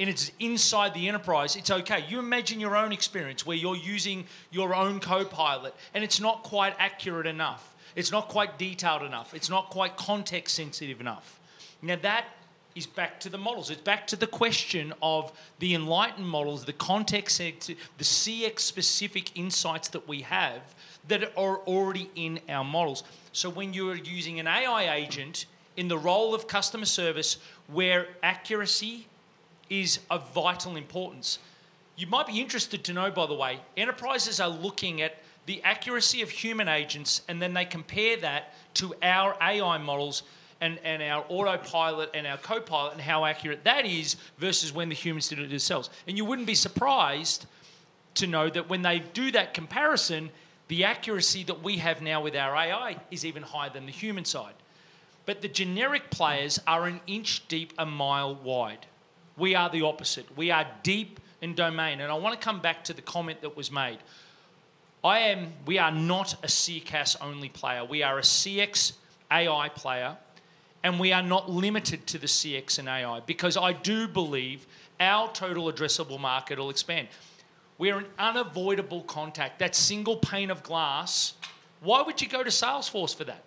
and it's inside the enterprise, it's okay. You imagine your own experience where you're using your own Copilot, and it's not quite accurate enough. It's not quite detailed enough. It's not quite context-sensitive enough. That is back to the models. It's back to the question of the Enlighten models, the context-sensitive, the CX-specific insights that we have that are already in our models. When you're using an AI agent in the role of customer service where accuracy is of vital importance, you might be interested to know, by the way, enterprises are looking at the accuracy of human agents, and then they compare that to our AI models and our Autopilot and our Copilot and how accurate that is versus when the humans did it themselves. You would not be surprised to know that when they do that comparison, the accuracy that we have now with our AI is even higher than the human side. The generic players are an inch deep, a mile wide. We are the opposite. We are deep in domain. I want to come back to the comment that was made. We are not a CCaaS-only player. We are a CX AI player, and we are not limited to the CX and AI because I do believe our total addressable market will expand. We are an unavoidable contact. That single pane of glass, why would you go to Salesforce for that?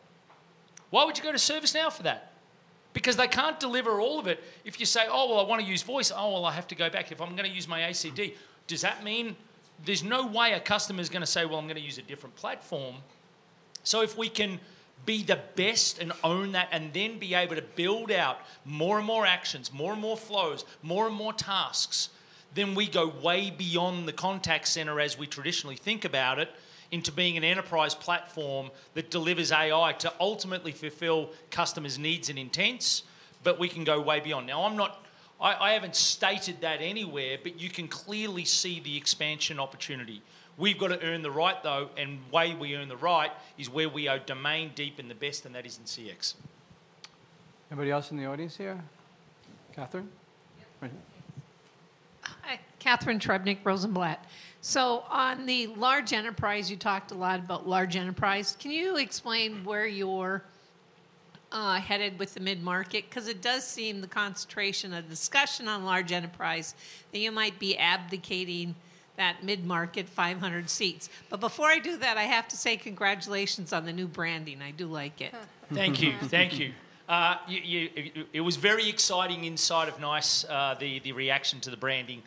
Why would you go to ServiceNow for that? Because they can't deliver all of it. If you say, "Oh, well, I want to use voice. Oh, well, I have to go back if I'm going to use my ACD." Does that mean there's no way a customer is going to say, "Well, I'm going to use a different platform"? If we can be the best and own that and then be able to build out more and more actions, more and more flows, more and more tasks, then we go way beyond the contact center as we traditionally think about it into being an enterprise platform that delivers AI to ultimately fulfill customers' needs and intents, but we can go way beyond. Now, I haven't stated that anywhere, but you can clearly see the expansion opportunity. We've got to earn the right, though, and the way we earn the right is where we are domain deep in the best, and that is in CX. Anybody else in the audience here? Catherine? Catherine Trebnick, Rosenblatt. On the large enterprise, you talked a lot about large enterprise. Can you explain where you're headed with the mid-market? Because it does seem the concentration of discussion on large enterprise that you might be abdicating that mid-market 500 seats. But before I do that, I have to say congratulations on the new branding. I do like it. Thank you. Thank you. It was very exciting inside of NiCE, the reaction to the branding.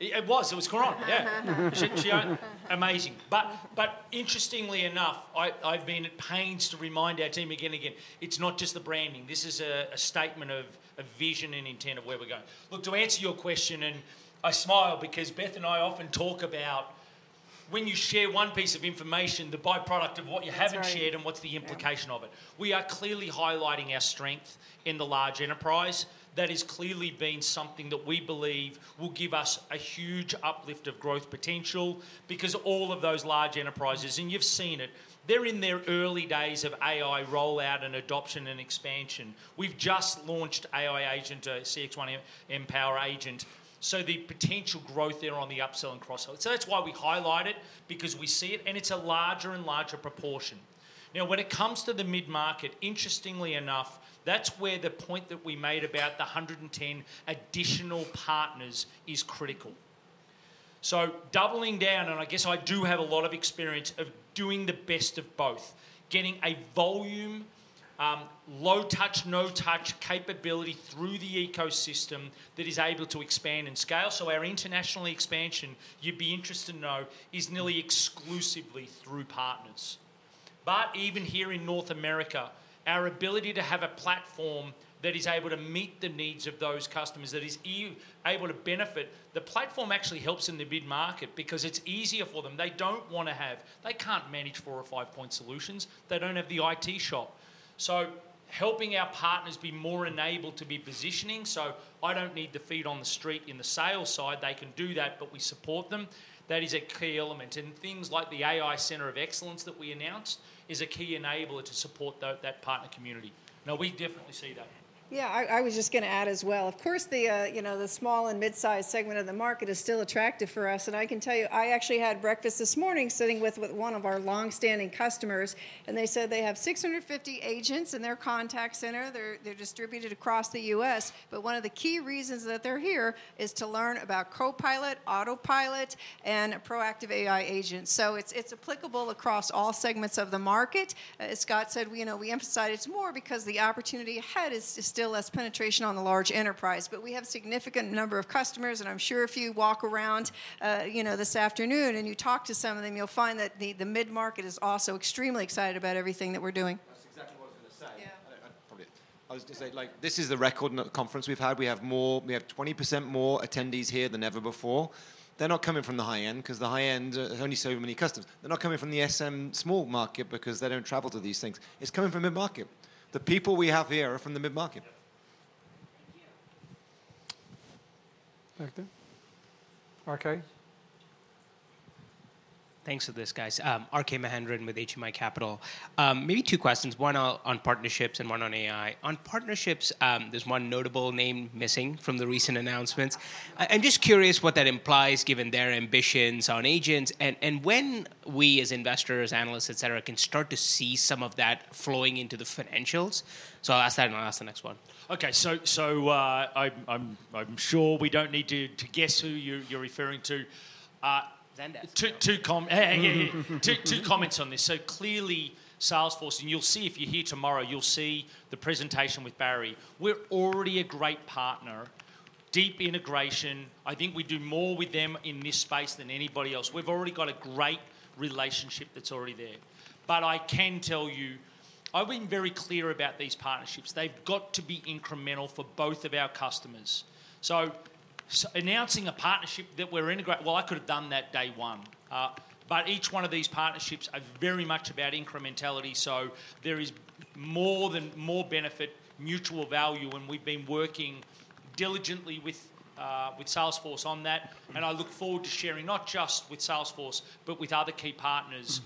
It was. It was corona. Yeah. Amazing. But interestingly enough, I've been at pains to remind our team again and again, it's not just the branding. This is a statement of vision and intent of where we're going. Look, to answer your question, and I smile because Beth and I often talk about when you share one piece of information, the byproduct of what you haven't shared and what's the implication of it. We are clearly highlighting our strength in the large enterprise. That has clearly been something that we believe will give us a huge uplift of growth potential because all of those large enterprises, and you've seen it, they're in their early days of AI rollout and adoption and expansion. We've just launched AI agent to CXone Mpower agent. The potential growth there on the upsell and cross-sell. That is why we highlight it because we see it, and it's a larger and larger proportion. Now, when it comes to the mid-market, interestingly enough, that's where the point that we made about the 110 additional partners is critical. Doubling down, and I guess I do have a lot of experience of doing the best of both, getting a volume, low-touch, no-touch capability through the ecosystem that is able to expand and scale. Our international expansion, you'd be interested to know, is nearly exclusively through partners. Even here in North America, our ability to have a platform that is able to meet the needs of those customers, that is able to benefit, the platform actually helps in the bid market because it is easier for them. They do not want to have—they cannot manage four or five-point solutions. They do not have the IT shop. Helping our partners be more enabled to be positioning. I do not need to feed on the street in the sales side. They can do that, but we support them. That is a key element. Things like the AI Center of Excellence that we announced is a key enabler to support that partner community. We definitely see that. I was just going to add as well. Of course, the small and mid-sized segment of the market is still attractive for us. I can tell you, I actually had breakfast this morning sitting with one of our long-standing customers, and they said they have 650 agents in their contact center. They're distributed across the U.S., but one of the key reasons that they're here is to learn about Copilot, Autopilot, and proactive AI agents. It's applicable across all segments of the market. As Scott said, we emphasize it's more because the opportunity ahead is still less penetration on the large enterprise, but we have a significant number of customers. I'm sure if you walk around this afternoon and you talk to some of them, you'll find that the mid-market is also extremely excited about everything that we're doing. That's exactly what I was going to say. I was going to say, this is the record conference we've had. We have 20% more attendees here than ever before. They're not coming from the high-end because the high-end only serve many customers. They're not coming from the SM small market because they don't travel to these things. It's coming from mid-market. The people we have here are from the mid-market. Thank you. Okay. Thanks for this, guys. RK Mahendran with HMI Capital. Maybe two questions. One on partnerships and one on AI. On partnerships, there's one notable name missing from the recent announcements. I'm just curious what that implies given their ambitions on agents and when we as investors, analysts, etc., can start to see some of that flowing into the financials. So I'll ask that, and I'll ask the next one. Okay. I'm sure we don't need to guess who you're referring to. Two comments on this. Clearly, Salesforce, and you'll see if you're here tomorrow, you'll see the presentation with Barry. We're already a great partner, deep integration. I think we do more with them in this space than anybody else. We've already got a great relationship that's already there. I can tell you, I've been very clear about these partnerships. They've got to be incremental for both of our customers. Announcing a partnership that we're integrating, I could have done that day one. Each one of these partnerships is very much about incrementality. There is more than more benefit, mutual value, and we've been working diligently with Salesforce on that. I look forward to sharing not just with Salesforce, but with other key partners.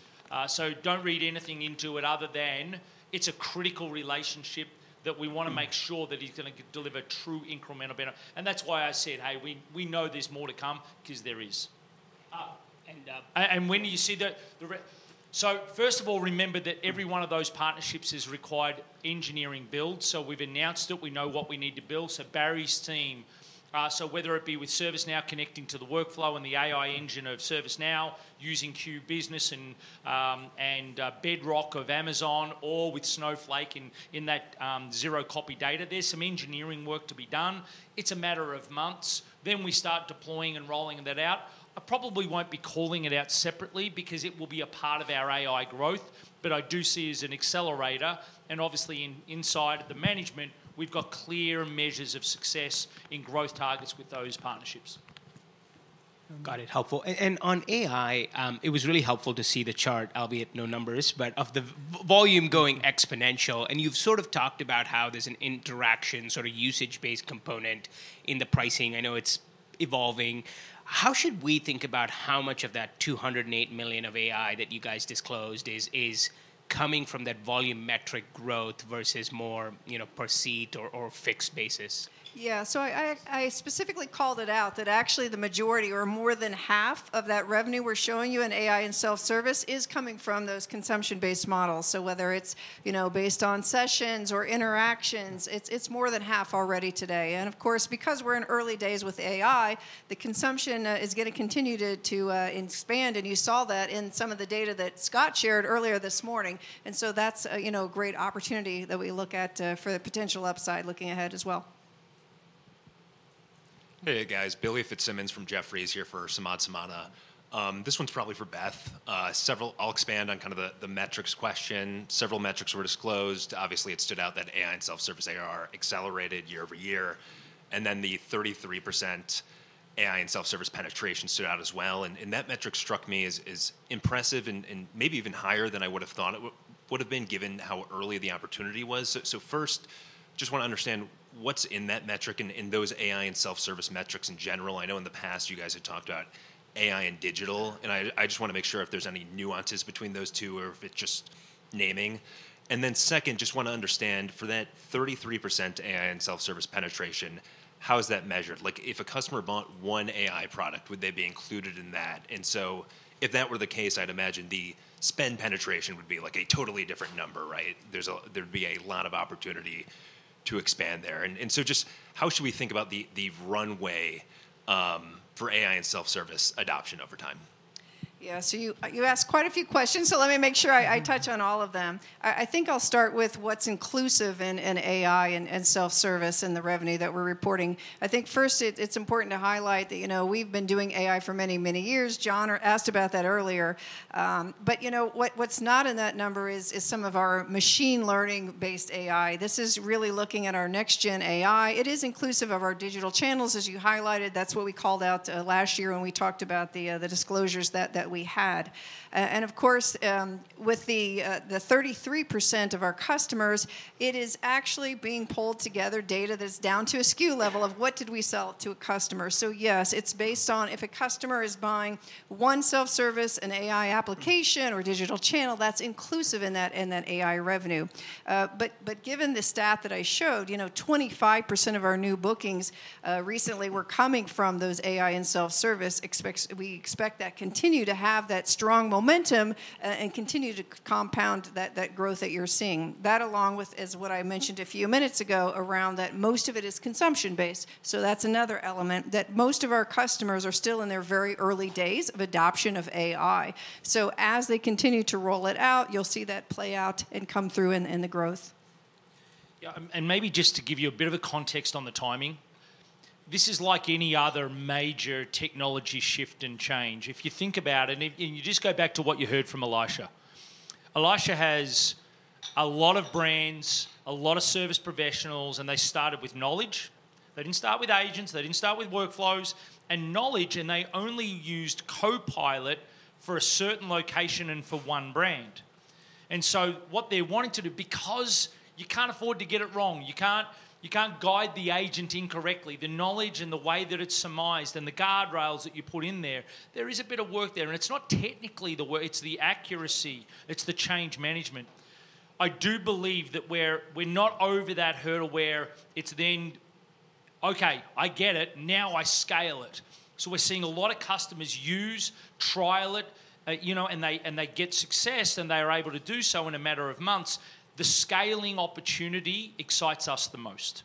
Do not read anything into it other than it's a critical relationship that we want to make sure that it's going to deliver true incremental benefit. That is why I said, "Hey, we know there's more to come," because there is. When you see that, first of all, remember that every one of those partnerships has required engineering builds. We have announced it. We know what we need to build. Barry's team, whether it be with ServiceNow connecting to the workflow and the AI engine of ServiceNow using Q Business and Bedrock of Amazon or with Snowflake in Zero-Copy data, there is some engineering work to be done. It is a matter of months. We start deploying and rolling that out. I probably will not be calling it out separately because it will be a part of our AI growth, but I do see it as an accelerator. Obviously, inside the management, we have clear measures of success in growth targets with those partnerships. Got it. Helpful. On AI, it was really helpful to see the chart, albeit no numbers, but of the volume going exponential. You sort of talked about how there is an interaction, sort of usage-based component in the pricing. I know it is evolving. How should we think about how much of that $208 million of AI that you guys disclosed is coming from that volume metric growth versus more per seat or fixed basis? Yeah. I specifically called it out that actually the majority or more than half of that revenue we are showing you in AI and self-service is coming from those consumption-based models. Whether it is based on sessions or interactions, it is more than half already today. Of course, because we are in early days with AI, the consumption is going to continue to expand. You saw that in some of the data that Scott shared earlier this morning. That is a great opportunity that we look at for the potential upside looking ahead as well. Hey, guys. Billy Fitzsimmons from Jefferies here for Saman Samana. This one is probably for Beth. I will expand on kind of the metrics question. Several metrics were disclosed. Obviously, it stood out that AI and self-service are accelerated year-over-year. The 33% AI and self-service penetration stood out as well. That metric struck me as impressive and maybe even higher than I would have thought it would have been given how early the opportunity was. First, I just want to understand what is in that metric and those AI and self-service metrics in general. I know in the past you guys had talked about AI and digital. I just want to make sure if there are any nuances between those two or if it is just naming. Then second, just want to understand for that 33% AI and self-service penetration, how is that measured? If a customer bought one AI product, would they be included in that? If that were the case, I'd imagine the spend penetration would be like a totally different number, right? There'd be a lot of opportunity to expand there. Just how should we think about the runway for AI and self-service adoption over time? Yeah. You asked quite a few questions, so let me make sure I touch on all of them. I think I'll start with what's inclusive in AI and self-service and the revenue that we're reporting. I think first, it's important to highlight that we've been doing AI for many, many years. John asked about that earlier. What's not in that number is some of our machine learning-based AI. This is really looking at our next-gen AI. It is inclusive of our digital channels, as you highlighted. That is what we called out last year when we talked about the disclosures that we had. Of course, with the 33% of our customers, it is actually being pulled together data that is down to a SKU level of what did we sell to a customer. Yes, it is based on if a customer is buying one self-service, an AI application, or digital channel, that is inclusive in that AI revenue. Given the stat that I showed, 25% of our new bookings recently were coming from those AI and self-service. We expect that to continue to have that strong momentum and continue to compound that growth that you are seeing. That along with, as what I mentioned a few minutes ago, around that most of it is consumption-based. That's another element that most of our customers are still in their very early days of adoption of AI. As they continue to roll it out, you'll see that play out and come through in the growth. Yeah. Maybe just to give you a bit of context on the timing, this is like any other major technology shift and change. If you think about it, and you just go back to what you heard from Elisha. Elisha has a lot of brands, a lot of service professionals, and they started with knowledge. They didn't start with agents. They didn't start with workflows and knowledge, and they only used Copilot for a certain location and for one brand. What they're wanting to do, because you can't afford to get it wrong, you can't guide the agent incorrectly, the knowledge and the way that it's surmised and the guardrails that you put in there, there is a bit of work there. It's not technically the work, it's the accuracy. It's the change management. I do believe that we're not over that hurdle where it's then, "Okay, I get it. Now I scale it." We're seeing a lot of customers use, trial it, and they get success, and they are able to do so in a matter of months. The scaling opportunity excites us the most.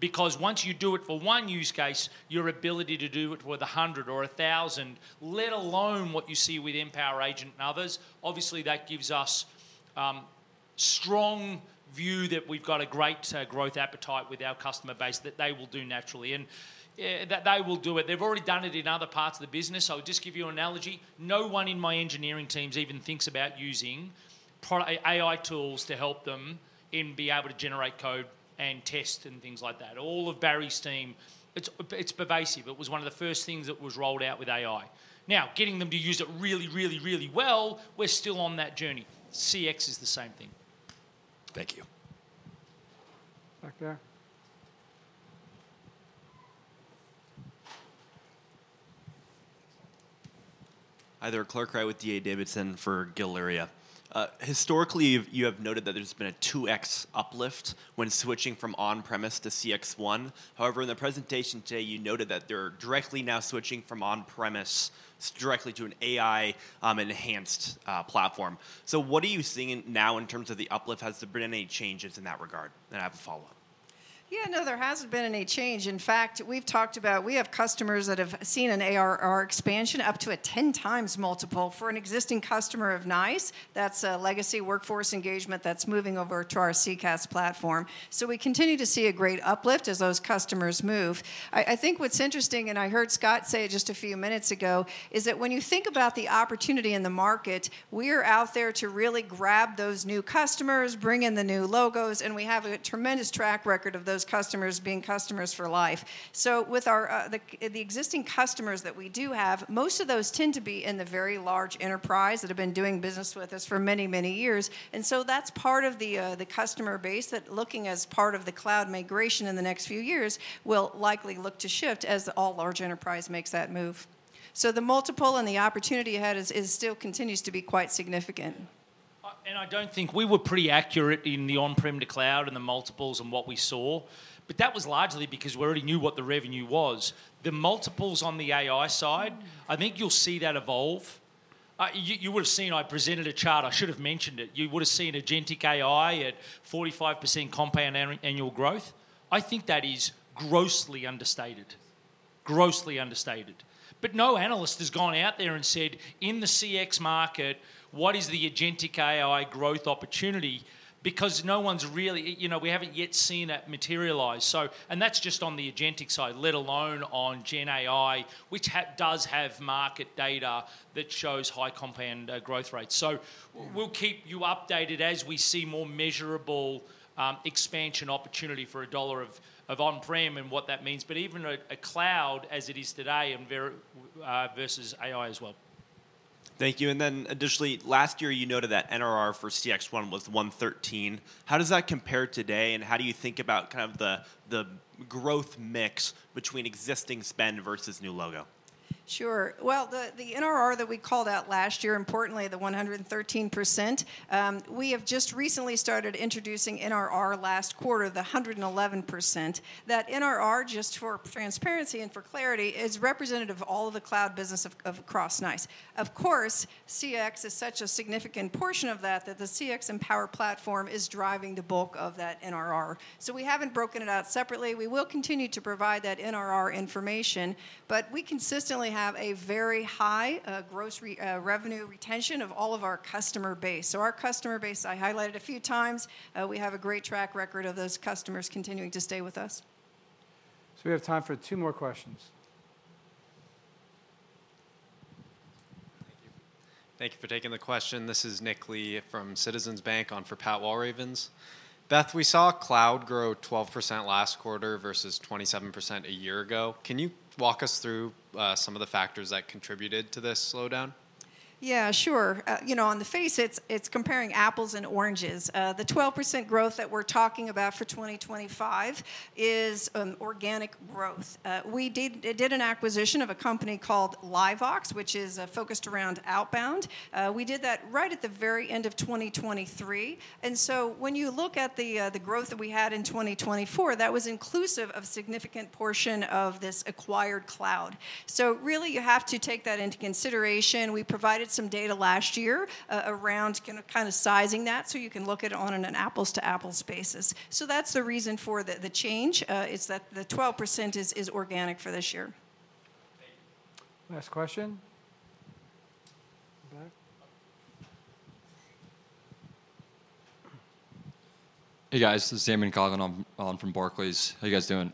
Because once you do it for one use case, your ability to do it with 100 or 1,000, let alone what you see with Mpower Agent and others, obviously that gives us a strong view that we've got a great growth appetite with our customer base that they will do naturally and that they will do it. They've already done it in other parts of the business. I'll just give you an analogy. No one in my engineering teams even thinks about using AI tools to help them be able to generate code and test and things like that. All of Barry's team, it's pervasive. It was one of the first things that was rolled out with AI. Now, getting them to use it really, really, really well, we're still on that journey. CX is the same thing. Thank you. Back there. Hi there, Clark Wright with D.A. Davidson for Gileria. Historically, you have noted that there's been a 2x uplift when switching from on-premise to CXone. However, in the presentation today, you noted that they're directly now switching from on-premise directly to an AI-enhanced platform. What are you seeing now in terms of the uplift? Has there been any changes in that regard? I have a follow-up. Yeah, no, there hasn't been any change. In fact, we've talked about we have customers that have seen an ARR expansion up to a 10 times multiple for an existing customer of NiCE. That's a legacy workforce engagement that's moving over to our CCaaS platform. We continue to see a great uplift as those customers move. I think what's interesting, and I heard Scott say it just a few minutes ago, is that when you think about the opportunity in the market, we are out there to really grab those new customers, bring in the new logos, and we have a tremendous track record of those customers being customers for life. With the existing customers that we do have, most of those tend to be in the very large enterprise that have been doing business with us for many, many years. That is part of the customer base that looking as part of the cloud migration in the next few years will likely look to shift as all large enterprise makes that move. The multiple and the opportunity ahead still continues to be quite significant. I don't think we were pretty accurate in the on-prem to cloud and the multiples and what we saw, but that was largely because we already knew what the revenue was. The multiples on the AI side, I think you'll see that evolve. You would have seen I presented a chart. I should have mentioned it. You would have seen agentic AI at 45% compound annual growth. I think that is grossly understated. Grossly understated. No analyst has gone out there and said, "In the CX market, what is the agentic AI growth opportunity?" because no one's really, we haven't yet seen it materialize. That's just on the agentic side, let alone on GenAI, which does have market data that shows high compound growth rates. We'll keep you updated as we see more measurable expansion opportunity for a dollar of on-prem and what that means, but even a cloud as it is today versus AI as well. Thank you. Additionally, last year, you noted that NRR for CXone was 113%. How does that compare today? How do you think about kind of the growth mix between existing spend versus new logo? Sure. The NRR that we called out last year, importantly, the 113%, we have just recently started introducing NRR last quarter, the 111%. That NRR, just for transparency and for clarity, is representative of all of the cloud business across NiCE. Of course, CX is such a significant portion of that that the CX Mpower platform is driving the bulk of that NRR. We haven't broken it out separately. We will continue to provide that NRR information, but we consistently have a very high gross revenue retention of all of our customer base. Our customer base, I highlighted a few times, we have a great track record of those customers continuing to stay with us. We have time for two more questions. Thank you. Thank you for taking the question. This is Nick Lee from Citizens Bank on for Pat Walravens. Beth, we saw cloud grow 12% last quarter versus 27% a year ago. Can you walk us through some of the factors that contributed to this slowdown? Yeah, sure. On the face, it is comparing apples and oranges. The 12% growth that we are talking about for 2025 is organic growth. We did an acquisition of a company called LiveVox, which is focused around outbound. We did that right at the very end of 2023. When you look at the growth that we had in 2024, that was inclusive of a significant portion of this acquired cloud. You have to take that into consideration. We provided some data last year around kind of sizing that so you can look at it on an apples-to-apples basis. That is the reason for the change, is that the 12% is organic for this year. Thank you. Last question. Hey, guys. This is Damian Cogen. I'm from Barclays. How are you guys doing?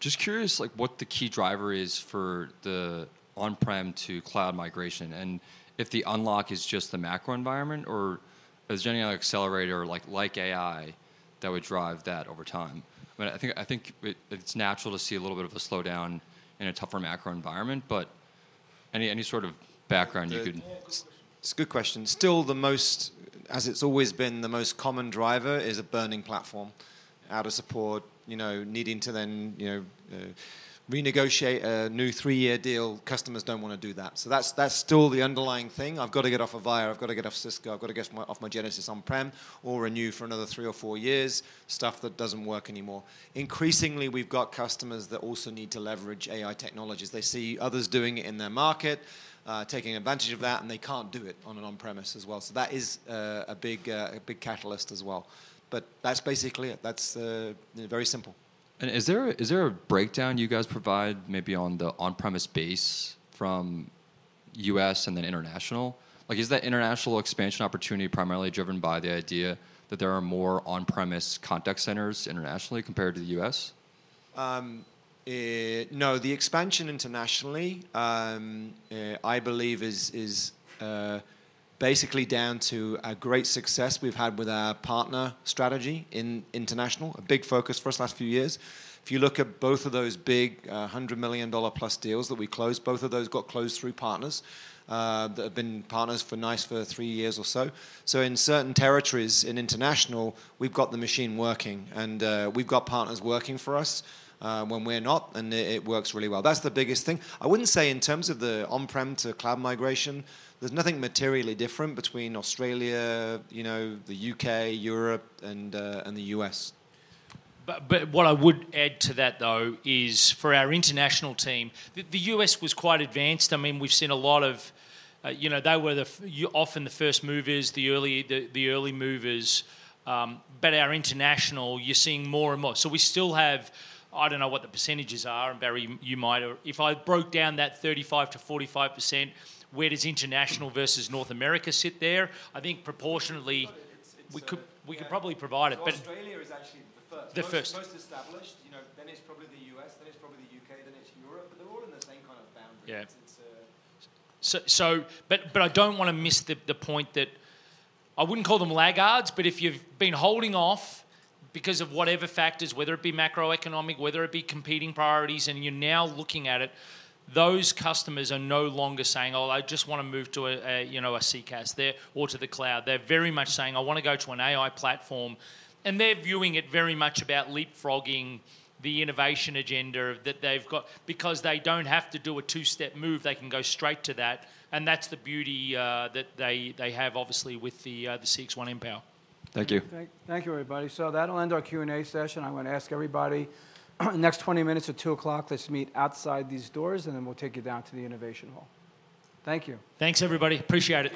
Just curious what the key driver is for the on-prem to cloud migration. And if the unlock is just the macro environment or is there any accelerator like AI that would drive that over time? I think it's natural to see a little bit of a slowdown in a tougher macro environment, but any sort of background you could. It's a good question. Still, as it's always been, the most common driver is a burning platform, out of support, needing to then renegotiate a new three-year deal. Customers don't want to do that. That's still the underlying thing. I've got to get off Avaya. I've got to get off Cisco. I've got to get off my Genesys on-prem or renew for another three or four years, stuff that doesn't work anymore. Increasingly, we've got customers that also need to leverage AI technologies. They see others doing it in their market, taking advantage of that, and they can't do it on an on-premise as well. That is a big catalyst as well. That's basically it. That's very simple. Is there a breakdown you guys provide maybe on the on-premise base from U.S. and then international? Is that international expansion opportunity primarily driven by the idea that there are more on-premise contact centers internationally compared to the U.S.? No. The expansion internationally, I believe, is basically down to a great success we've had with our partner strategy in international, a big focus for us last few years. If you look at both of those big $100 million-plus deals that we closed, both of those got closed through partners that have been partners for NiCE for three years or so. In certain territories in international, we've got the machine working, and we've got partners working for us when we're not, and it works really well. That's the biggest thing. I wouldn't say in terms of the on-prem to cloud migration, there's nothing materially different between Australia, the U.K., Europe, and the U.S. What I would add to that, though, is for our international team, the U.S. was quite advanced. I mean, we've seen a lot of they were often the first movers, the early movers. Our international, you're seeing more and more. We still have, I don't know what the percentages are, and Barry, you might. If I broke down that 35%-45%, where does international versus North America sit there? I think proportionately, we could probably provide it. Australia is actually the first. The first. The most established. Then it's probably the U.S. Then it's probably the U.K. Then it's Europe. They're all in the same kind of boundary. Yeah. I do not want to miss the point that I would not call them laggards, but if you have been holding off because of whatever factors, whether it be macroeconomic, whether it be competing priorities, and you are now looking at it, those customers are no longer saying, "Oh, I just want to move to a CCaaS there or to the cloud." They are very much saying, "I want to go to an AI platform." They are viewing it very much about leapfrogging the innovation agenda that they have got. Because they do not have to do a two-step move, they can go straight to that. That is the beauty that they have, obviously, with the CXone Mpower. Thank you. Thank you, everybody. That will end our Q&A session. I am going to ask everybody, next 20 minutes at 2:00 P.M., let us meet outside these doors, and then we will take you down to the innovation hall. Thank you. Thanks, everybody. Appreciate it.